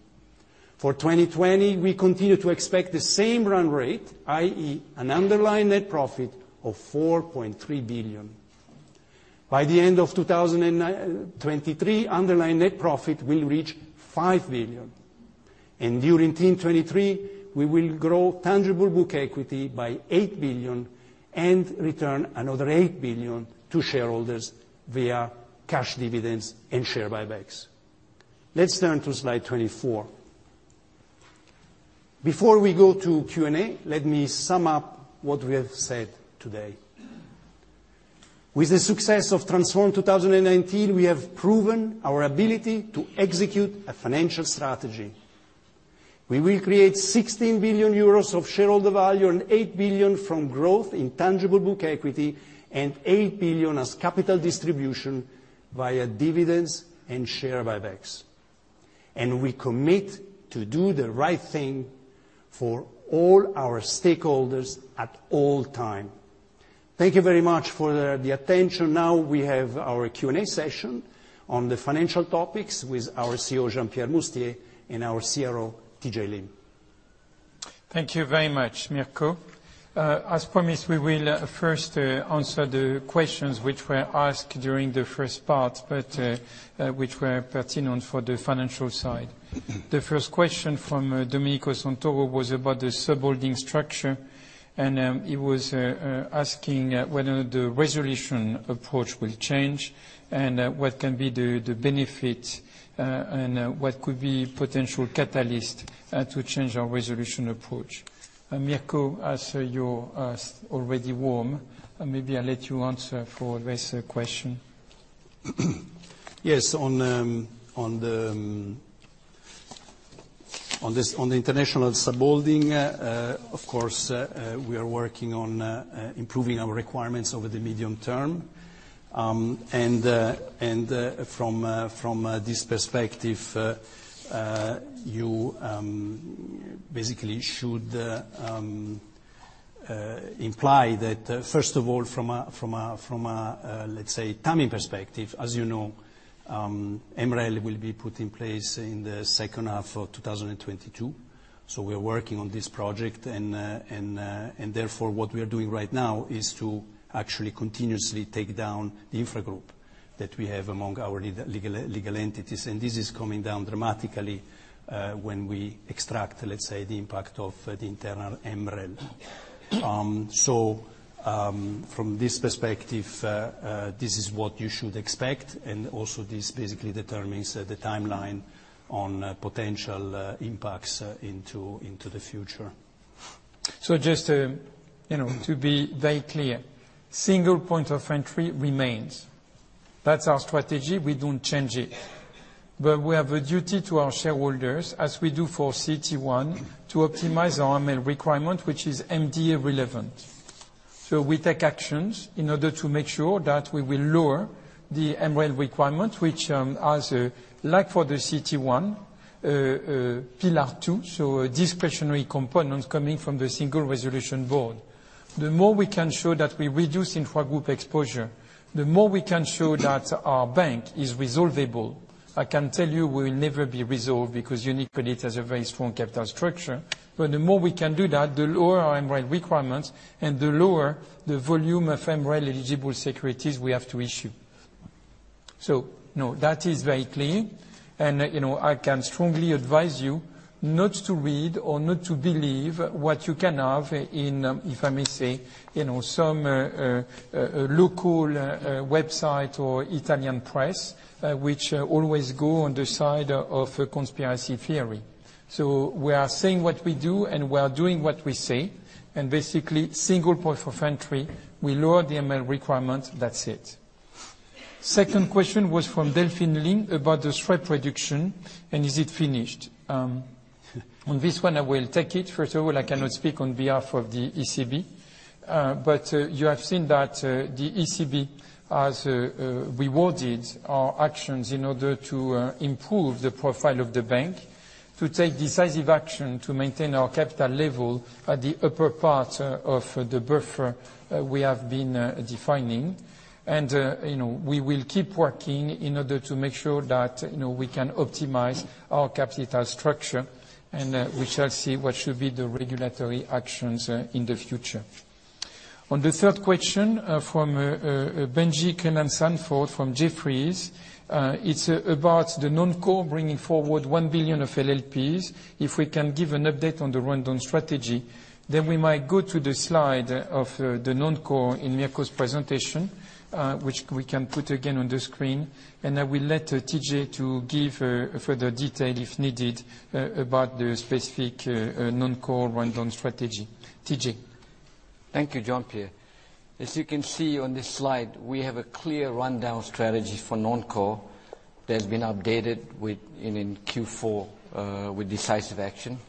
For 2020, we continue to expect the same run rate, i.e., an underlying net profit of 4.3 billion. By the end of 2023, underlying net profit will reach 5 billion, and during Team 23, we will grow tangible book equity by 8 billion and return another 8 billion to shareholders via cash dividends and share buybacks. Let's turn to slide 24. Before we go to Q&A, let me sum up what we have said today. With the success of Transform 2019, we have proven our ability to execute a financial strategy. We will create 16 billion euros of shareholder value and 8 billion from growth in tangible book equity and 8 billion as capital distribution via dividends and share buybacks. We commit to do the right thing for all our stakeholders at all time. Thank you very much for the attention. Now we have our Q&A session on the financial topics with our CEO, Jean-Pierre Mustier, and our CRO, TJ Lim. Thank you very much, Mirko. As promised, we will first answer the questions which were asked during the first part but which were pertinent for the financial side. The first question from Domenico Santoro was about the sub-holding structure. He was asking whether the resolution approach will change and what can be the benefit and what could be potential catalyst to change our resolution approach. Mirko, as you're already warm, maybe I let you answer for this question. Yes, on the international subholding, of course, we are working on improving our requirements over the medium term. From this perspective, you basically should imply that, first of all, from a, let's say, timing perspective, as you know, MREL will be put in place in the second half of 2022. We are working on this project, and therefore, what we are doing right now is to actually continuously take down the infra group that we have among our legal entities. This is coming down dramatically when we extract, let's say, the impact of the internal MREL. From this perspective, this is what you should expect, and also this basically determines the timeline on potential impacts into the future. Just to be very clear, Single Point of Entry remains. That's our strategy. We don't change it. We have a duty to our shareholders, as we do for CET1, to optimize our MREL requirement, which is MDA relevant. We take actions in order to make sure that we will lower the MREL requirement, which has, like for the CET1, a Pillar 2, so a discretionary component coming from the Single Resolution Board. The more we can show that we reduce intra-group exposure, the more we can show that our bank is resolvable. I can tell you we will never be resolved because UniCredit has a very strong capital structure. The more we can do that, the lower our MREL requirements and the lower the volume of MREL-eligible securities we have to issue. That is very clear. I can strongly advise you not to read or not to believe what you can have in, if I may say, some local website or Italian press, which always go on the side of conspiracy theory. We are saying what we do, and we are doing what we say, and basically Single Point of Entry, we lower the MREL requirement. That's it. Second question was from Delphine Lee about the SREP reduction, and is it finished. On this one, I will take it. First of all, I cannot speak on behalf of the ECB. You have seen that the ECB has rewarded our actions in order to improve the profile of the bank, to take decisive action to maintain our capital level at the upper part of the buffer we have been defining. We will keep working in order to make sure that we can optimize our capital structure, and we shall see what should be the regulatory actions in the future. On the third question, from Benjie Creelan-Sandford from Jefferies, it's about the non-core bringing forward 1 billion of LLPs. If we can give an update on the rundown strategy, we might go to the slide of the non-core in Mirko's presentation, which we can put again on the screen, and I will let TJ give further detail if needed about the specific non-core rundown strategy. TJ. Thank you, Jean-Pierre. As you can see on this slide, we have a clear rundown strategy for non-core that has been updated in Q4 with decisive action.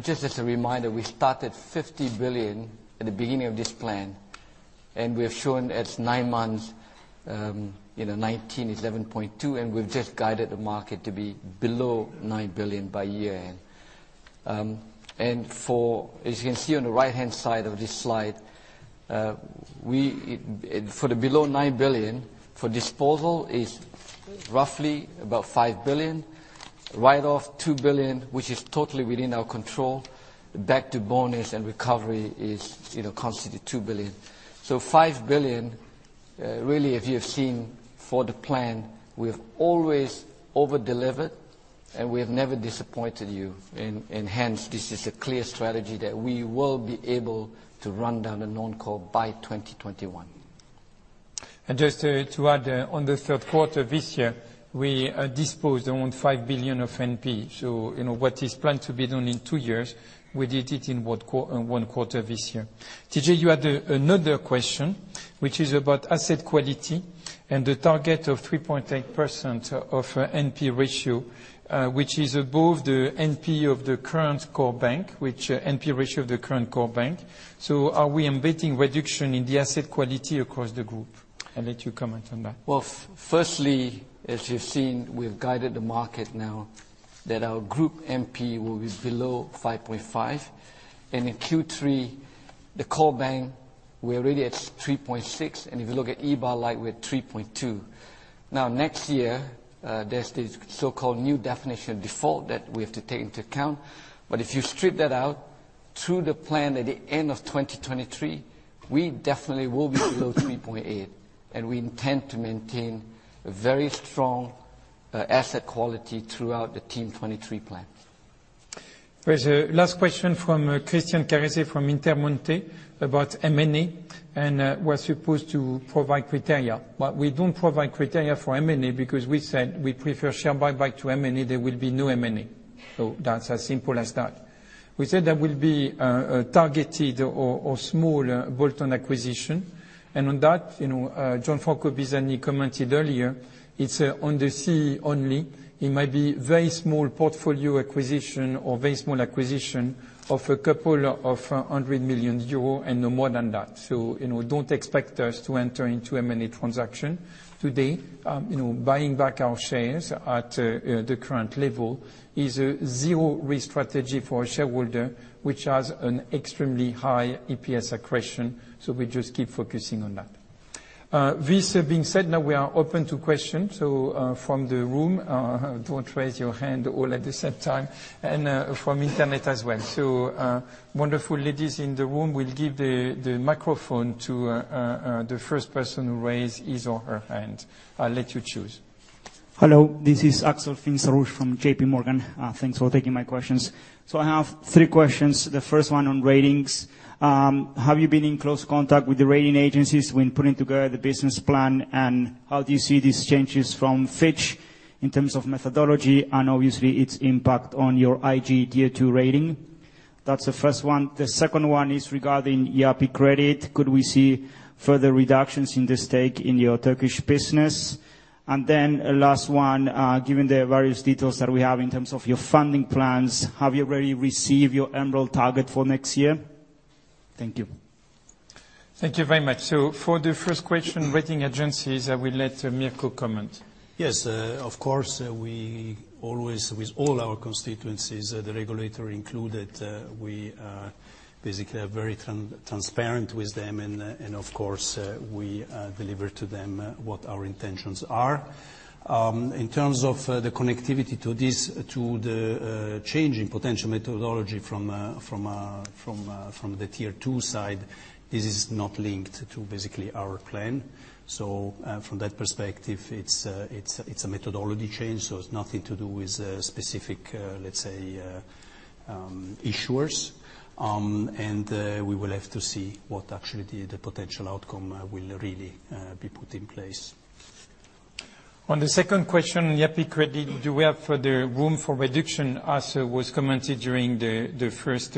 Just as a reminder, we started 50 billion at the beginning of this plan, and we have shown at nine months, 1,911.2, and we've just guided the market to be below 9 billion by year-end. As you can see on the right-hand side of this slide, for the below 9 billion, for disposal is roughly about 5 billion, write-off, 2 billion, which is totally within our control. Back to bonus and recovery is considered 2 billion. Five billion, really, if you have seen for the plan, we have always over-delivered, and we have never disappointed you. Hence, this is a clear strategy that we will be able to run down the non-core by 2021. Just to add, on the third quarter this year, we disposed around 5 billion of NPEs. What is planned to be done in two years, we did it in one quarter this year. TJ Lim, you had another question, which is about asset quality and the target of 3.8% of NPE ratio, which is above the NPE ratio of the current core bank. Are we embedding reduction in the asset quality across the group? I'll let you comment on that. Well, firstly, as you've seen, we've guided the market now that our group NPE will be below 5.5. In Q3, the core bank, we're already at 3.6. If you look at EBA light, we're at 3.2. Now, next year, there's this so-called new definition of default that we have to take into account. If you strip that out through the plan at the end of 2023, we definitely will be below 3.8, and we intend to maintain a very strong asset quality throughout the Team 23 plan. There's a last question from Christian Carette from Intermonte about M&A. We're supposed to provide criteria. We don't provide criteria for M&A because we said we prefer share buyback to M&A. There will be no M&A. That's as simple as that. We said there will be a targeted or small bolt-on acquisition. On that, Gianfranco Bisagni commented earlier, it's on the CEE only. It might be very small portfolio acquisition or very small acquisition of a couple of hundred million EUR and no more than that. Don't expect us to enter into M&A transaction today. Buying back our shares at the current level is a zero-risk strategy for a shareholder, which has an extremely high EPS accretion. We just keep focusing on that. This being said, now we are open to questions. From the room, don't raise your hand all at the same time, and from internet as well. Wonderful ladies in the room will give the microphone to the first person who raise his or her hand. I'll let you choose. Hello, this is Axel Finsterbusch from JPMorgan. Thanks for taking my questions. I have three questions. The first one on ratings. Have you been in close contact with the rating agencies when putting together the business plan, and how do you see these changes from Fitch in terms of methodology and obviously its impact on your IG Tier 2 rating? That's the first one. The second one is regarding Yapı Kredi. Could we see further reductions in the stake in your Turkish business? A last one, given the various details that we have in terms of your funding plans, have you already received your MREL target for next year? Thank you. Thank you very much. For the first question, rating agencies, I will let Mirko comment. Yes. Of course, we always, with all our constituencies, the regulator included, we basically are very transparent with them and, of course, we deliver to them what our intentions are. In terms of the connectivity to the changing potential methodology from the Tier 2 side, this is not linked to basically our plan. From that perspective, it's a methodology change, so it's nothing to do with specific, let's say, issuers. We will have to see what actually the potential outcome will really be put in place. On the second question, Yapı Kredi, do we have further room for reduction, as was commented during the first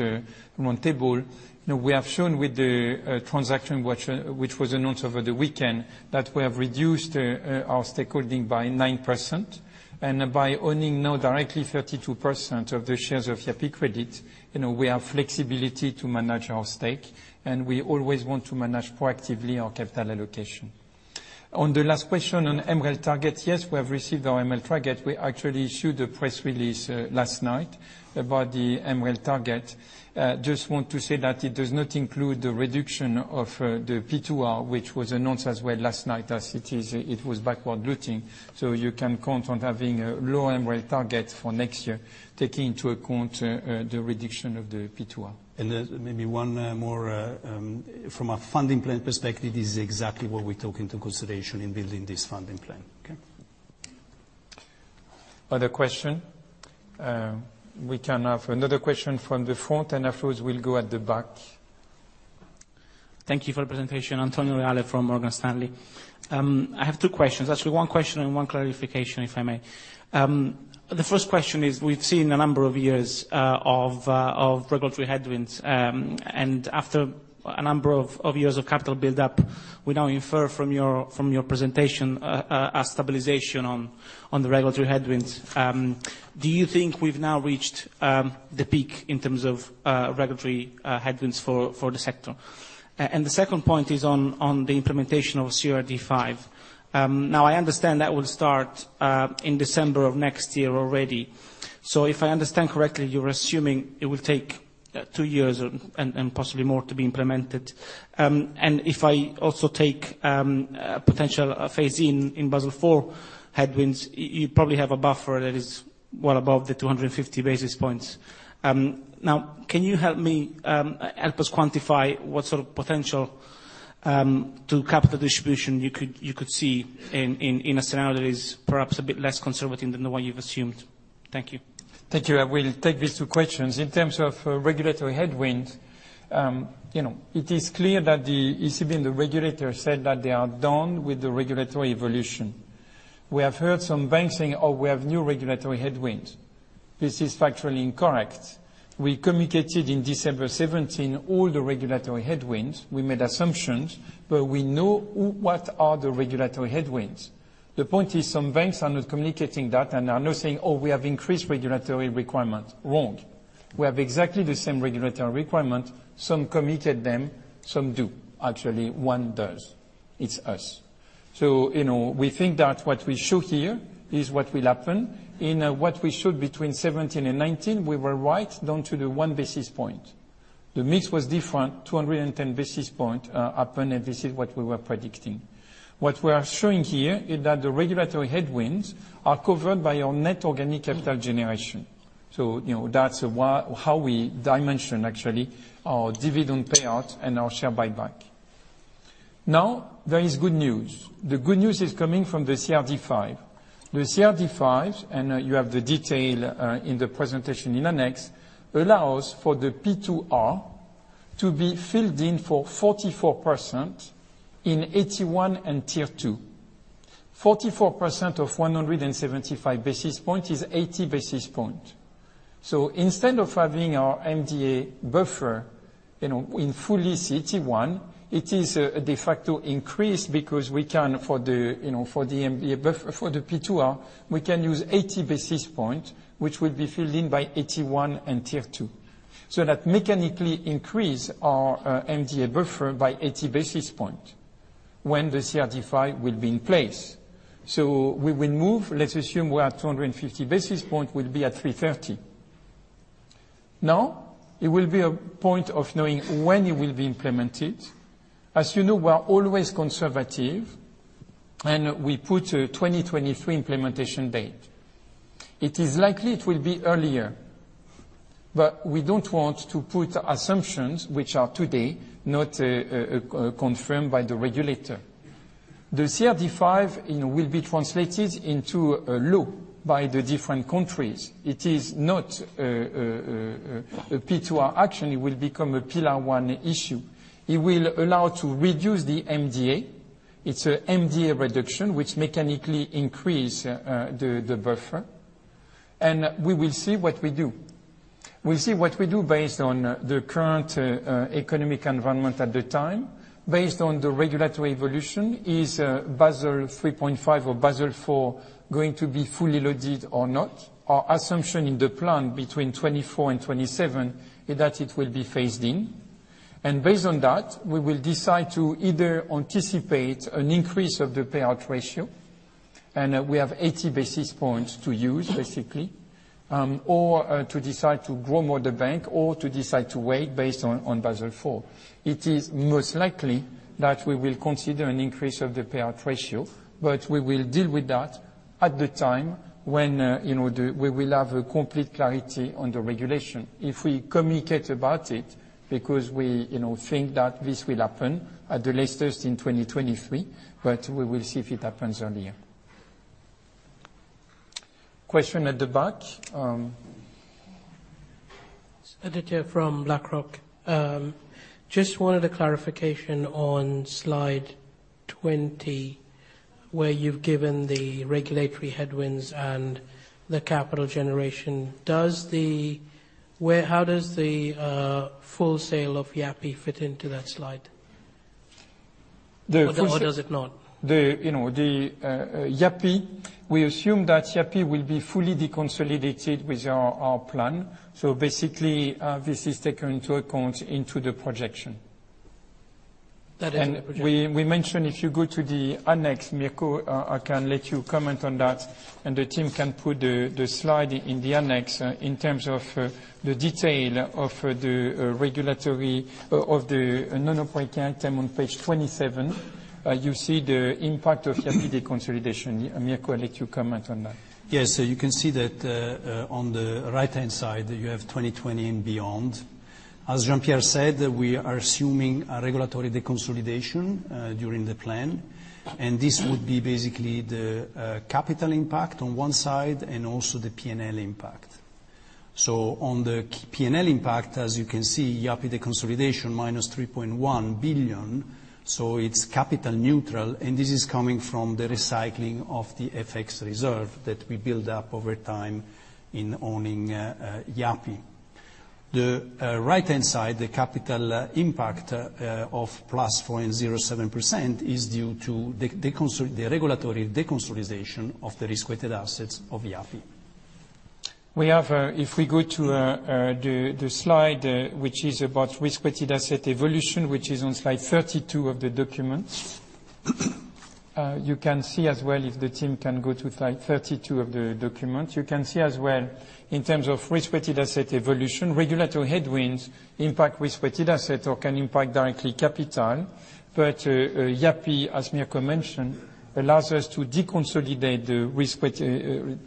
roundtable. We have shown with the transaction, which was announced over the weekend, that we have reduced our stakeholding by 9%. By owning now directly 32% of the shares of Yapı Kredi, we have flexibility to manage our stake, and we always want to manage proactively our capital allocation. On the last question, on MREL target, yes, we have received our MREL target. We actually issued a press release last night about the MREL target. Just want to say that it does not include the reduction of the P2A, which was announced as well last night as it is, it was backward-looking. You can count on having a low MREL target for next year, taking into account the reduction of the P2A. Maybe one more, from a funding plan perspective, this is exactly what we took into consideration in building this funding plan. Okay. Other question. We can have another question from the front, and afterwards we'll go at the back. Thank you for the presentation. Antonio Reale from Morgan Stanley. I have two questions. Actually, one question and one clarification, if I may. The first question is, we've seen a number of years of regulatory headwinds, and after a number of years of capital buildup, we now infer from your presentation, a stabilization on the regulatory headwinds. Do you think we've now reached the peak in terms of regulatory headwinds for the sector? The second point is on the implementation of CRD V. I understand that will start in December of next year already. If I understand correctly, you're assuming it will take two years and possibly more to be implemented. If I also take potential phase-in, in Basel IV headwinds, you probably have a buffer that is well above the 250 basis points. Now, can you help us quantify what sort of potential to capital distribution you could see in a scenario that is perhaps a bit less conservative than the one you've assumed? Thank you. Thank you. I will take these two questions. In terms of regulatory headwinds, it is clear that the ECB and the regulators said that they are done with the regulatory evolution. We have heard some banks saying, "Oh, we have new regulatory headwinds." This is factually incorrect. We communicated in December 2017 all the regulatory headwinds. We made assumptions, but we know what are the regulatory headwinds. The point is some banks are not communicating that and are now saying, "Oh, we have increased regulatory requirement." Wrong. We have exactly the same regulatory requirement. Some committed them, some do. Actually, one does. It's us. We think that what we show here is what will happen. In what we showed between 2017 and 2019, we were right down to the one basis point. The mix was different, 210 basis points happened, and this is what we were predicting. What we are showing here is that the regulatory headwinds are covered by our net organic capital generation. That's how we dimension, actually, our dividend payout and our share buyback. There is good news. The good news is coming from the CRD V. The CRD V, and you have the detail in the presentation in the next, allows for the P2R to be filled in for 44% in AT1 and Tier 2. 44% of 175 basis points is 80 basis points. Instead of having our MDA buffer in fully CET1, it is a de facto increase because for the P2R, we can use 80 basis points, which will be filled in by AT1 and Tier 2. That mechanically increase our MDA buffer by 80 basis points when the CRD V will be in place. We will move, let's assume we are at 250 basis points, we will be at 330. It will be a point of knowing when it will be implemented. As you know, we are always conservative, and we put a 2023 implementation date. It is likely it will be earlier, but we don't want to put assumptions, which are today not confirmed by the regulator. The CRD V will be translated into a law by the different countries. It is not a P2R action. It will become a Pillar 1 issue. It will allow to reduce the MDA. It's a MDA reduction, which mechanically increase the buffer. We will see what we do. We will see what we do based on the current economic environment at the time, based on the regulatory evolution. Is Basel 3.5 or Basel 4 going to be fully loaded or not? Our assumption in the plan between 2024 and 2027 is that it will be phased in. Based on that, we will decide to either anticipate an increase of the payout ratio, and we have 80 basis points to use, basically, or to decide to grow more the bank or to decide to wait based on Basel IV. It is most likely that we will consider an increase of the payout ratio, we will deal with that at the time when we will have a complete clarity on the regulation. If we communicate about it because we think that this will happen at the latest in 2023, we will see if it happens earlier. Question at the back. It's Aditya from BlackRock. Just wanted a clarification on slide 20, where you've given the regulatory headwinds and the capital generation. How does the full sale of Yapı fit into that slide? The full- Does it not? The Yapı, we assume that Yapı will be fully deconsolidated with our plan. Basically, this is taken into account into the projection That is in the projection. We mentioned, if you go to the annex, Mirko, I can let you comment on that, and the team can put the slide in the annex in terms of the detail of the regulatory, of the non-repeating item on page 27. You see the impact of Yapı deconsolidation. Mirko, I'll let you comment on that. Yes. You can see that on the right-hand side, you have 2020 and beyond. As Jean-Pierre said, we are assuming a regulatory deconsolidation during the plan, and this would be basically the capital impact on one side and also the P&L impact. On the P&L impact, as you can see, Yapı Kredi deconsolidation, minus 3.1 billion, so it's capital neutral, and this is coming from the recycling of the FX reserve that we build up over time in owning Yapı Kredi. The right-hand side, the capital impact of plus 4.07% is due to the regulatory deconsolidation of the risk-weighted assets of Yapı Kredi. If we go to the slide, which is about risk-weighted asset evolution, which is on slide 32 of the document. If the team can go to slide 32 of the document. You can see as well, in terms of risk-weighted asset evolution, regulatory headwinds impact risk-weighted asset or can impact directly capital. But Yapı, as Mirko mentioned, allows us to deconsolidate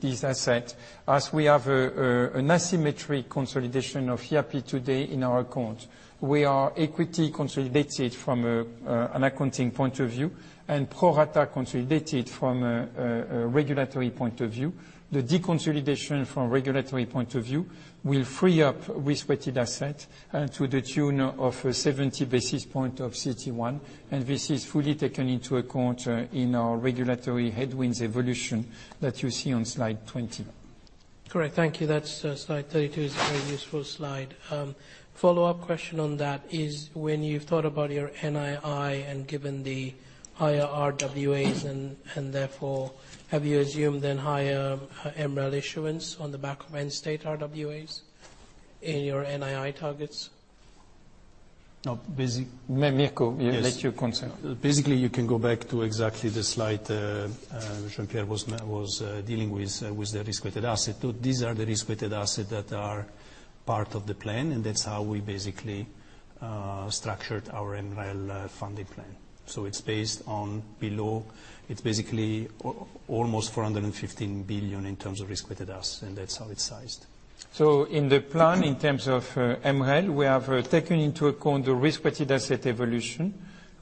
these asset as we have an asymmetric consolidation of Yapı today in our account. We are equity consolidated from an accounting point of view and pro rata consolidated from a regulatory point of view. The deconsolidation from regulatory point of view will free up risk-weighted asset to the tune of 70 basis points of CET1, and this is fully taken into account in our regulatory headwinds evolution that you see on slide 20. Correct. Thank you. Slide 32 is a very useful slide. Follow-up question on that is when you've thought about your NII and given the higher RWAs and therefore have you assumed then higher MREL issuance on the back of end state RWAs in your NII targets? Mirko, I'll let you comment. You can go back to exactly the slide Jean-Pierre was dealing with the risk-weighted assets. These are the risk-weighted assets that are part of the plan, that's how we basically structured our MREL funding plan. It's based on below. It's basically almost 415 billion in terms of risk-weighted assets, that's how it's sized. In the plan, in terms of MREL, we have taken into account the risk-weighted asset evolution.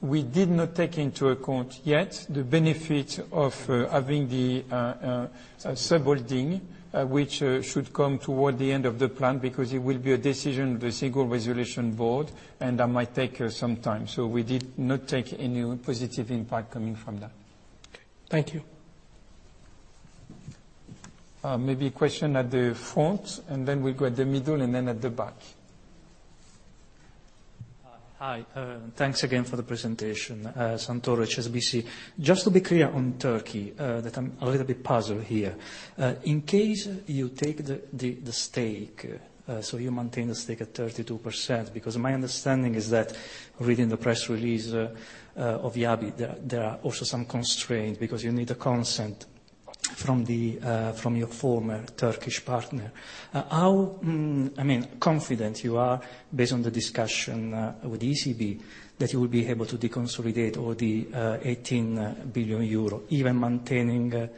We did not take into account yet the benefit of having the sub-holding, which should come toward the end of the plan because it will be a decision of the Single Resolution Board, and that might take some time. We did not take any positive impact coming from that. Okay. Thank you. Maybe a question at the front, and then we go at the middle, and then at the back. Hi. Thanks again for the presentation. Santoro, HSBC. Just to be clear on Turkey, that I'm a little bit puzzled here. In case you take the stake, you maintain the stake at 32%, because my understanding is that reading the press release of Yapı, there are also some constraints, because you need a consent from your former Turkish partner. How confident you are, based on the discussion with ECB, that you will be able to deconsolidate all the 18 billion euro, even maintaining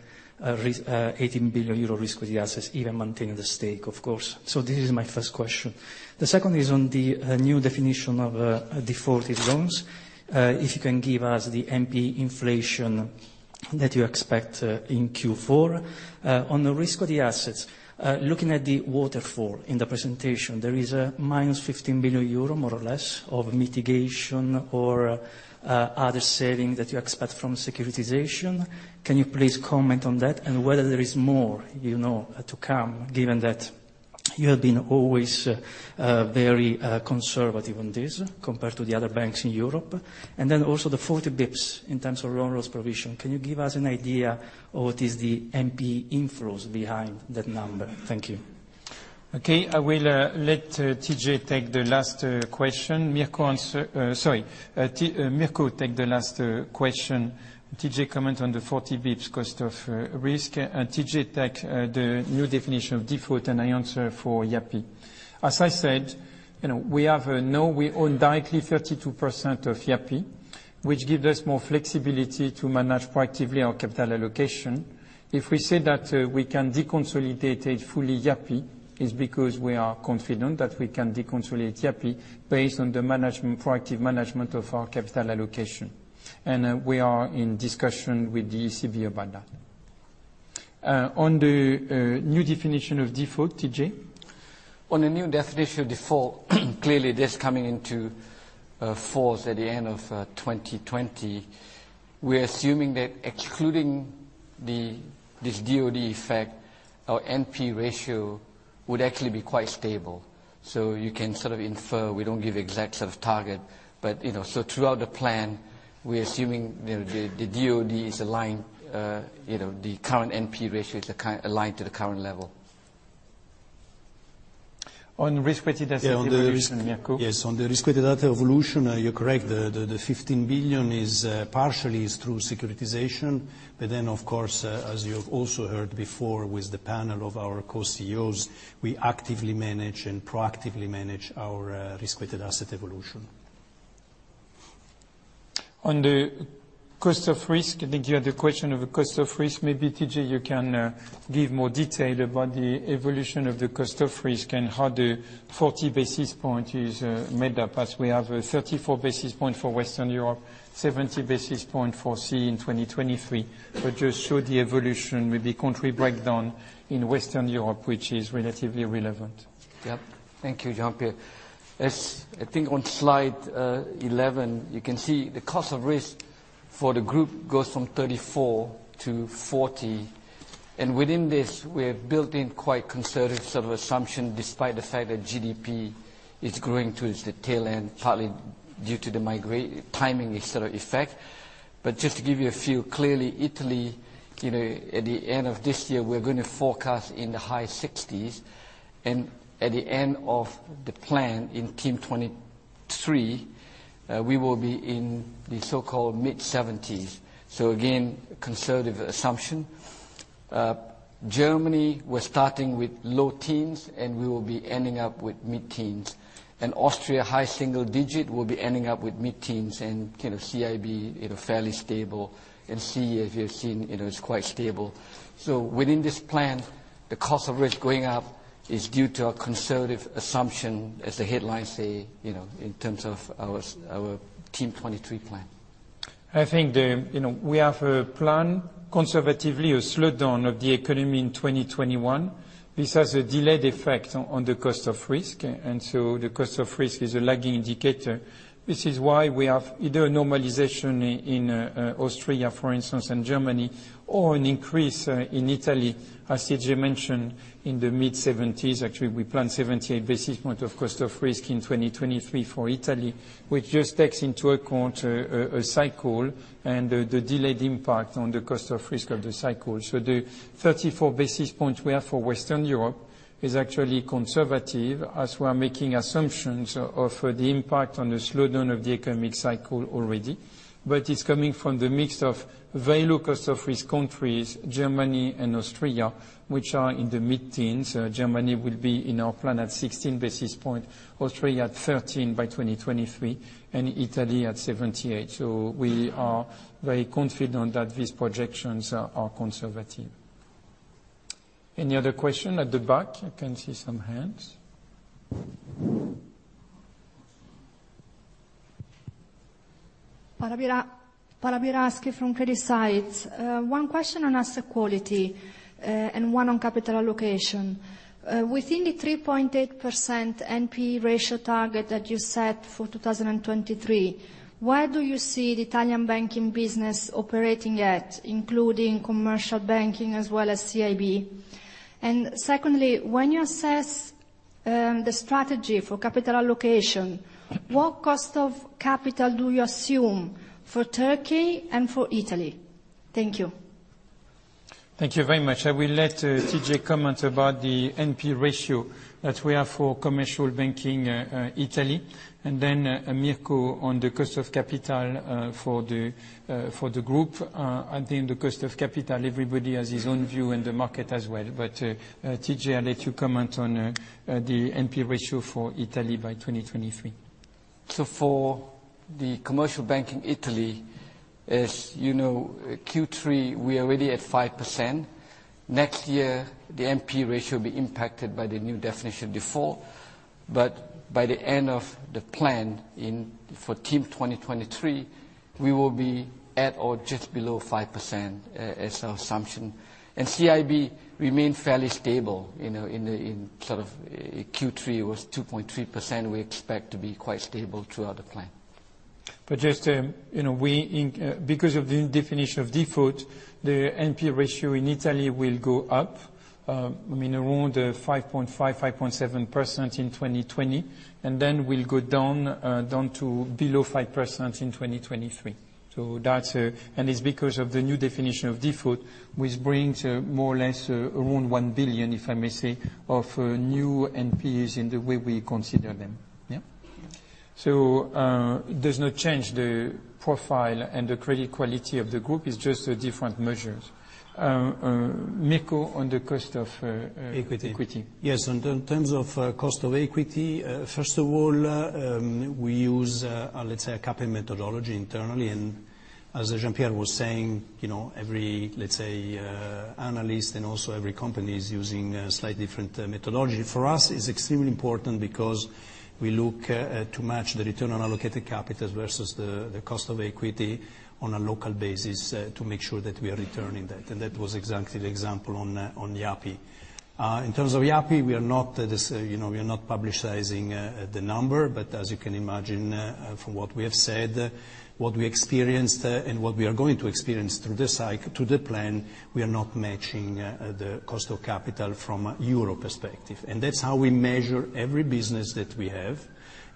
18 billion euro risk-weighted assets, even maintaining the stake, of course. This is my first question. The second is on the new definition of default. If you can give us the NPE inflation that you expect in Q4. On the risk of the assets, looking at the waterfall in the presentation, there is a minus 15 billion euro, more or less, of mitigation or other saving that you expect from securitization. Can you please comment on that and whether there is more to come, given that you have been always very conservative on this compared to the other banks in Europe? Also the 40 basis points in terms of loan loss provision. Can you give us an idea of what is the NPE inflows behind that number? Thank you. Okay, I will let TJ take the last question. Mirco take the last question. TJ comment on the 40 basis points cost of risk. TJ take the new definition of default, and I answer for Yapı. As I said, we own directly 32% of Yapı, which gives us more flexibility to manage proactively our capital allocation. If we say that we can deconsolidate it fully, Yapı, is because we are confident that we can deconsolidate Yapı based on the proactive management of our capital allocation. We are in discussion with the ECB about that. On the new definition of default, TJ? On a new definition of default, clearly, this coming into force at the end of 2020, we're assuming that excluding this DoD effect, our NPE ratio would actually be quite stable. You can sort of infer. We don't give exact sort of target. Throughout the plan, we're assuming the DoD is aligned, the current NPE ratio is aligned to the current level. On risk-weighted asset evolution, Mirko. Yes, on the risk-weighted asset evolution, you're correct. The 15 billion partially is through securitization, but then, of course, as you have also heard before with the panel of our co-CEOs, we actively manage and proactively manage our risk-weighted asset evolution. On the cost of risk, I think you had a question of cost of risk. Maybe, TJ, you can give more detail about the evolution of the cost of risk and how the 40 basis point is made up, as we have a 34 basis point for Western Europe, 70 basis point for CEE in 2023. Just show the evolution with the country breakdown in Western Europe, which is relatively relevant. Yep. Thank you, Jean-Pierre. I think on slide 11, you can see the cost of risk for the group goes from 34 to 40. Within this, we have built in quite conservative sort of assumption, despite the fact that GDP is growing towards the tail end, partly due to the timing sort of effect. Just to give you a feel, clearly, Italy, at the end of this year, we're going to forecast in the high 60s. At the end of the plan in Team 23, we will be in the so-called mid-70s. Again, conservative assumption. Germany, we're starting with low teens. We will be ending up with mid-teens. Austria, high single digit, will be ending up with mid-teens. CIB fairly stable. CEE, as you have seen, it's quite stable. Within this plan, the cost of risk going up is due to a conservative assumption, as the headlines say, in terms of our Team 23 plan. I think we have a plan conservatively, a slowdown of the economy in 2021. This has a delayed effect on the cost of risk. The cost of risk is a lagging indicator. This is why we have either a normalization in Austria, for instance, and Germany, or an increase in Italy, as TJ mentioned, in the mid-70s. Actually, we plan 78 basis points of cost of risk in 2023 for Italy, which just takes into account a cycle and the delayed impact on the cost of risk of the cycle. The 34 basis points we have for Western Europe is actually conservative, as we're making assumptions of the impact on the slowdown of the economic cycle already. It's coming from the mix of very low cost of risk countries, Germany and Austria, which are in the mid-teens. Germany will be in our plan at 16 basis points, Austria at 13 by 2023, and Italy at 78. We are very confident that these projections are conservative. Any other question at the back? I can see some hands. Paola Biraschi from CreditSights. One question on asset quality and one on capital allocation. Within the 3.8% NPE ratio target that you set for 2023, where do you see the Italian banking business operating at, including commercial banking as well as CIB? Secondly, when you assess the strategy for capital allocation, what cost of capital do you assume for Turkey and for Italy? Thank you. Thank you very much. I will let TJ comment about the NP ratio that we have for commercial banking, Italy, and then Mirko on the cost of capital for the group. I think the cost of capital, everybody has his own view, and the market as well. TJ, I'll let you comment on the NP ratio for Italy by 2023. For the commercial bank in Italy, as you know, Q3, we are already at 5%. Next year, the NPE ratio will be impacted by the new definition of default. By the end of the plan for Team 23, we will be at or just below 5% as our assumption. CIB remain fairly stable. In Q3, it was 2.3%, we expect to be quite stable throughout the plan. Just, because of the new definition of default, the NPE ratio in Italy will go up. Around 5.5%-5.7% in 2020, and then will go down to below 5% in 2023. It's because of the new definition of default, which brings more or less around 1 billion, if I may say, of new NPEs in the way we consider them. Yeah. It does not change the profile and the credit quality of the group, it's just different measures. Mirko, on the cost of- Equity equity. Yes, in terms of cost of equity, first of all, we use, let's say, a CAPM methodology internally. As Jean-Pierre was saying, every, let's say, analyst and also every company is using a slightly different methodology. For us, it's extremely important because we look to match the return on allocated capital versus the cost of equity on a local basis to make sure that we are returning that. That was exactly the example on Yapı. In terms of Yapı, we are not publicizing the number, but as you can imagine, from what we have said, what we experienced and what we are going to experience through this cycle, through the plan, we are not matching the cost of capital from a EUR perspective. That's how we measure every business that we have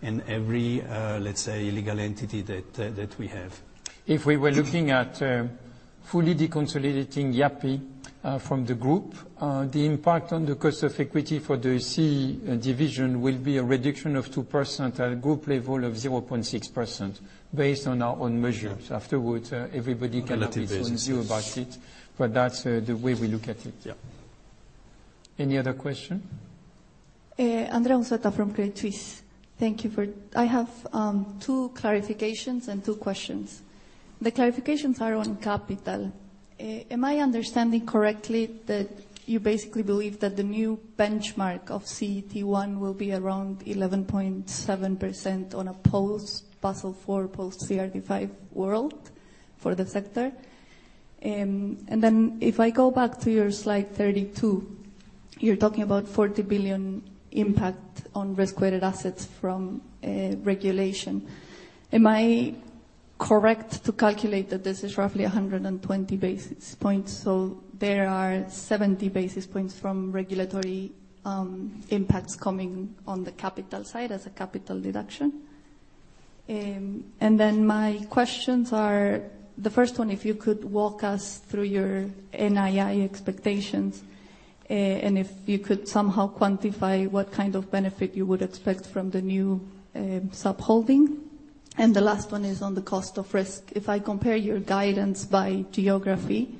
and every, let's say, legal entity that we have. If we were looking at fully deconsolidating Yapı from the group, the impact on the cost of equity for the CEE Division will be a reduction of 2% at a group level of 0.6%, based on our own measures. On a relative basis. have its own view about it, but that's the way we look at it. Yeah. Any other question? Andrea Unzueta from Credit Suisse. Thank you. I have two clarifications and two questions. The clarifications are on capital. Am I understanding correctly that you basically believe that the new benchmark of CET1 will be around 11.7% on a post-Basel IV, post-CRD V world for the sector? Am I correct to calculate that this is roughly 120 basis points, so there are 70 basis points from regulatory impacts coming on the capital side as a capital deduction? My questions are, the first one, if you could walk us through your NII expectations, and if you could somehow quantify what kind of benefit you would expect from the new sub-holding. The last one is on the cost of risk. If I compare your guidance by geography,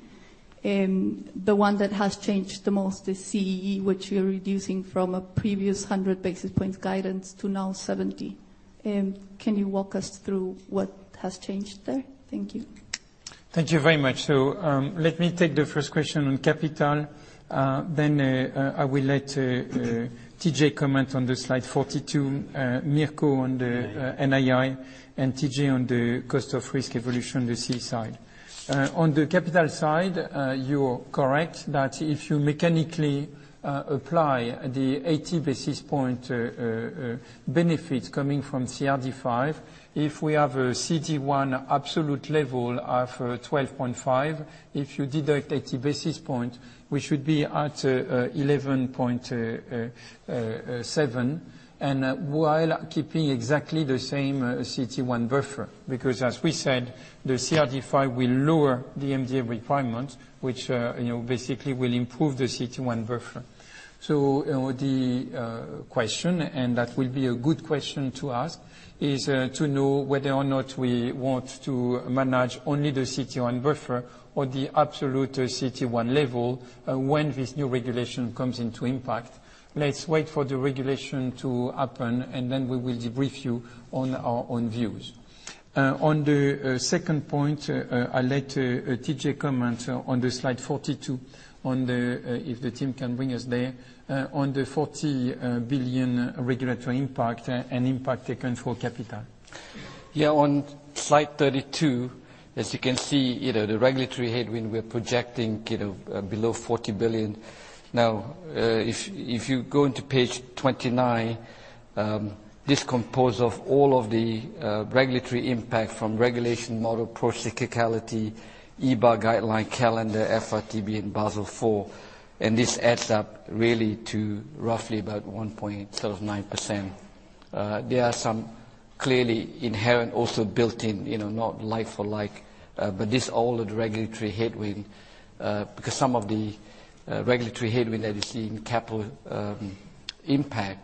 the one that has changed the most is CEE, which you're reducing from a previous 100 basis points guidance to now 70. Can you walk us through what has changed there? Thank you. Thank you very much. Let me take the first question on capital, then I will let TJ comment on the slide 42, Mirko on the NII, and TJ on the cost of risk evolution on the C side. On the capital side, you are correct that if you mechanically apply the 80 basis points benefit coming from CRD V, if we have a CET1 absolute level of 12.5, if you deduct 80 basis points, we should be at 11.7, and while keeping exactly the same CET1 buffer. Because as we said, the CRD V will lower the MDA requirement, which basically will improve the CET1 buffer. The question, and that will be a good question to ask, is to know whether or not we want to manage only the CET1 buffer or the absolute CET1 level when this new regulation comes into impact. Let's wait for the regulation to happen, and then we will debrief you on our own views. On the second point, I'll let T.J. comment on the slide 42, if the team can bring us there, on the 40 billion regulatory impact and impact taken for capital. Yeah, on slide 32, as you can see, the regulatory headwind we're projecting below 40 billion. If you go into page 29, this composes of all of the regulatory impact from regulation model, procyclicality, EBA guideline, calendar, FRTB, and Basel IV, this adds up really to roughly about 1.879%. There are some inherent, also built in, not like for like, all of the regulatory headwind, because some of the regulatory headwind that is seeing capital impact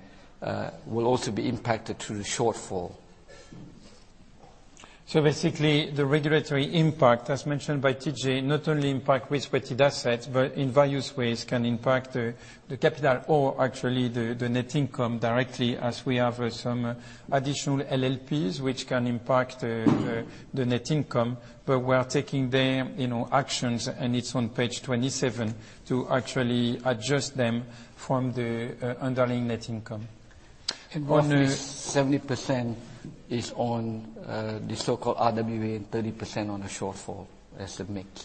will also be impacted through the shortfall. Basically, the regulatory impact, as mentioned by TJ, not only impact risk-weighted assets, but in various ways can impact the capital or actually the net income directly as we have some additional LLPs, which can impact the net income. We are taking the actions, and it's on page 27, to actually adjust them from the underlying net income. Roughly 70% is on the so-called RWA and 30% on the shortfall, as submitted.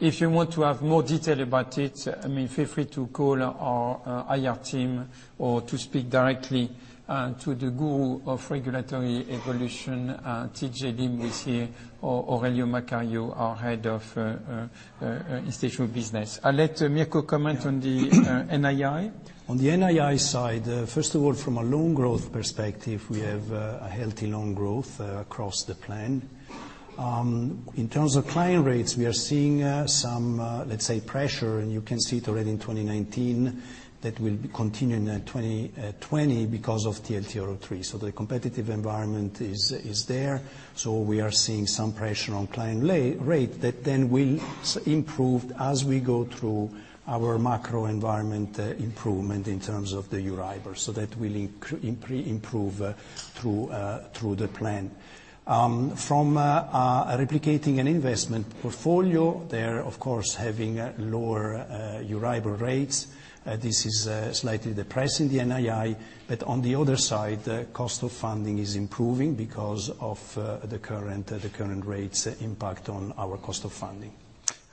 If you want to have more detail about it, feel free to call our IR team or to speak directly to the guru of regulatory evolution, TJ Lim with here, or Aurelio Maccario, our Head of Institutional Business. I'll let Mirko comment on the NII. On the NII side, first of all, from a loan growth perspective, we have a healthy loan growth across the plan. In terms of client rates, we are seeing some, let's say, pressure, and you can see it already in 2019, that will continue in 2020 because of TLTRO III. The competitive environment is there. We are seeing some pressure on client rate that then will improve as we go through our macro environment improvement in terms of the EURIBOR, that will improve through the plan. From replicating an investment portfolio, they're, of course, having lower EURIBOR rates. This is slightly depressing the NII, but on the other side, cost of funding is improving because of the current rates impact on our cost of funding.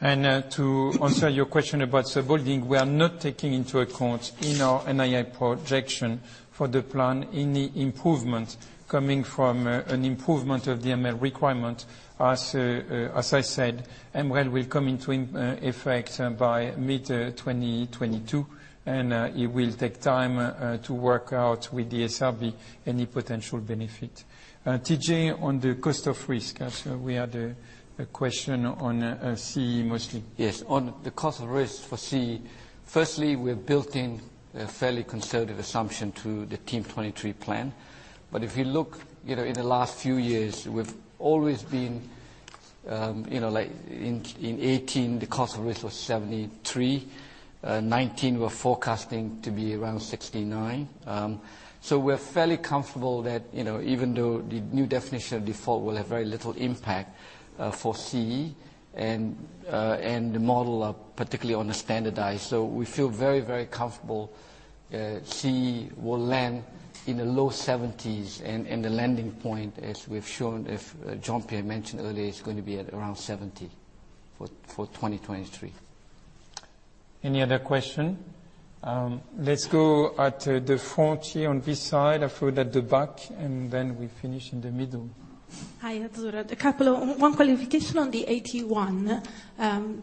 To answer your question about subholding, we are not taking into account in our NII projection for the plan any improvement coming from an improvement of the MREL requirement. As I said, MREL will come into effect by mid-2022, and it will take time to work out with the SRB any potential benefit. TJ, on the cost of risk, as we had a question on CE, mostly. Yes. On the cost of risk for CE, firstly, we're building a fairly conservative assumption to the Team 23 plan. If you look, in the last few years, we've always been, in 2018, the cost of risk was 73. 2019, we're forecasting to be around 69. We're fairly comfortable that even though the new definition of default will have very little impact for CE, and the model, particularly on the standardized. We feel very, very comfortable CE will land in the low 70s, and the landing point, as we've shown, as Jean-Pierre mentioned earlier, is going to be at around 70 for 2023. Any other question? Let's go at the front here on this side, after that the back, and then we finish in the middle. Hi. Azzurra. One qualification on the AT1.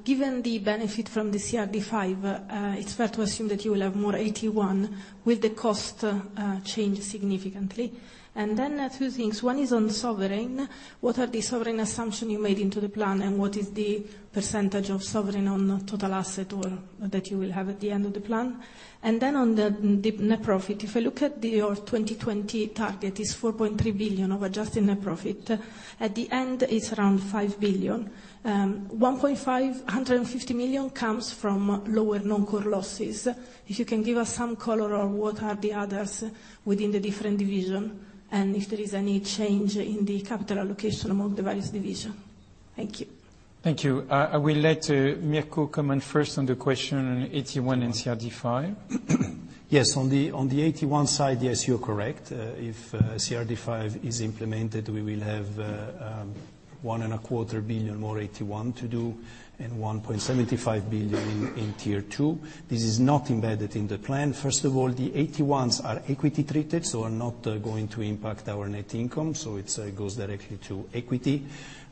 Given the benefit from the CRD V, it's fair to assume that you will have more AT1. Will the cost change significantly? Two things. One is on sovereign. What are the sovereign assumption you made into the plan, and what is the percentage of sovereign on total asset that you will have at the end of the plan? On the net profit, if I look at your 2020 target is 4.3 billion of adjusted net profit. At the end, it's around 5 billion. 150 million comes from lower non-core losses. If you can give us some color on what are the others within the different division, and if there is any change in the capital allocation among the various division. Thank you. Thank you. I will let Mirko comment first on the question on AT1 and CRD V. Yes, on the AT1 side, yes, you're correct. If CRD V is implemented, we will have 1.25 billion more AT1 to do and 1.75 billion in Tier 2. This is not embedded in the plan. First of all, the AT1s are equity-treated, are not going to impact our net income. It goes directly to equity.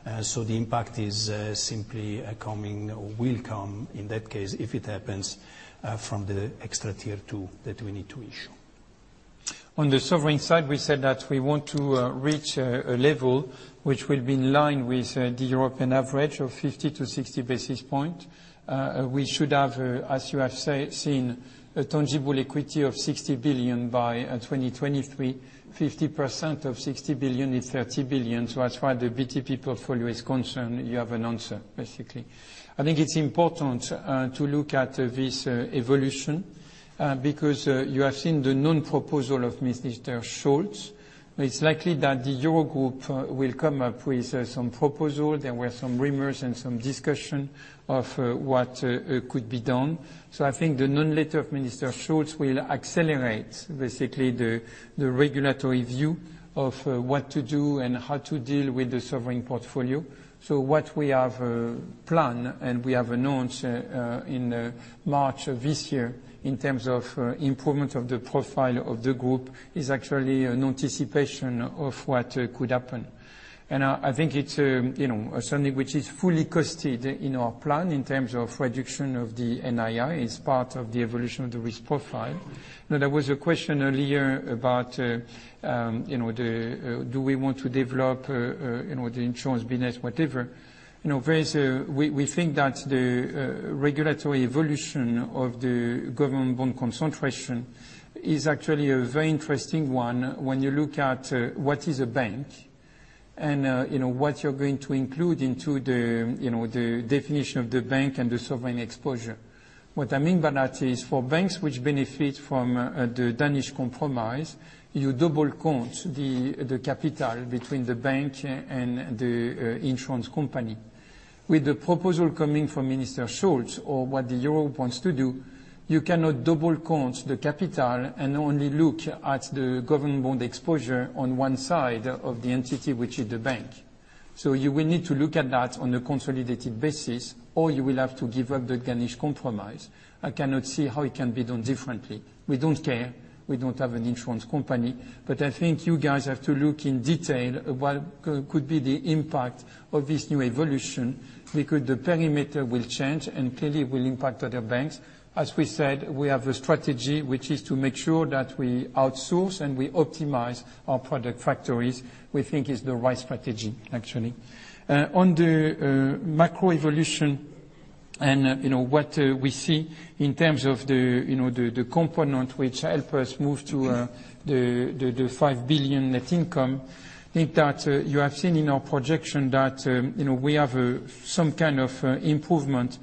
The impact is simply coming, or will come, in that case, if it happens, from the extra Tier 2 that we need to issue. On the sovereign side, we said that we want to reach a level which will be in line with the European average of 50 to 60 basis points. We should have, as you have seen, a tangible equity of 60 billion by 2023. 50% of 60 billion is 30 billion. As far as the BTP is concerned, you have an answer, basically. I think it's important to look at this evolution, because you have seen the non-proposal of Minister Scholz. It's likely that the Eurogroup will come up with some proposal. There were some rumors and some discussion of what could be done. I think the non-letter of Minister Scholz will accelerate, basically, the regulatory view of what to do and how to deal with the sovereign portfolio. What we have planned, and we have announced in March of this year in terms of improvement of the profile of the group, is actually an anticipation of what could happen. I think it's something which is fully costed in our plan in terms of reduction of the NII. It's part of the evolution of the risk profile. There was a question earlier about do we want to develop the insurance business, whatever. We think that the regulatory evolution of the government bond concentration is actually a very interesting one when you look at what is a bank and what you're going to include into the definition of the bank and the sovereign exposure. What I mean by that is for banks which benefit from the Danish compromise, you double count the capital between the bank and the insurance company. With the proposal coming from Minister Scholz or what the Euro wants to do, you cannot double count the capital and only look at the government bond exposure on one side of the entity, which is the bank. You will need to look at that on a consolidated basis, or you will have to give up the Danish compromise. I cannot see how it can be done differently. We don't care. We don't have an insurance company. I think you guys have to look in detail at what could be the impact of this new evolution, because the perimeter will change and clearly will impact other banks. As we said, we have a strategy, which is to make sure that we outsource and we optimize our product factories. We think it's the right strategy, actually. On the macro evolution and what we see in terms of the component which help us move to the 5 billion net income, I think that you have seen in our projection that we have some kind of improvement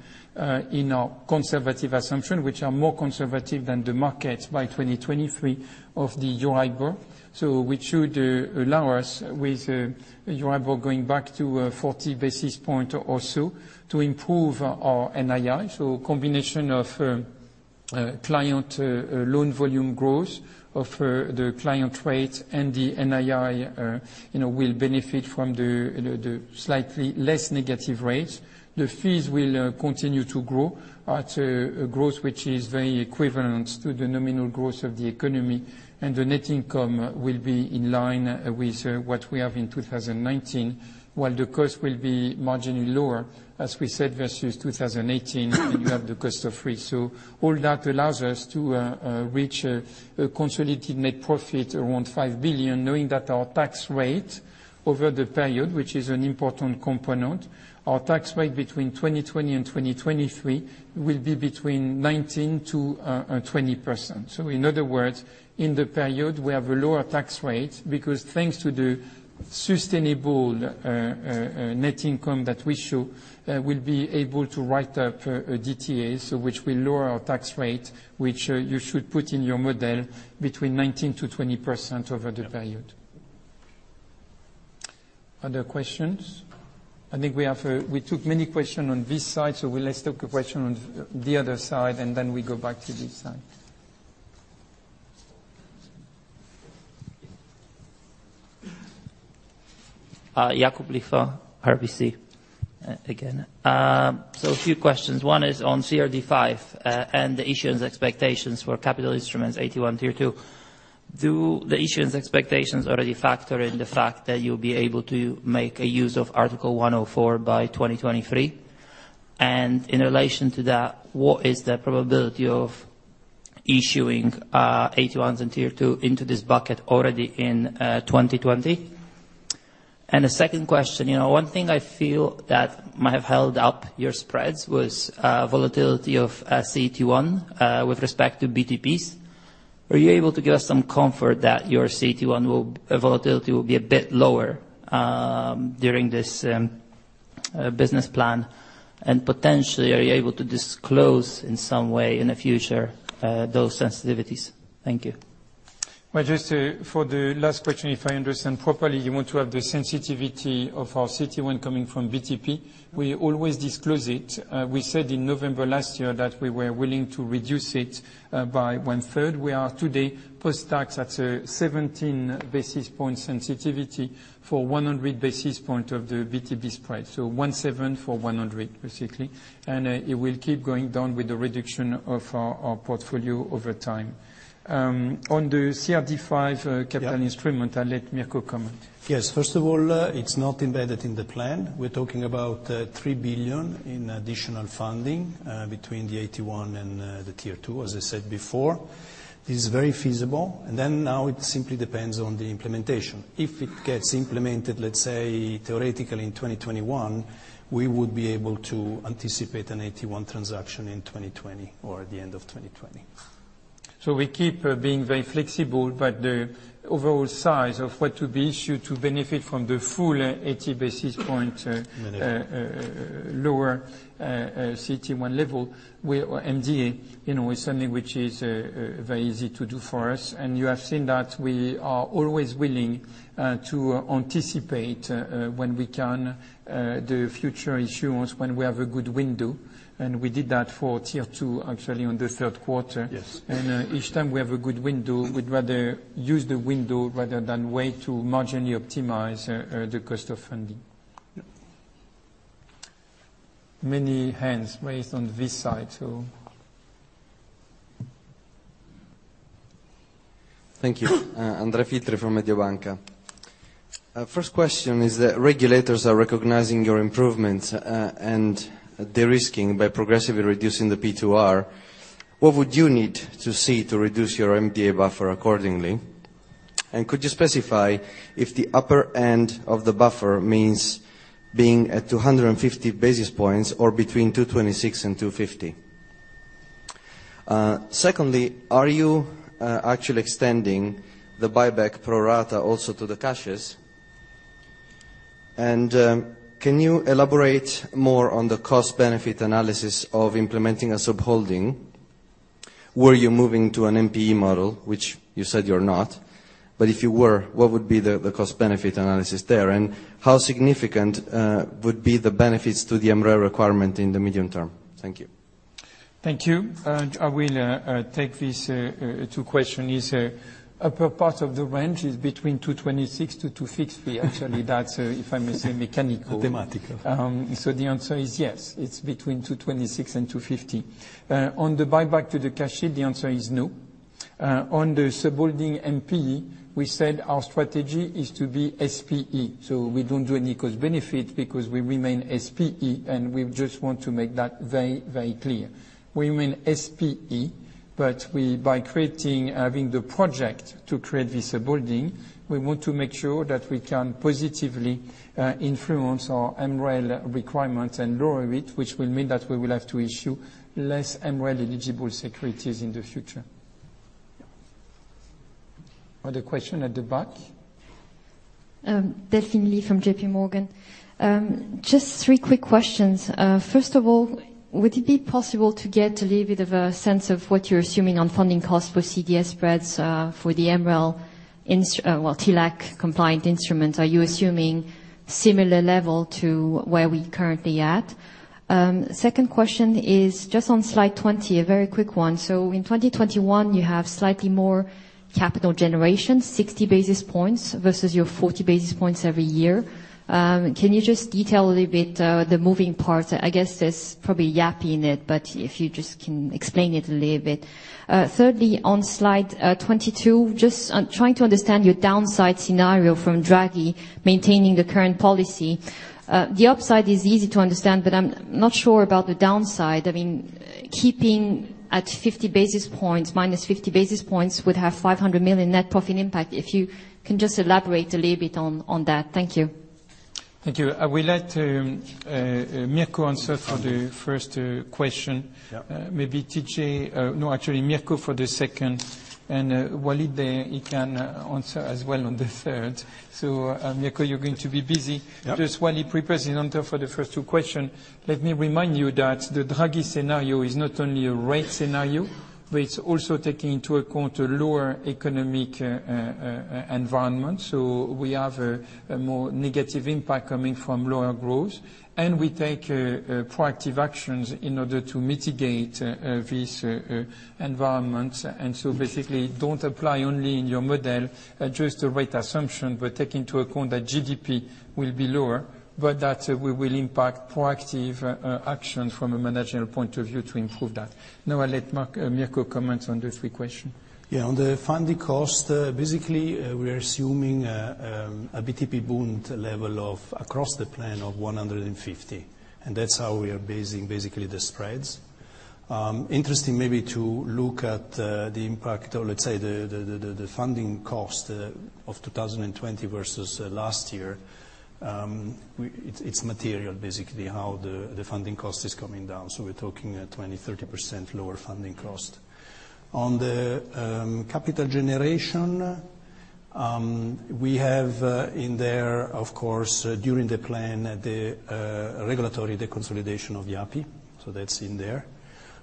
in our conservative assumption, which are more conservative than the market by 2023 of the EURIBOR. Which should allow us with EURIBOR going back to 40 basis points or so, to improve our NII. Combination of client loan volume growth, of the client rate, and the NII will benefit from the slightly less negative rates. The fees will continue to grow at a growth which is very equivalent to the nominal growth of the economy, and the net income will be in line with what we have in 2019. While the cost will be marginally lower, as we said, versus 2018, when you have the cost of risk. All that allows us to reach a consolidated net profit around 5 billion, knowing that our tax rate over the period, which is an important component, our tax rate between 2020 and 2023, will be between 19%-20%. In other words, in the period, we have a lower tax rate because thanks to the sustainable net income that we show, we'll be able to write up DTAs, which will lower our tax rate, which you should put in your model between 19%-20% over the period. Other questions? I think we took many question on this side, let's take a question on the other side, we go back to this side. Jakub Lichwa, RBC again. A few questions. One is on CRD V, and the issuance expectations for capital instruments AT1, Tier 2. Do the issuance expectations already factor in the fact that you'll be able to make a use of Article 104A by 2023? In relation to that, what is the probability of issuing AT1s and Tier 2 into this bucket already in 2020? A second question. One thing I feel that might have held up your spreads was volatility of CET1, with respect to BTPs. Were you able to give us some comfort that your CET1 volatility will be a bit lower during this business plan? Potentially, are you able to disclose, in some way, in the future, those sensitivities? Thank you. Well, just for the last question, if I understand properly, you want to have the sensitivity of our CET1 coming from BTP. We always disclose it. We said in November last year that we were willing to reduce it by one-third. We are today post-tax at a 17 basis point sensitivity for 100 basis point of the BTP spread. 17 for 100, basically. It will keep going down with the reduction of our portfolio over time. On the CRD5 capital instrument- I'll let Mirko comment. Yes, first of all, it's not embedded in the plan. We're talking about 3 billion in additional funding between the AT1 and the Tier 2, as I said before. This is very feasible. Now it simply depends on the implementation. If it gets implemented, let's say, theoretically in 2021, we would be able to anticipate an AT1 transaction in 2020 or the end of 2020. We keep being very flexible, but the overall size of what will be issued to benefit from the full 80 basis point-Lower CET1 level, MDA, is something which is very easy to do for us. You have seen that we are always willing to anticipate, when we can, the future issuance when we have a good window, and we did that for Tier 2, actually, on the third quarter. Yes. Each time we have a good window, we'd rather use the window rather than wait to marginally optimize the cost of funding. Many hands raised on this side, so. Thank you. Andrea Filtri from Mediobanca. First question is that regulators are recognizing your improvements and de-risking by progressively reducing the P2R. What would you need to see to reduce your MDA buffer accordingly? Could you specify if the upper end of the buffer means being at 250 basis points or between 226 and 250? Secondly, are you actually extending the buyback pro rata also to the cash? Can you elaborate more on the cost-benefit analysis of implementing a sub-holding? Were you moving to an NPE model, which you said you're not, but if you were, what would be the cost-benefit analysis there, and how significant would be the benefits to the MREL requirement in the medium term? Thank you. Thank you. I will take these two question is, upper part of the range is between 226 to 250. Actually, that's, if I may say, mechanical. Mathematical. The answer is yes, it's between 226 and 250. On the buyback to the cache, the answer is no. On the sub-holding NPE, we said our strategy is to be SPE. We don't do any cost benefit because we remain SPE, and we just want to make that very clear. We remain SPE, but by creating, having the project to create this sub-holding, we want to make sure that we can positively influence our MREL requirements and lower it, which will mean that we will have to issue less MREL eligible securities in the future. Other question at the back. Delphine Lee from JPMorgan. Just three quick questions. First of all, would it be possible to get a little bit of a sense of what you're assuming on funding costs for CDS spreads for the MREL as well, TLAC compliant instruments, are you assuming similar level to where we currently at? Second question is just on slide 20, a very quick one. In 2021, you have slightly more capital generation, 60 basis points versus your 40 basis points every year. Can you just detail a little bit, the moving parts? I guess there's probably Yapı in it, but if you just can explain it a little bit. Thirdly, on slide 22, just trying to understand your downside scenario from Draghi maintaining the current policy. The upside is easy to understand, but I'm not sure about the downside. I mean, keeping at 50 basis points, minus 50 basis points would have 500 million net profit impact. If you can just elaborate a little bit on that. Thank you. Thank you. I would like to, Mirko answer for the first question. Maybe TJ, no, actually, Mirko for the second, and Walid there, he can answer as well on the third. Mirko, you're going to be busy. Yeah. Just while he prepares his answer for the first two questions, let me remind you that the Draghi Scenario is not only a rate scenario, it's also taking into account a lower economic environment. We have a more negative impact coming from lower growth, we take proactive actions in order to mitigate this environment. Basically, don't apply only in your model just a rate assumption, take into account that GDP will be lower, that we will impact proactive action from a managerial point of view to improve that. Now I let Mirko comment on the three questions. On the funding cost, basically, we are assuming a BTP bund level of across the plan of 150. That's how we are basing basically the spreads. Interesting maybe to look at the impact or, let's say, the funding cost of 2020 versus last year. It's material basically how the funding cost is coming down. We're talking 20%, 30% lower funding cost. On the capital generation, we have in there, of course, during the plan, the regulatory deconsolidation of Yapı. That's in there.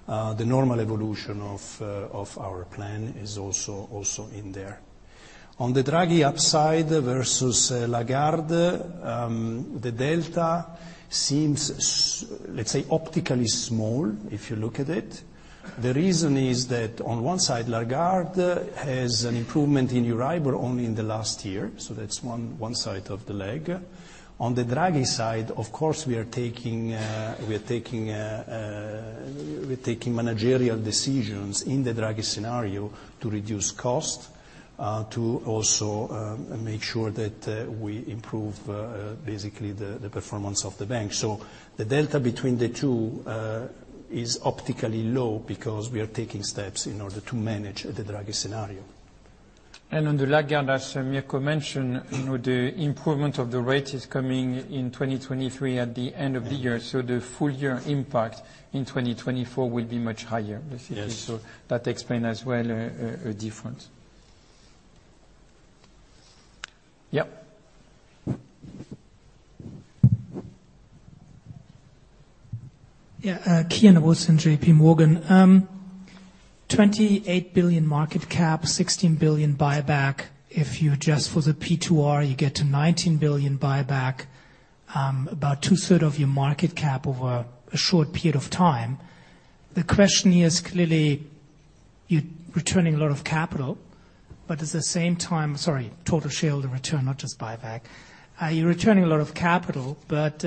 The normal evolution of our plan is also in there. On the Draghi upside versus Lagarde, the delta seems, let's say, optically small, if you look at it. The reason is that on one side, Lagarde has an improvement in EURIBOR only in the last year, that's one side of the leg. On the Draghi side, of course, we are taking managerial decisions in the Draghi scenario to reduce cost, to also make sure that we improve, basically, the performance of the bank. The delta between the two is optically low because we are taking steps in order to manage the Draghi scenario. On the Lagarde, as Mirko mentioned, the improvement of the rate is coming in 2023 at the end of the year, so the full year impact in 2024 will be much higher, basically. Yes. That explain as well a difference. Yep. Yeah. Ken Wilson, JPMorgan. 28 billion market cap, 16 billion buyback. If you adjust for the P2R, you get to 19 billion buyback, about two-third of your market cap over a short period of time. The question is, clearly, you're returning a lot of capital, but at the same time Sorry, total shareholder return, not just buyback. You're returning a lot of capital, but,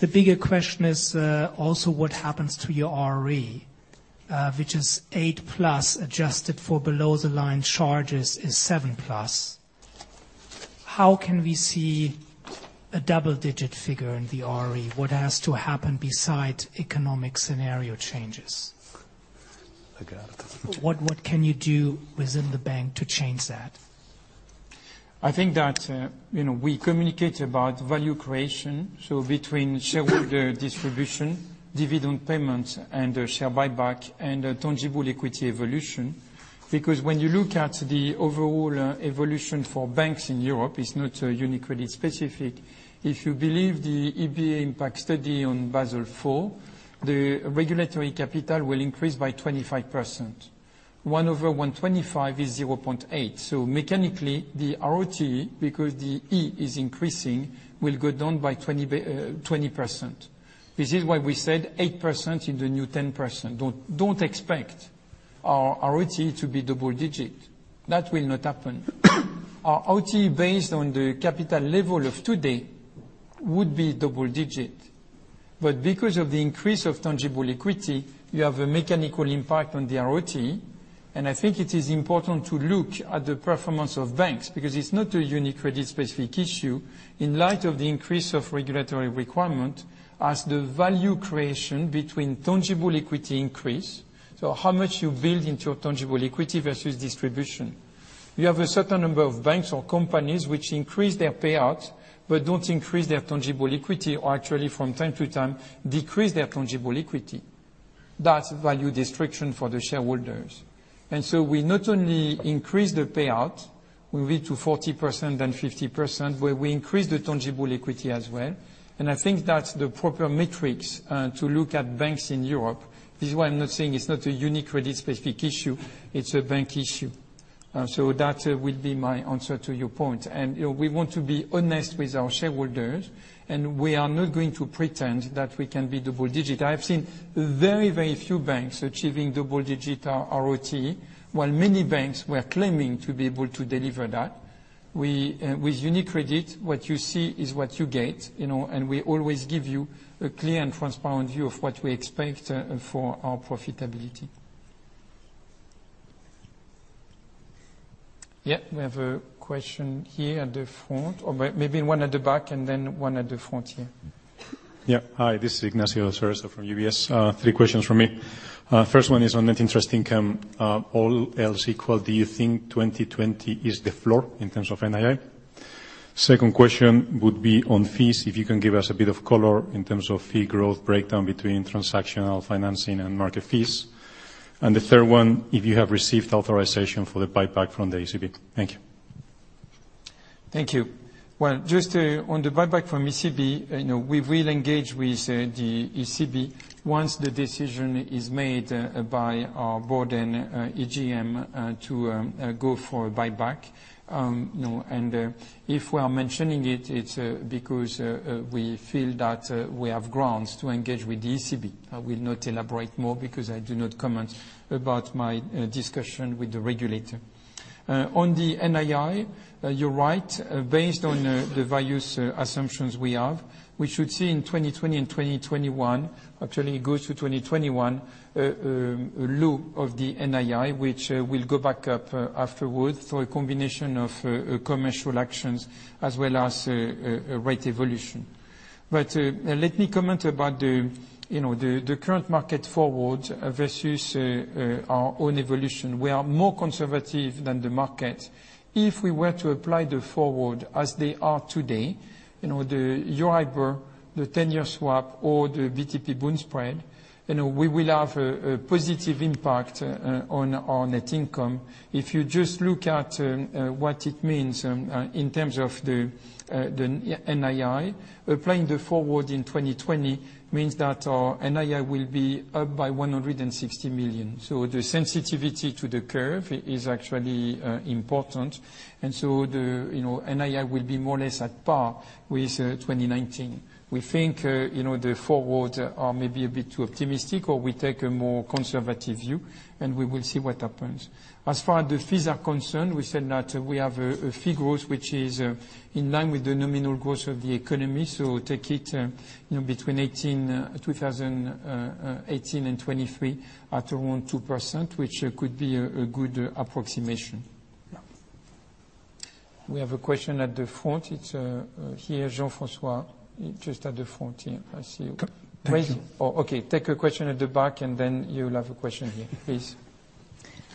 the bigger question is, also what happens to your ROE, which is 8+, adjusted for below the line charges is 7+. How can we see a double-digit figure in the ROE? What has to happen besides economic scenario changes? I got it. What can you do within the bank to change that? I think that we communicate about value creation, so between shareholder distribution, dividend payments, and share buyback, and tangible equity evolution. When you look at the overall evolution for banks in Europe, it's not UniCredit specific. If you believe the EBA impact study on Basel IV, the regulatory capital will increase by 25%. 1 over 125 is 0.8. Mechanically, the ROTE, because the E is increasing, will go down by 20%. This is why we said 8% into new 10%. Don't expect our ROTE to be double digit. That will not happen. Our ROTE based on the capital level of today would be double digit. Because of the increase of tangible equity, you have a mechanical impact on the ROTE, and I think it is important to look at the performance of banks, because it's not a UniCredit specific issue, in light of the increase of regulatory requirement as the value creation between tangible equity increase. How much you build into your tangible equity versus distribution. You have a certain number of banks or companies which increase their payout but don't increase their tangible equity or actually from time to time, decrease their tangible equity. That's value destruction for the shareholders. So we not only increase the payout, we raise to 40% and 50%, where we increase the tangible equity as well, and I think that's the proper metrics, to look at banks in Europe. This is why I'm not saying it's not a UniCredit specific issue, it's a bank issue. That will be my answer to your point. We want to be honest with our shareholders, and we are not going to pretend that we can be double-digit. I've seen very, very few banks achieving double-digit ROTE, while many banks were claiming to be able to deliver that. With UniCredit, what you see is what you get, and we always give you a clear and transparent view of what we expect for our profitability. We have a question here at the front, or maybe one at the back and then one at the front here. Hi, this is Ignacio Cerezo from UBS. Three questions from me. First one is on net interest income. All else equal, do you think 2020 is the floor in terms of NII? Second question would be on fees, if you can give us a bit of color in terms of fee growth breakdown between transactional financing and market fees. The third one, if you have received authorization for the buyback from the ECB. Thank you. Thank you. Well, just on the buyback from ECB, we will engage with the ECB once the decision is made by our board and, AGM, to go for a buyback. If we are mentioning it's because we feel that we have grounds to engage with the ECB. I will not elaborate more because I do not comment about my discussion with the regulator. On the NII, you're right. Based on the various assumptions we have, we should see in 2020 and 2021, actually it goes to 2021, a low of the NII, which will go back up afterwards for a combination of commercial actions as well as rate evolution. Let me comment about the current market forward versus our own evolution. We are more conservative than the market. If we were to apply the forward as they are today, the EURIBOR, the 10-year swap, or the BTP bund spread, we will have a positive impact on our net income. If you just look at what it means in terms of the NII, applying the forward in 2020 means that our NII will be up by 160 million. The sensitivity to the curve is actually important. The NII will be more or less at par with 2019. We think, the forwards are maybe a bit too optimistic, or we take a more conservative view, and we will see what happens. As far as the fees are concerned, we said that we have a fee growth which is in line with the nominal growth of the economy. Take it between 2018 and 2023 at around 2%, which could be a good approximation. We have a question at the front. It's, here, Jean-François, just at the front here. I see you. Okay. Take a question at the back, and then you'll have a question here. Please.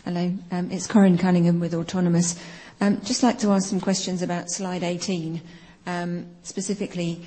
Hello. It's Corinne Cunningham with Autonomous. Just like to ask some questions about slide 18. Specifically,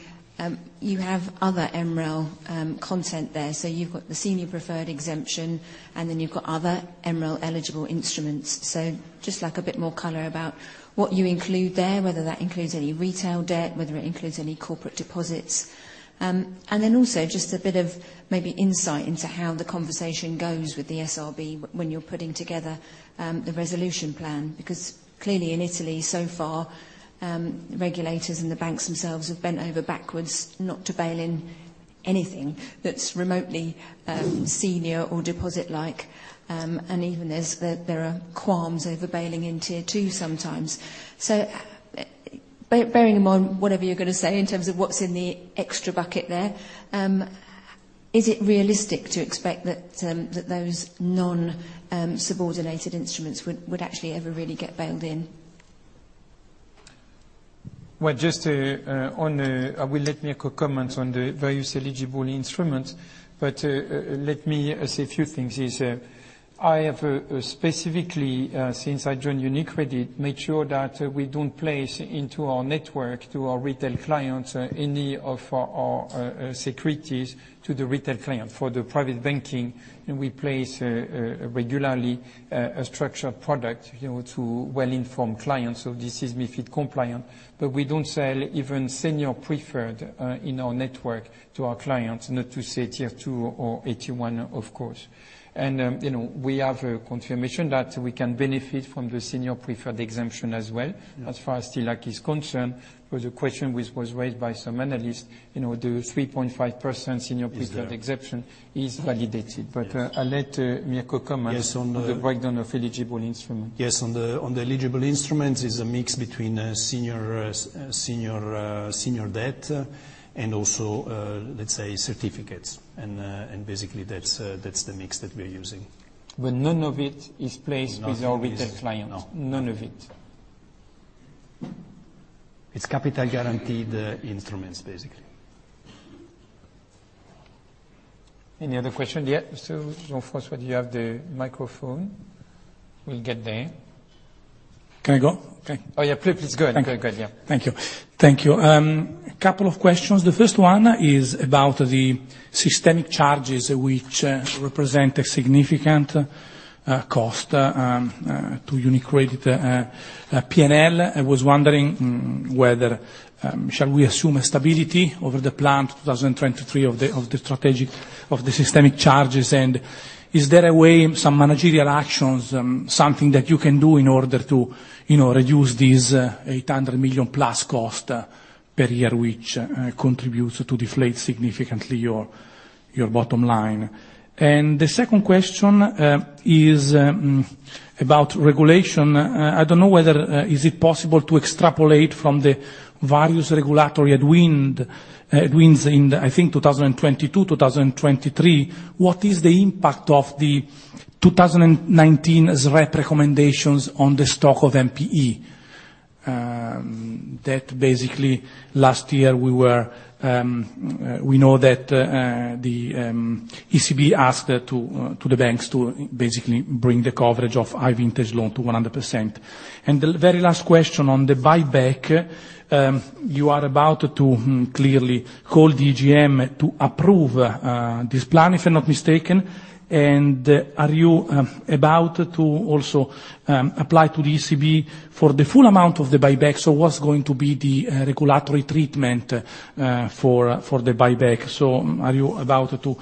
you have other MREL content there. You've got the senior preferred exemption, and then you've got other MREL-eligible instruments. Just like a bit more color about what you include there, whether that includes any retail debt, whether it includes any corporate deposits. Also just a bit of maybe insight into how the conversation goes with the SRB when you're putting together the resolution plan. Because clearly in Italy so far, regulators and the banks themselves have bent over backwards not to bail in anything that's remotely senior or deposit-like. Even there are qualms over bailing in Tier 2 sometimes. Bearing in mind whatever you're going to say in terms of what's in the extra bucket there, is it realistic to expect that those non-subordinated instruments would actually ever really get bailed in? Well, just on, I will let Mirko comment on the various eligible instruments, but let me say a few things. I have specifically, since I joined UniCredit, made sure that we don't place into our network, to our retail clients, any of our securities to the retail client. For the private banking, we place regularly a structured product to well-informed clients, so this is MiFID compliant, but we don't sell even senior preferred in our network to our clients, not to say Tier 2 or AT1, of course. We have a confirmation that we can benefit from the senior preferred exemption as well, as far as TLAC is concerned. It was a question which was raised by some analysts, the 3.5% senior. Is there preferred exemption is validated. Yes. I'll let Mirko comment. Yes. On the breakdown of eligible instruments. Yes, on the eligible instruments is a mix between senior debt and also, let's say, certificates, and basically, that's the mix that we're using. None of it is placed. None is Our retail clients. No. None of it. It's capital-guaranteed instruments, basically. Any other questions? Yeah, Mr. Jean-François, do you have the microphone? We'll get there. Can I go? Okay. Oh, yeah. Please, go ahead. Okay. Go ahead, yeah. Thank you. Thank you. Couple of questions. The first one is about the systemic charges, which represent a significant cost to UniCredit P&L. I was wondering whether, shall we assume a stability over Team 23 of the strategic of the systemic charges, is there a way, some managerial actions, something that you can do in order to reduce this 800 million-plus cost per year, which contributes to deflate significantly your bottom line? The second question is about regulation. I don't know whether, is it possible to extrapolate from the various regulatory headwinds in, I think, 2022, 2023. What is the impact of the 2019 SRF recommendations on the stock of NPE? That basically, last year, we know that the ECB asked to the banks to basically bring the coverage of high vintage loan to 100%. The very last question on the buyback. You are about to, clearly, call the AGM to approve this plan, if I'm not mistaken. Are you about to also apply to the ECB for the full amount of the buyback? What's going to be the regulatory treatment for the buyback? Are you about to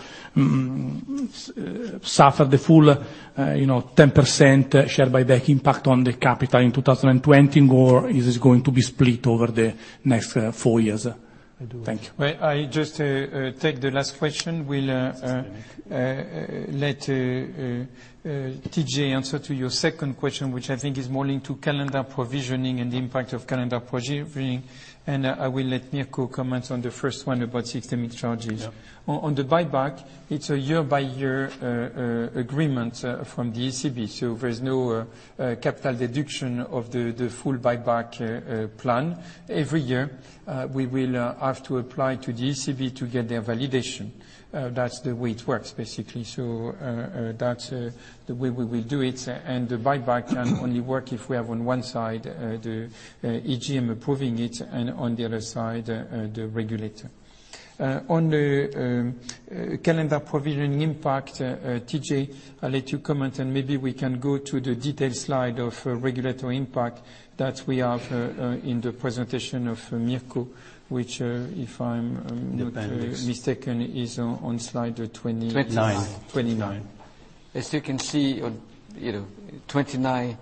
suffer the full 10% share buyback impact on the capital in 2020, or is this going to be split over the next four years? Thank you. Well, I just take the last question. Let TJ answer to your second question, which I think is more linked to calendar provisioning and the impact of calendar provisioning, and I will let Mirco comment on the first one about systemic charges. On the buyback, it's a year-by-year agreement from the ECB. There's no capital deduction of the full buyback plan. Every year, we will have to apply to the ECB to get their validation. That's the way it works, basically. That's the way we will do it. The buyback can only work if we have, on one side, the AGM approving it, and on the other side, the regulator. On the calendar provisioning impact, TJ, I'll let you comment. Maybe we can go to the detailed slide of regulatory impact that we have in the presentation of Mirko, which, if I'm not- The appendix. mistaken, is on slide 20- 29. 29. As you can see on 29,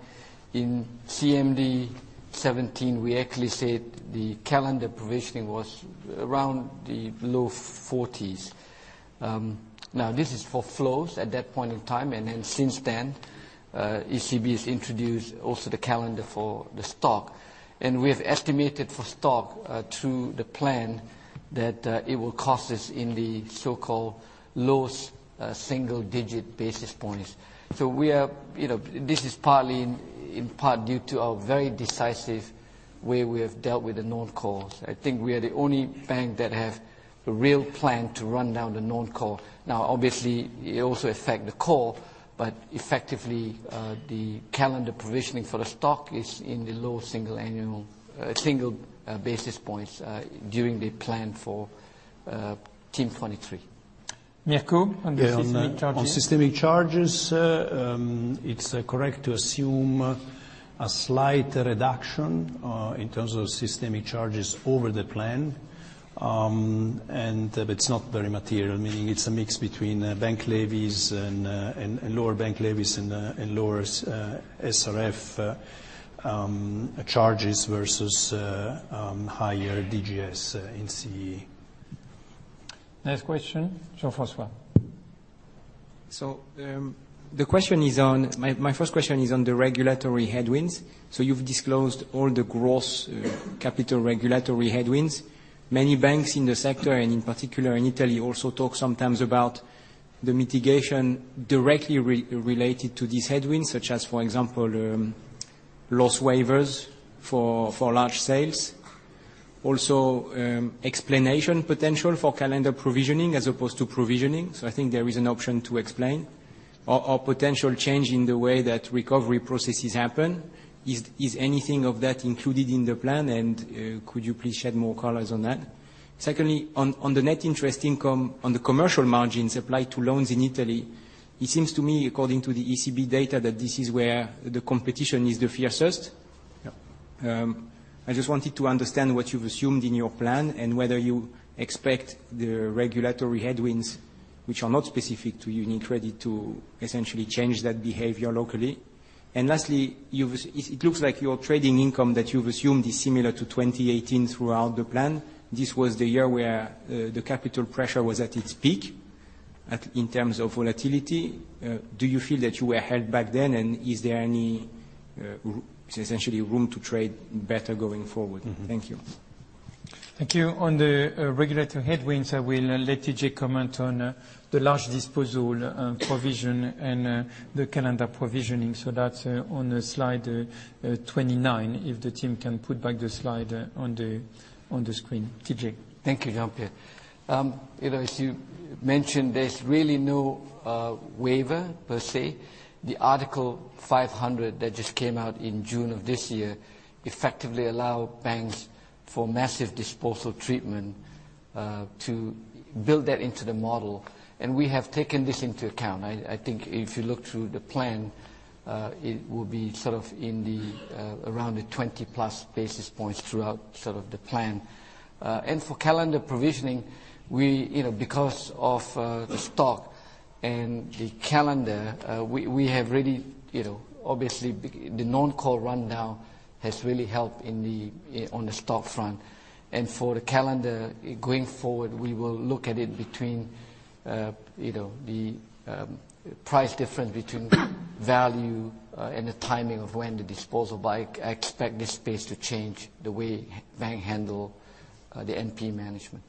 in CMD17, we actually said the calendar provisioning was around the low 40s. This is for flows at that point in time, then since then, ECB has introduced also the calendar for the stock. We have estimated for stock through the plan that it will cost us in the so-called low single-digit basis points. This is in part due to our very decisive way we have dealt with the non-core. I think we are the only bank that have a real plan to run down the non-core. Obviously, it also affect the core, effectively, the calendar provisioning for the stock is in the low single annual, single basis points, during the plan for Team 23. Mirko, on the systemic charges. On systemic charges, it's correct to assume a slight reduction in terms of systemic charges over the plan, and it's not very material, meaning it's a mix between bank levies and lower bank levies and lower SRF charges versus higher DGS in CE. Next question, Jean-François. My first question is on the regulatory headwinds. You've disclosed all the gross capital regulatory headwinds. Many banks in the sector, and in particular in Italy, also talk sometimes about the mitigation directly related to these headwinds, such as, for example, loss waivers for large sales, also explanation potential for calendar provisioning as opposed to provisioning, or potential change in the way that recovery processes happen. I think there is an option to explain. Is anything of that included in the plan? Could you please shed more colors on that? Secondly, on the net interest income, on the commercial margins applied to loans in Italy, it seems to me, according to the ECB data, that this is where the competition is the fiercest. I just wanted to understand what you've assumed in your plan and whether you expect the regulatory headwinds, which are not specific to UniCredit, to essentially change that behavior locally. Lastly, it looks like your trading income that you've assumed is similar to 2018 throughout the plan. This was the year where the capital pressure was at its peak, in terms of volatility. Do you feel that you were held back then? Is there any, essentially, room to trade better going forward? Thank you. Thank you. On the regulatory headwinds, I will let TJ comment on the large disposal provision and the calendar provisioning. That's on slide 29, if the team can put back the slide on the screen. TJ. Thank you, Jean-Pierre. As you mentioned, there's really no waiver per se. The Article 500 that just came out in June of this year effectively allow banks for massive disposal treatment to build that into the model. We have taken this into account. I think if you look through the plan, it will be around the 20+ basis points throughout the plan. For calendar provisioning, because of the stock and the calendar, obviously, the non-call rundown has really helped on the stock front. For the calendar, going forward, we will look at it between the price difference between value and the timing of when the disposal, but I expect this space to change the way bank handle the NPE management.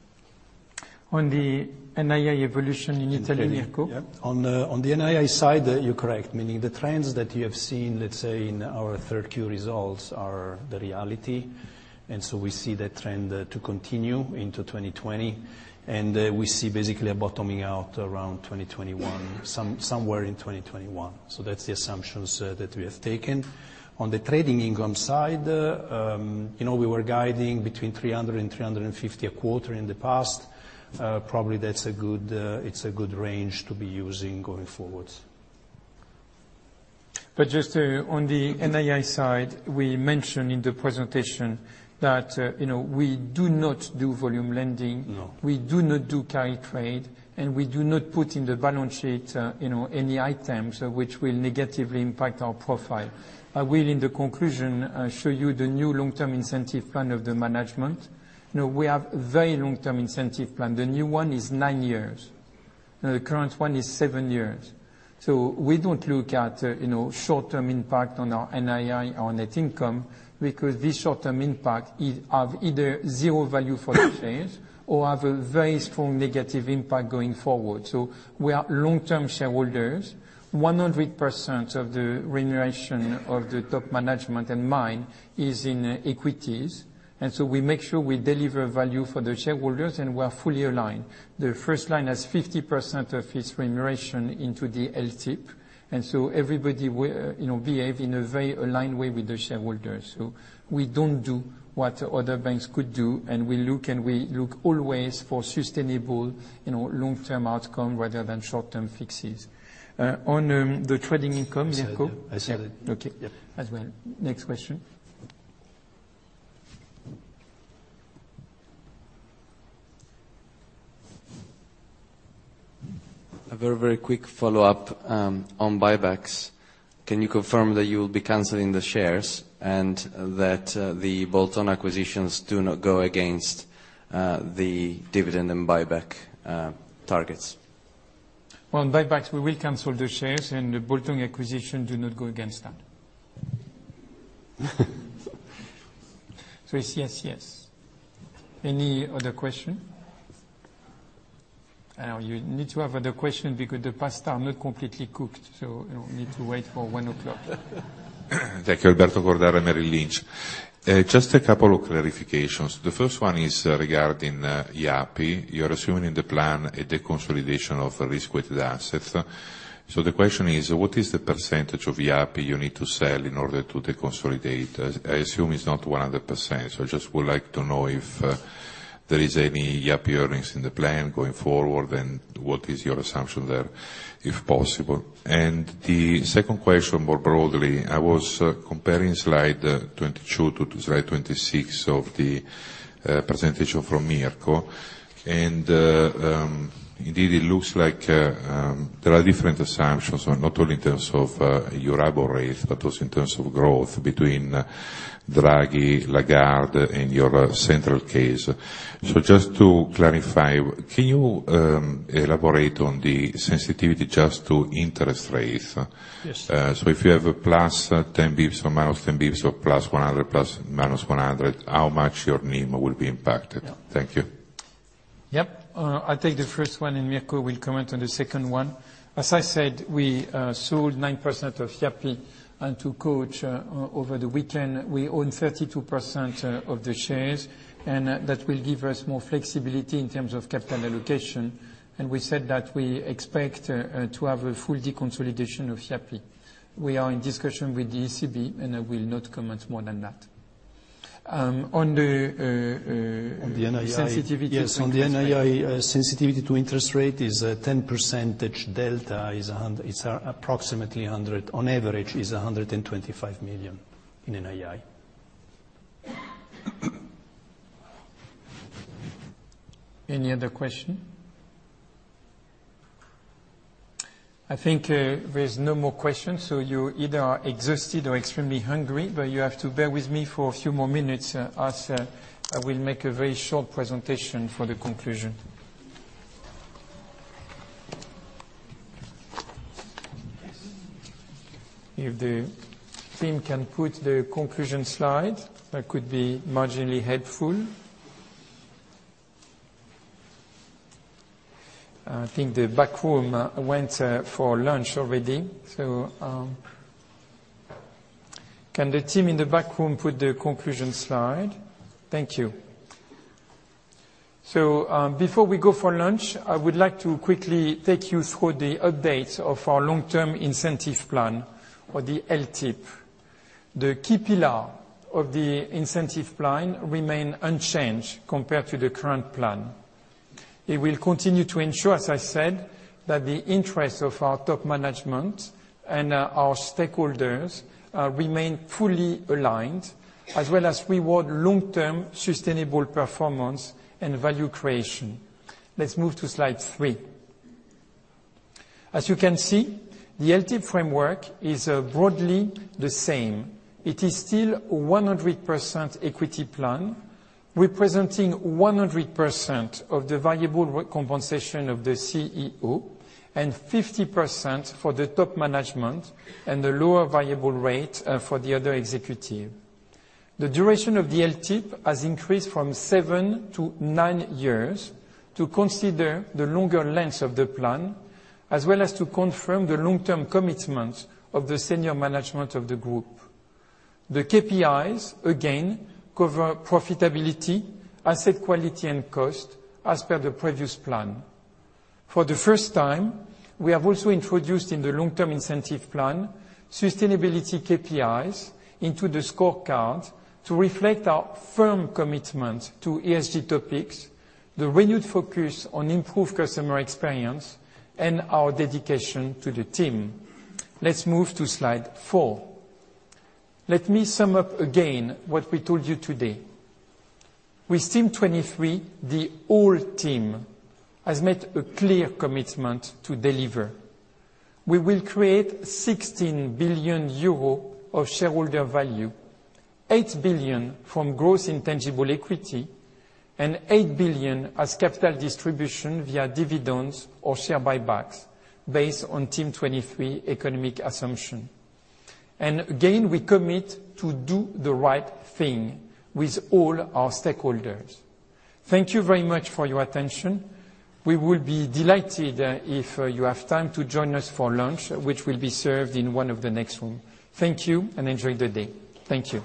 On the NII evolution in Italy, Mirko. In Italy, yeah. On the NII side, you're correct, meaning the trends that you have seen, let's say, in our third-quarter results are the reality. We see that trend to continue into 2020, and we see basically a bottoming out around 2021, somewhere in 2021. That's the assumptions that we have taken. On the trading income side, we were guiding between 300 and 350 a quarter in the past. Probably, it's a good range to be using going forward. Just on the NII side, we mentioned in the presentation that we do not do volume lending. No. We do not do carry trade. We do not put in the balance sheet any items which will negatively impact our profile. I will, in the conclusion, show you the new long-term incentive plan of the management. We have a very long-term incentive plan. The new one is nine years. The current one is seven years. We don't look at short-term impact on our NII or net income, because this short-term impact have either zero value for the shares or have a very strong negative impact going forward. We are long-term shareholders. 100% of the remuneration of the top management and mine is in equities. We make sure we deliver value for the shareholders, and we are fully aligned. The first line has 50% of its remuneration into the LTIP. Everybody behave in a very aligned way with the shareholders. We don't do what other banks could do, and we look always for sustainable, long-term outcome rather than short-term fixes. On the trading income, Mirko. I said it. Okay. Yeah. As well. Next question. A very quick follow-up on buybacks. Can you confirm that you will be canceling the shares and that the bolt-on acquisitions do not go against the dividend and buyback targets? On buybacks, we will cancel the shares, and the bolt-on acquisition do not go against that. It's yes. Any other question? You need to have other question because the pasta are not completely cooked, need to wait for 1:00 P.M. Thank you. Alberto Cordara, Merrill Lynch. Just a couple of clarifications. The first one is regarding Yapı. You're assuming in the plan a deconsolidation of risk-weighted assets. The question is, what is the percentage of Yapı you need to sell in order to deconsolidate? I assume it's not 100%, just would like to know if there is any Yapı earnings in the plan going forward, and what is your assumption there, if possible. The second question, more broadly, I was comparing slide 22 to slide 26 of the presentation from Mirko. Indeed, it looks like there are different assumptions, not only in terms of your EURIBOR rate, but also in terms of growth between Draghi, Lagarde, and your central case. Just to clarify, can you elaborate on the sensitivity just to interest rates? Yes. If you have a plus 10 basis points or minus 10 basis points or plus 100, ±100, how much your NIM will be impacted? Thank you. Yep. I'll take the first one, and Mirko will comment on the second one. As I said, we sold 9% of Yapı to Koç over the weekend. We own 32% of the shares. That will give us more flexibility in terms of capital allocation. We said that we expect to have a full deconsolidation of Yapı. We are in discussion with the ECB. I will not comment more than that. On the- On the NII sensitivity to interest rate. Yes, on the NII, sensitivity to interest rate is 10% delta, approximately, on average, is 125 million in NII. Any other question? I think there's no more questions. You either are exhausted or extremely hungry, but you have to bear with me for a few more minutes as I will make a very short presentation for the conclusion. If the team can put the conclusion slide, that could be marginally helpful. I think the back room went for lunch already. Can the team in the back room put the conclusion slide? Thank you. Before we go for lunch, I would like to quickly take you through the update of our long-term incentive plan or the LTIP. The key pillar of the incentive plan remain unchanged compared to the current plan. It will continue to ensure, as I said, that the interest of our top management and our stakeholders remain fully aligned, as well as reward long-term sustainable performance and value creation. Let's move to slide three. As you can see, the LTIP framework is broadly the same. It is still 100% equity plan, representing 100% of the variable compensation of the Chief Executive Officer and 50% for the top management and the lower variable rate for the other executive. The duration of the LTIP has increased from seven to nine years to consider the longer length of the plan, as well as to confirm the long-term commitment of the senior management of the group. The KPIs, again, cover profitability, asset quality, and cost as per the previous plan. For the first time, we have also introduced in the long-term incentive plan, sustainability KPIs into the scorecard to reflect our firm commitment to ESG topics, the renewed focus on improved customer experience, and our dedication to the team. Let's move to slide four. Let me sum up again what we told you today. With Team 23, the whole team has made a clear commitment to deliver. We will create 16 billion euro of shareholder value, 8 billion from growth in tangible equity, and 8 billion as capital distribution via dividends or share buybacks based on Team 23 economic assumption. Again, we commit to do the right thing with all our stakeholders. Thank you very much for your attention. We will be delighted if you have time to join us for lunch, which will be served in one of the next rooms. Thank you and enjoy the day. Thank you.